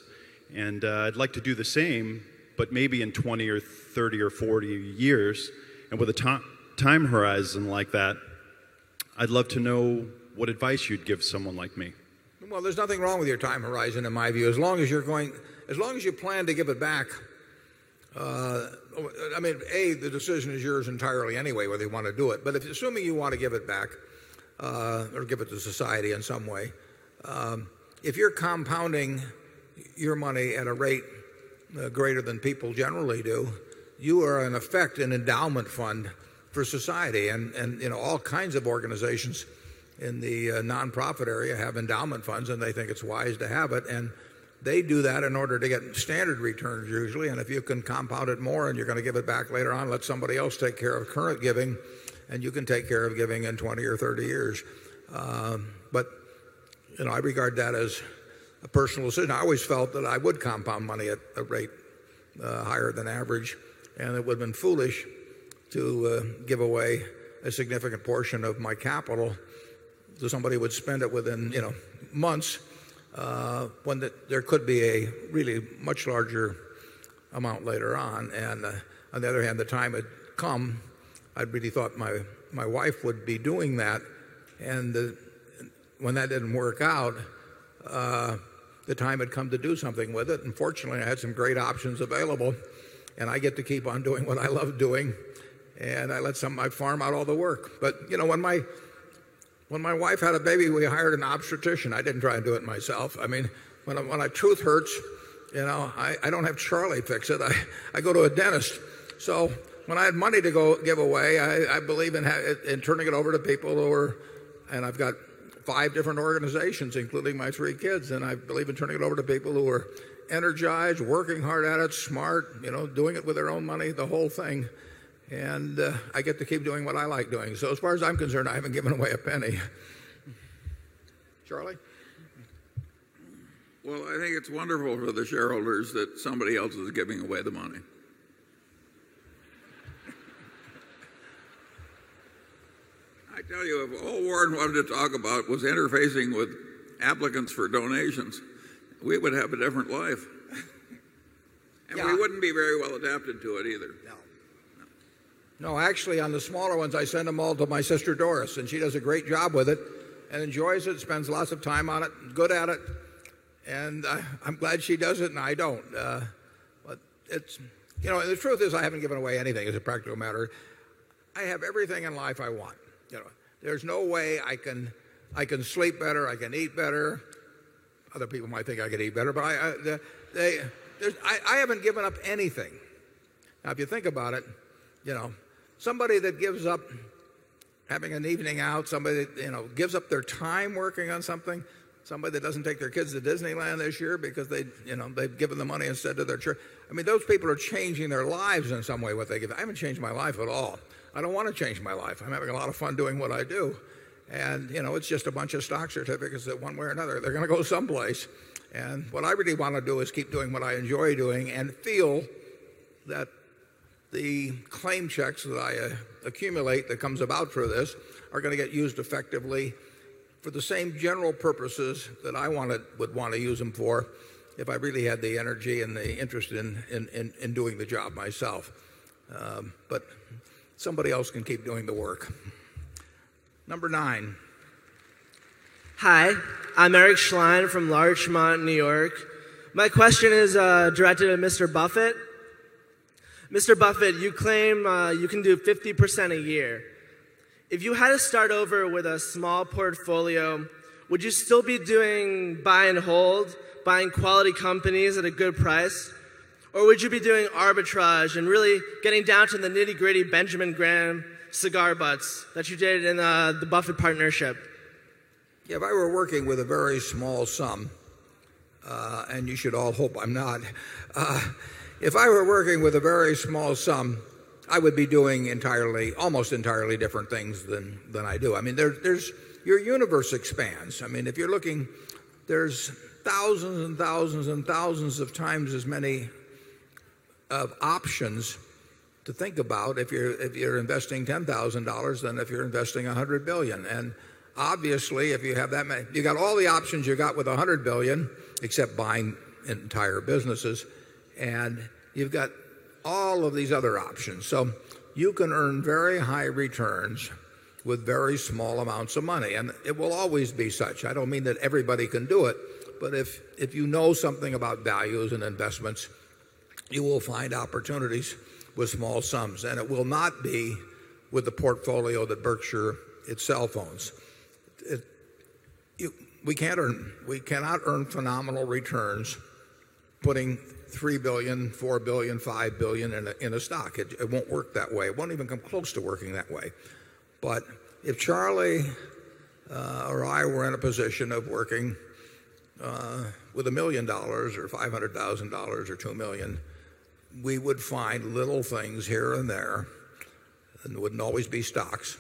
and, I'd like to do the same, but maybe in 20 or 30 or 40 years. And with a time horizon like that, I'd love to know what advice you'd give someone like me. Well, there's nothing wrong with your time horizon in my view. As long as you're going as long as you plan to give it back, I mean, A, the decision is yours entirely anyway whether you want to do it. But assuming you want to give it back or give it to society in some way, If you're compounding your money at a rate greater than people generally do, you are in effect an endowment fund for society and all kinds of organizations in the non profit area have endowment funds and they think it's wise to have it and they do that in order to get standard returns usually and if you can compound it more and you're going to give it back later on, let somebody else take care of current giving and you can take care of giving in 20 or 30 years. But I regard that as a personal decision. I always felt that I would compound money at a rate higher than average and it would have been foolish to give away a significant portion of my capital so somebody would spend it within months when there could be a really much larger amount later on. And on the other hand, the time had come, I really thought my wife would be doing that. And when that didn't work out, the time had come to do something with it. And fortunately, I had some great options available and I get to keep on doing what I love doing. And I let some I farm out all the work. But, you know, when my when my wife had a baby, we hired an obstetrician. I didn't try and do it myself. I mean, when a tooth hurts, I don't have Charlie fix it. I go to a dentist. So when I had money to go give away, I believe in turning it over to people who are and I've got 5 different organizations including my 3 kids and I believe in turning it over to people who are energized, working hard at it, smart, doing it with their own money, the whole thing. And I get to keep doing what I like doing. So as far as I'm concerned, I haven't given away a penny. Charlie? Well, I think it's wonderful for the shareholders that somebody else is giving away the money. I tell you, if all Warren wanted to talk about was interfacing with applicants for donations, we would have a different life. And we wouldn't be very well adapted to it either. No. No. No. Actually on the smaller ones, I send them all to my sister Doris and she does a great job with it and enjoys it, spends lots of time on it, good at it And I'm glad she does it and I don't. But it's the truth is I haven't given away anything as a practical matter. I have everything in life I want. There's no way I can sleep better, I can eat better. Other people might think I could eat better, but I haven't given up anything. Now if you think about it, somebody that gives up having an evening out, somebody that gives up their time working on something, somebody that doesn't take their kids to Disneyland this year because they've given the money and said to their church. I mean, those people are changing their lives in some way what they give. I haven't changed my life at all. I don't want to change my life. I'm having a lot of fun doing what I do. And it's just a bunch of stocks or certificates that one way or another, they're going to go someplace. And what I really want to do is keep doing what I enjoy doing and feel that the claim checks that I accumulate that comes about for this are going to get used effectively for the same general purposes that I would want to use them for if I really had the energy and the interest doing the job myself. But somebody else can keep doing the work. Number 9. Hi. I'm Eric Schlein from Larchmont, New York. My question is, directed at mister Buffet. Mister Buffet, you claim, you can do 50% a year. If you had to start over with a small portfolio, would you still be doing buy and hold, buying quality companies at a good price? Or would you be doing arbitrage and really getting down to the nitty gritty Benjamin Graham cigar butts that you did in the Buffett partnership? Yeah. If I were working with a very small sum, and you should all hope I'm not, if I were working with a very small sum, I would be doing entirely almost entirely different things than I do. I mean, there's your universe expands. I mean, if you're looking, there's 1,000 and 1,000 and 1,000 of times as many of options to think about if you're investing $10,000 than if you're investing $100,000,000,000 And obviously, if you have that many you got all the options you got with $100,000,000,000 except buying entire businesses and you've got all of these other options. So you can earn very high returns with very small amounts of money and it will always be such. I don't mean that everybody can do it. But if you know something about values and investments, you will find opportunities with small sums and it will not be with the portfolio that Berkshire itself owns. We cannot earn phenomenal returns putting $3,000,000,000 $4,000,000,000 $5,000,000,000 in a stock. It won't work that way. It won't even come close to working that way. But if Charlie or I were in a position of working with $1,000,000 or $500,000 or 2,000,000 dollars we would find little things here and there and there wouldn't always be stocks,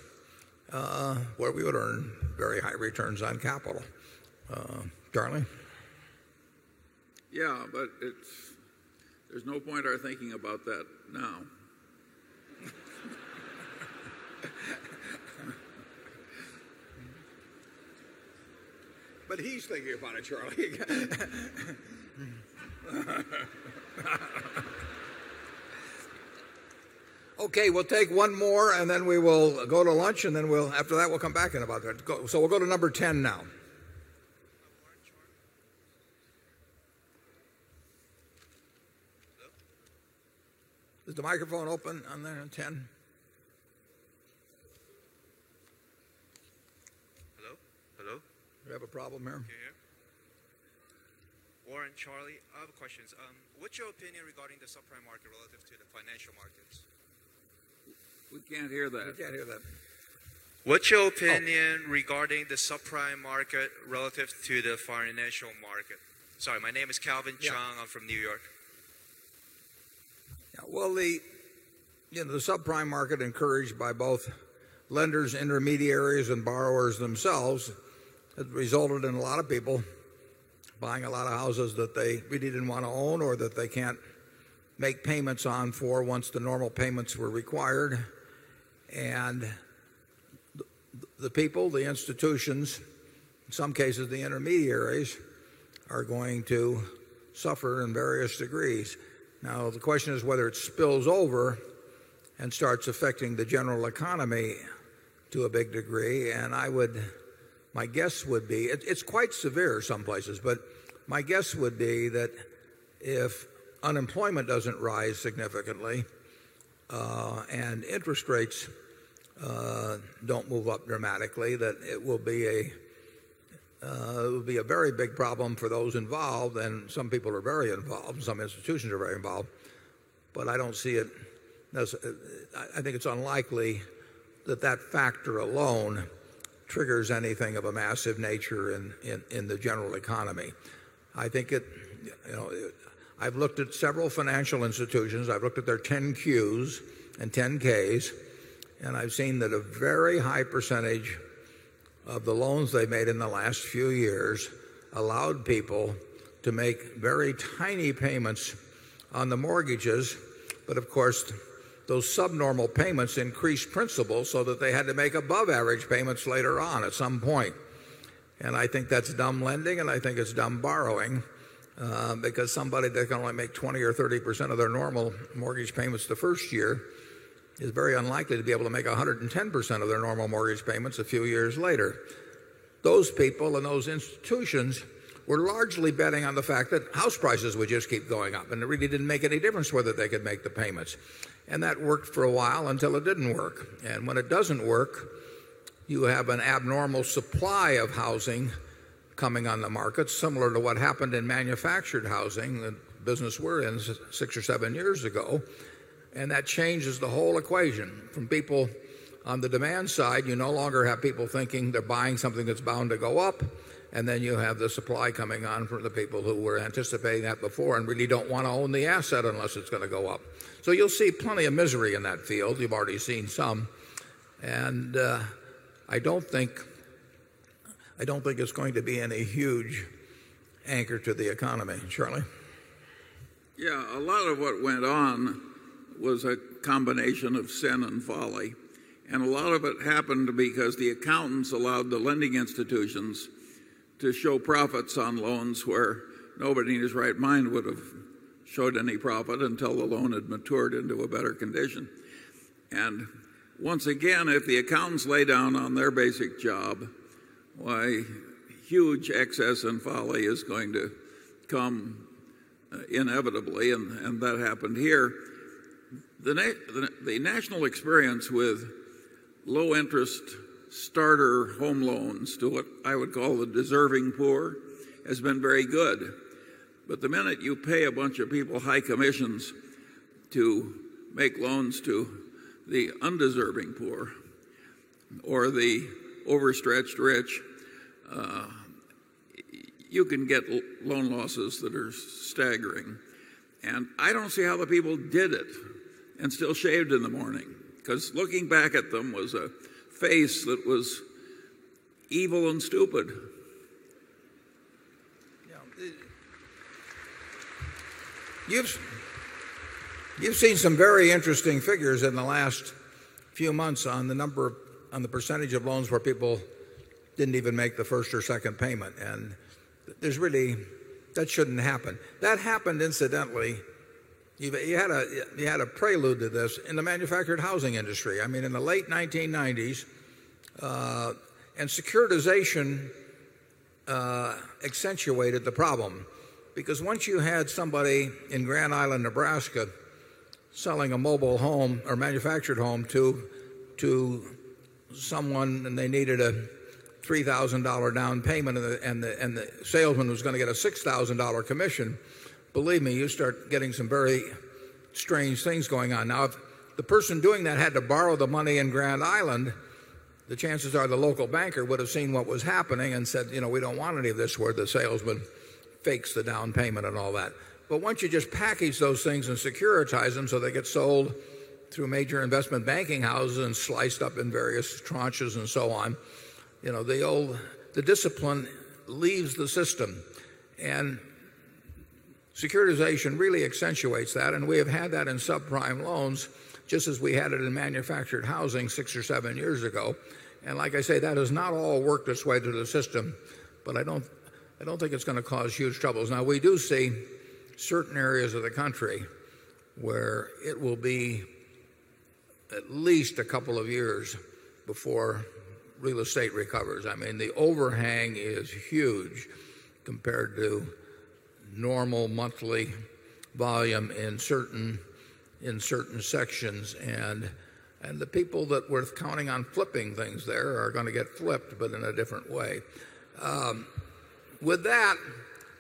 where we would earn very high returns on capital. Darling? Yes. But there's no point in our thinking about that now. But he's thinking about it, Charlie. Okay. We'll take one more and then we will go to lunch and then we'll after that we'll come back in about that. So we'll go to number 10 now. Is the microphone open on there on 10? Hello? Hello? We have a problem, Aaron. Warren, Charlie. I have a question. What's your opinion regarding the subprime market relative to the financial markets? We can't hear that. We can't hear that. What's your opinion regarding the subprime market relative to the financial market? Sorry, my name is Calvin Chung. I'm from New York. Well, the subprime market encouraged by both lenders, intermediaries and borrowers themselves resulted in a lot of people buying a lot of houses that they really didn't want to own or that they can't make payments on for once the normal payments were required. And the people, the institutions, in some cases, the intermediaries are going to suffer in various degrees. Now the question is whether it spills over and starts affecting the general economy to a big degree and I would my guess would be, it's quite severe in some places, but my guess would be that if unemployment doesn't rise significantly, and interest rates don't move up dramatically that it will be a very big problem for those involved and some people are very involved, some institutions are very involved, but I don't see it as I think it's unlikely that that factor alone triggers anything of a massive nature in the general economy. I think it I've looked at several financial institutions. I've looked at their 10 Qs and 10 ks's and I've seen that a very high percentage of the loans they made in the last few years allowed people to make very tiny payments on the mortgages, but of course, those subnormal payments increased principal so that they had to make above average payments later on at some point. And I think that's dumb lending and I think it's dumb borrowing, because somebody that can only make 20% or 30% of their normal mortgage payments the 1st year it's very unlikely to be able to make 110 percent of their normal mortgage payments a few years later. Those people and those institutions were largely betting on the fact that house prices would just keep going up and it really didn't make any difference whether they could make the payments. And that worked for a while until it didn't work. And when it doesn't work, you have an abnormal supply of housing coming on the market similar to what happened in manufactured housing, the business we're in 6 or 7 years ago and that changes the whole equation. From people on the demand side, you no longer have people thinking they're buying something that's bound to go up and then you have the supply coming on for the people who were anticipating that before and really don't want to own the asset unless it's going to go up. So you'll see I don't think it's going to be any huge, I don't think it's going to be any huge anchor to the economy. Charlie? Yes. A lot of what went on was a combination of sin and folly. And a lot of it happened because the accountants allowed the lending institutions to show profits on loans where nobody in his right mind would have showed any profit until the loan had matured into a better condition. And once again, if the account lay down on their basic job, why huge excess and folly is going to come inevitably and that happened here. The national experience with low interest starter home loans to what I would call the deserving poor has been very good. But the minute you pay a bunch of people high commissions to make loans to the undeserving poor or the overstretched rich, you can get loan losses that are staggering. And I don't see how the people did it and still shaved in the morning because looking back at them was a face that was evil and stupid. You've seen some very interesting figures in the last few months on the number on the percentage of loans where people didn't even make the 1st or second payment. And there's really that shouldn't happen. That happened incidentally, you had a prelude to this in the manufactured housing industry. I mean, in the late 1990s, and securitization accentuated the problem. Because once you had somebody in Grand Island, Nebraska selling a mobile home or manufactured home to someone and they needed a $3,000 down payment and the salesman was going to get a $6,000 commission, believe me, you start getting some very strange things going on. Now, if the person doing that had to borrow the money in Grand Island, the chances are the local banker would have seen what was happening and said, we don't want any of this where the salesman fakes the down payment and all that. But once you just package those things and securitize them so they get sold through major investment banking houses and sliced up in various tranches and so on. The discipline leaves the system and securitization really accentuates that and we have had that in subprime loans just as we had it in manufactured housing 6 or 7 years ago. And like I say, that has not all worked its way through the system, but I don't think it's going to cause huge troubles. Now we do see certain areas of the country where it will be at least a couple of years before real estate recovers. I mean, the overhang is huge compared to normal monthly volume in certain sections. And the people that were counting on flipping things there are going to get flipped but in a different way. With that,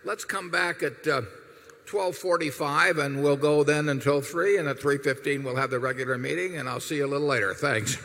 let's come back at 12:45 and we'll go then until 3 and at 3:15 we'll have the regular meeting and I'll see you a little later. Thanks.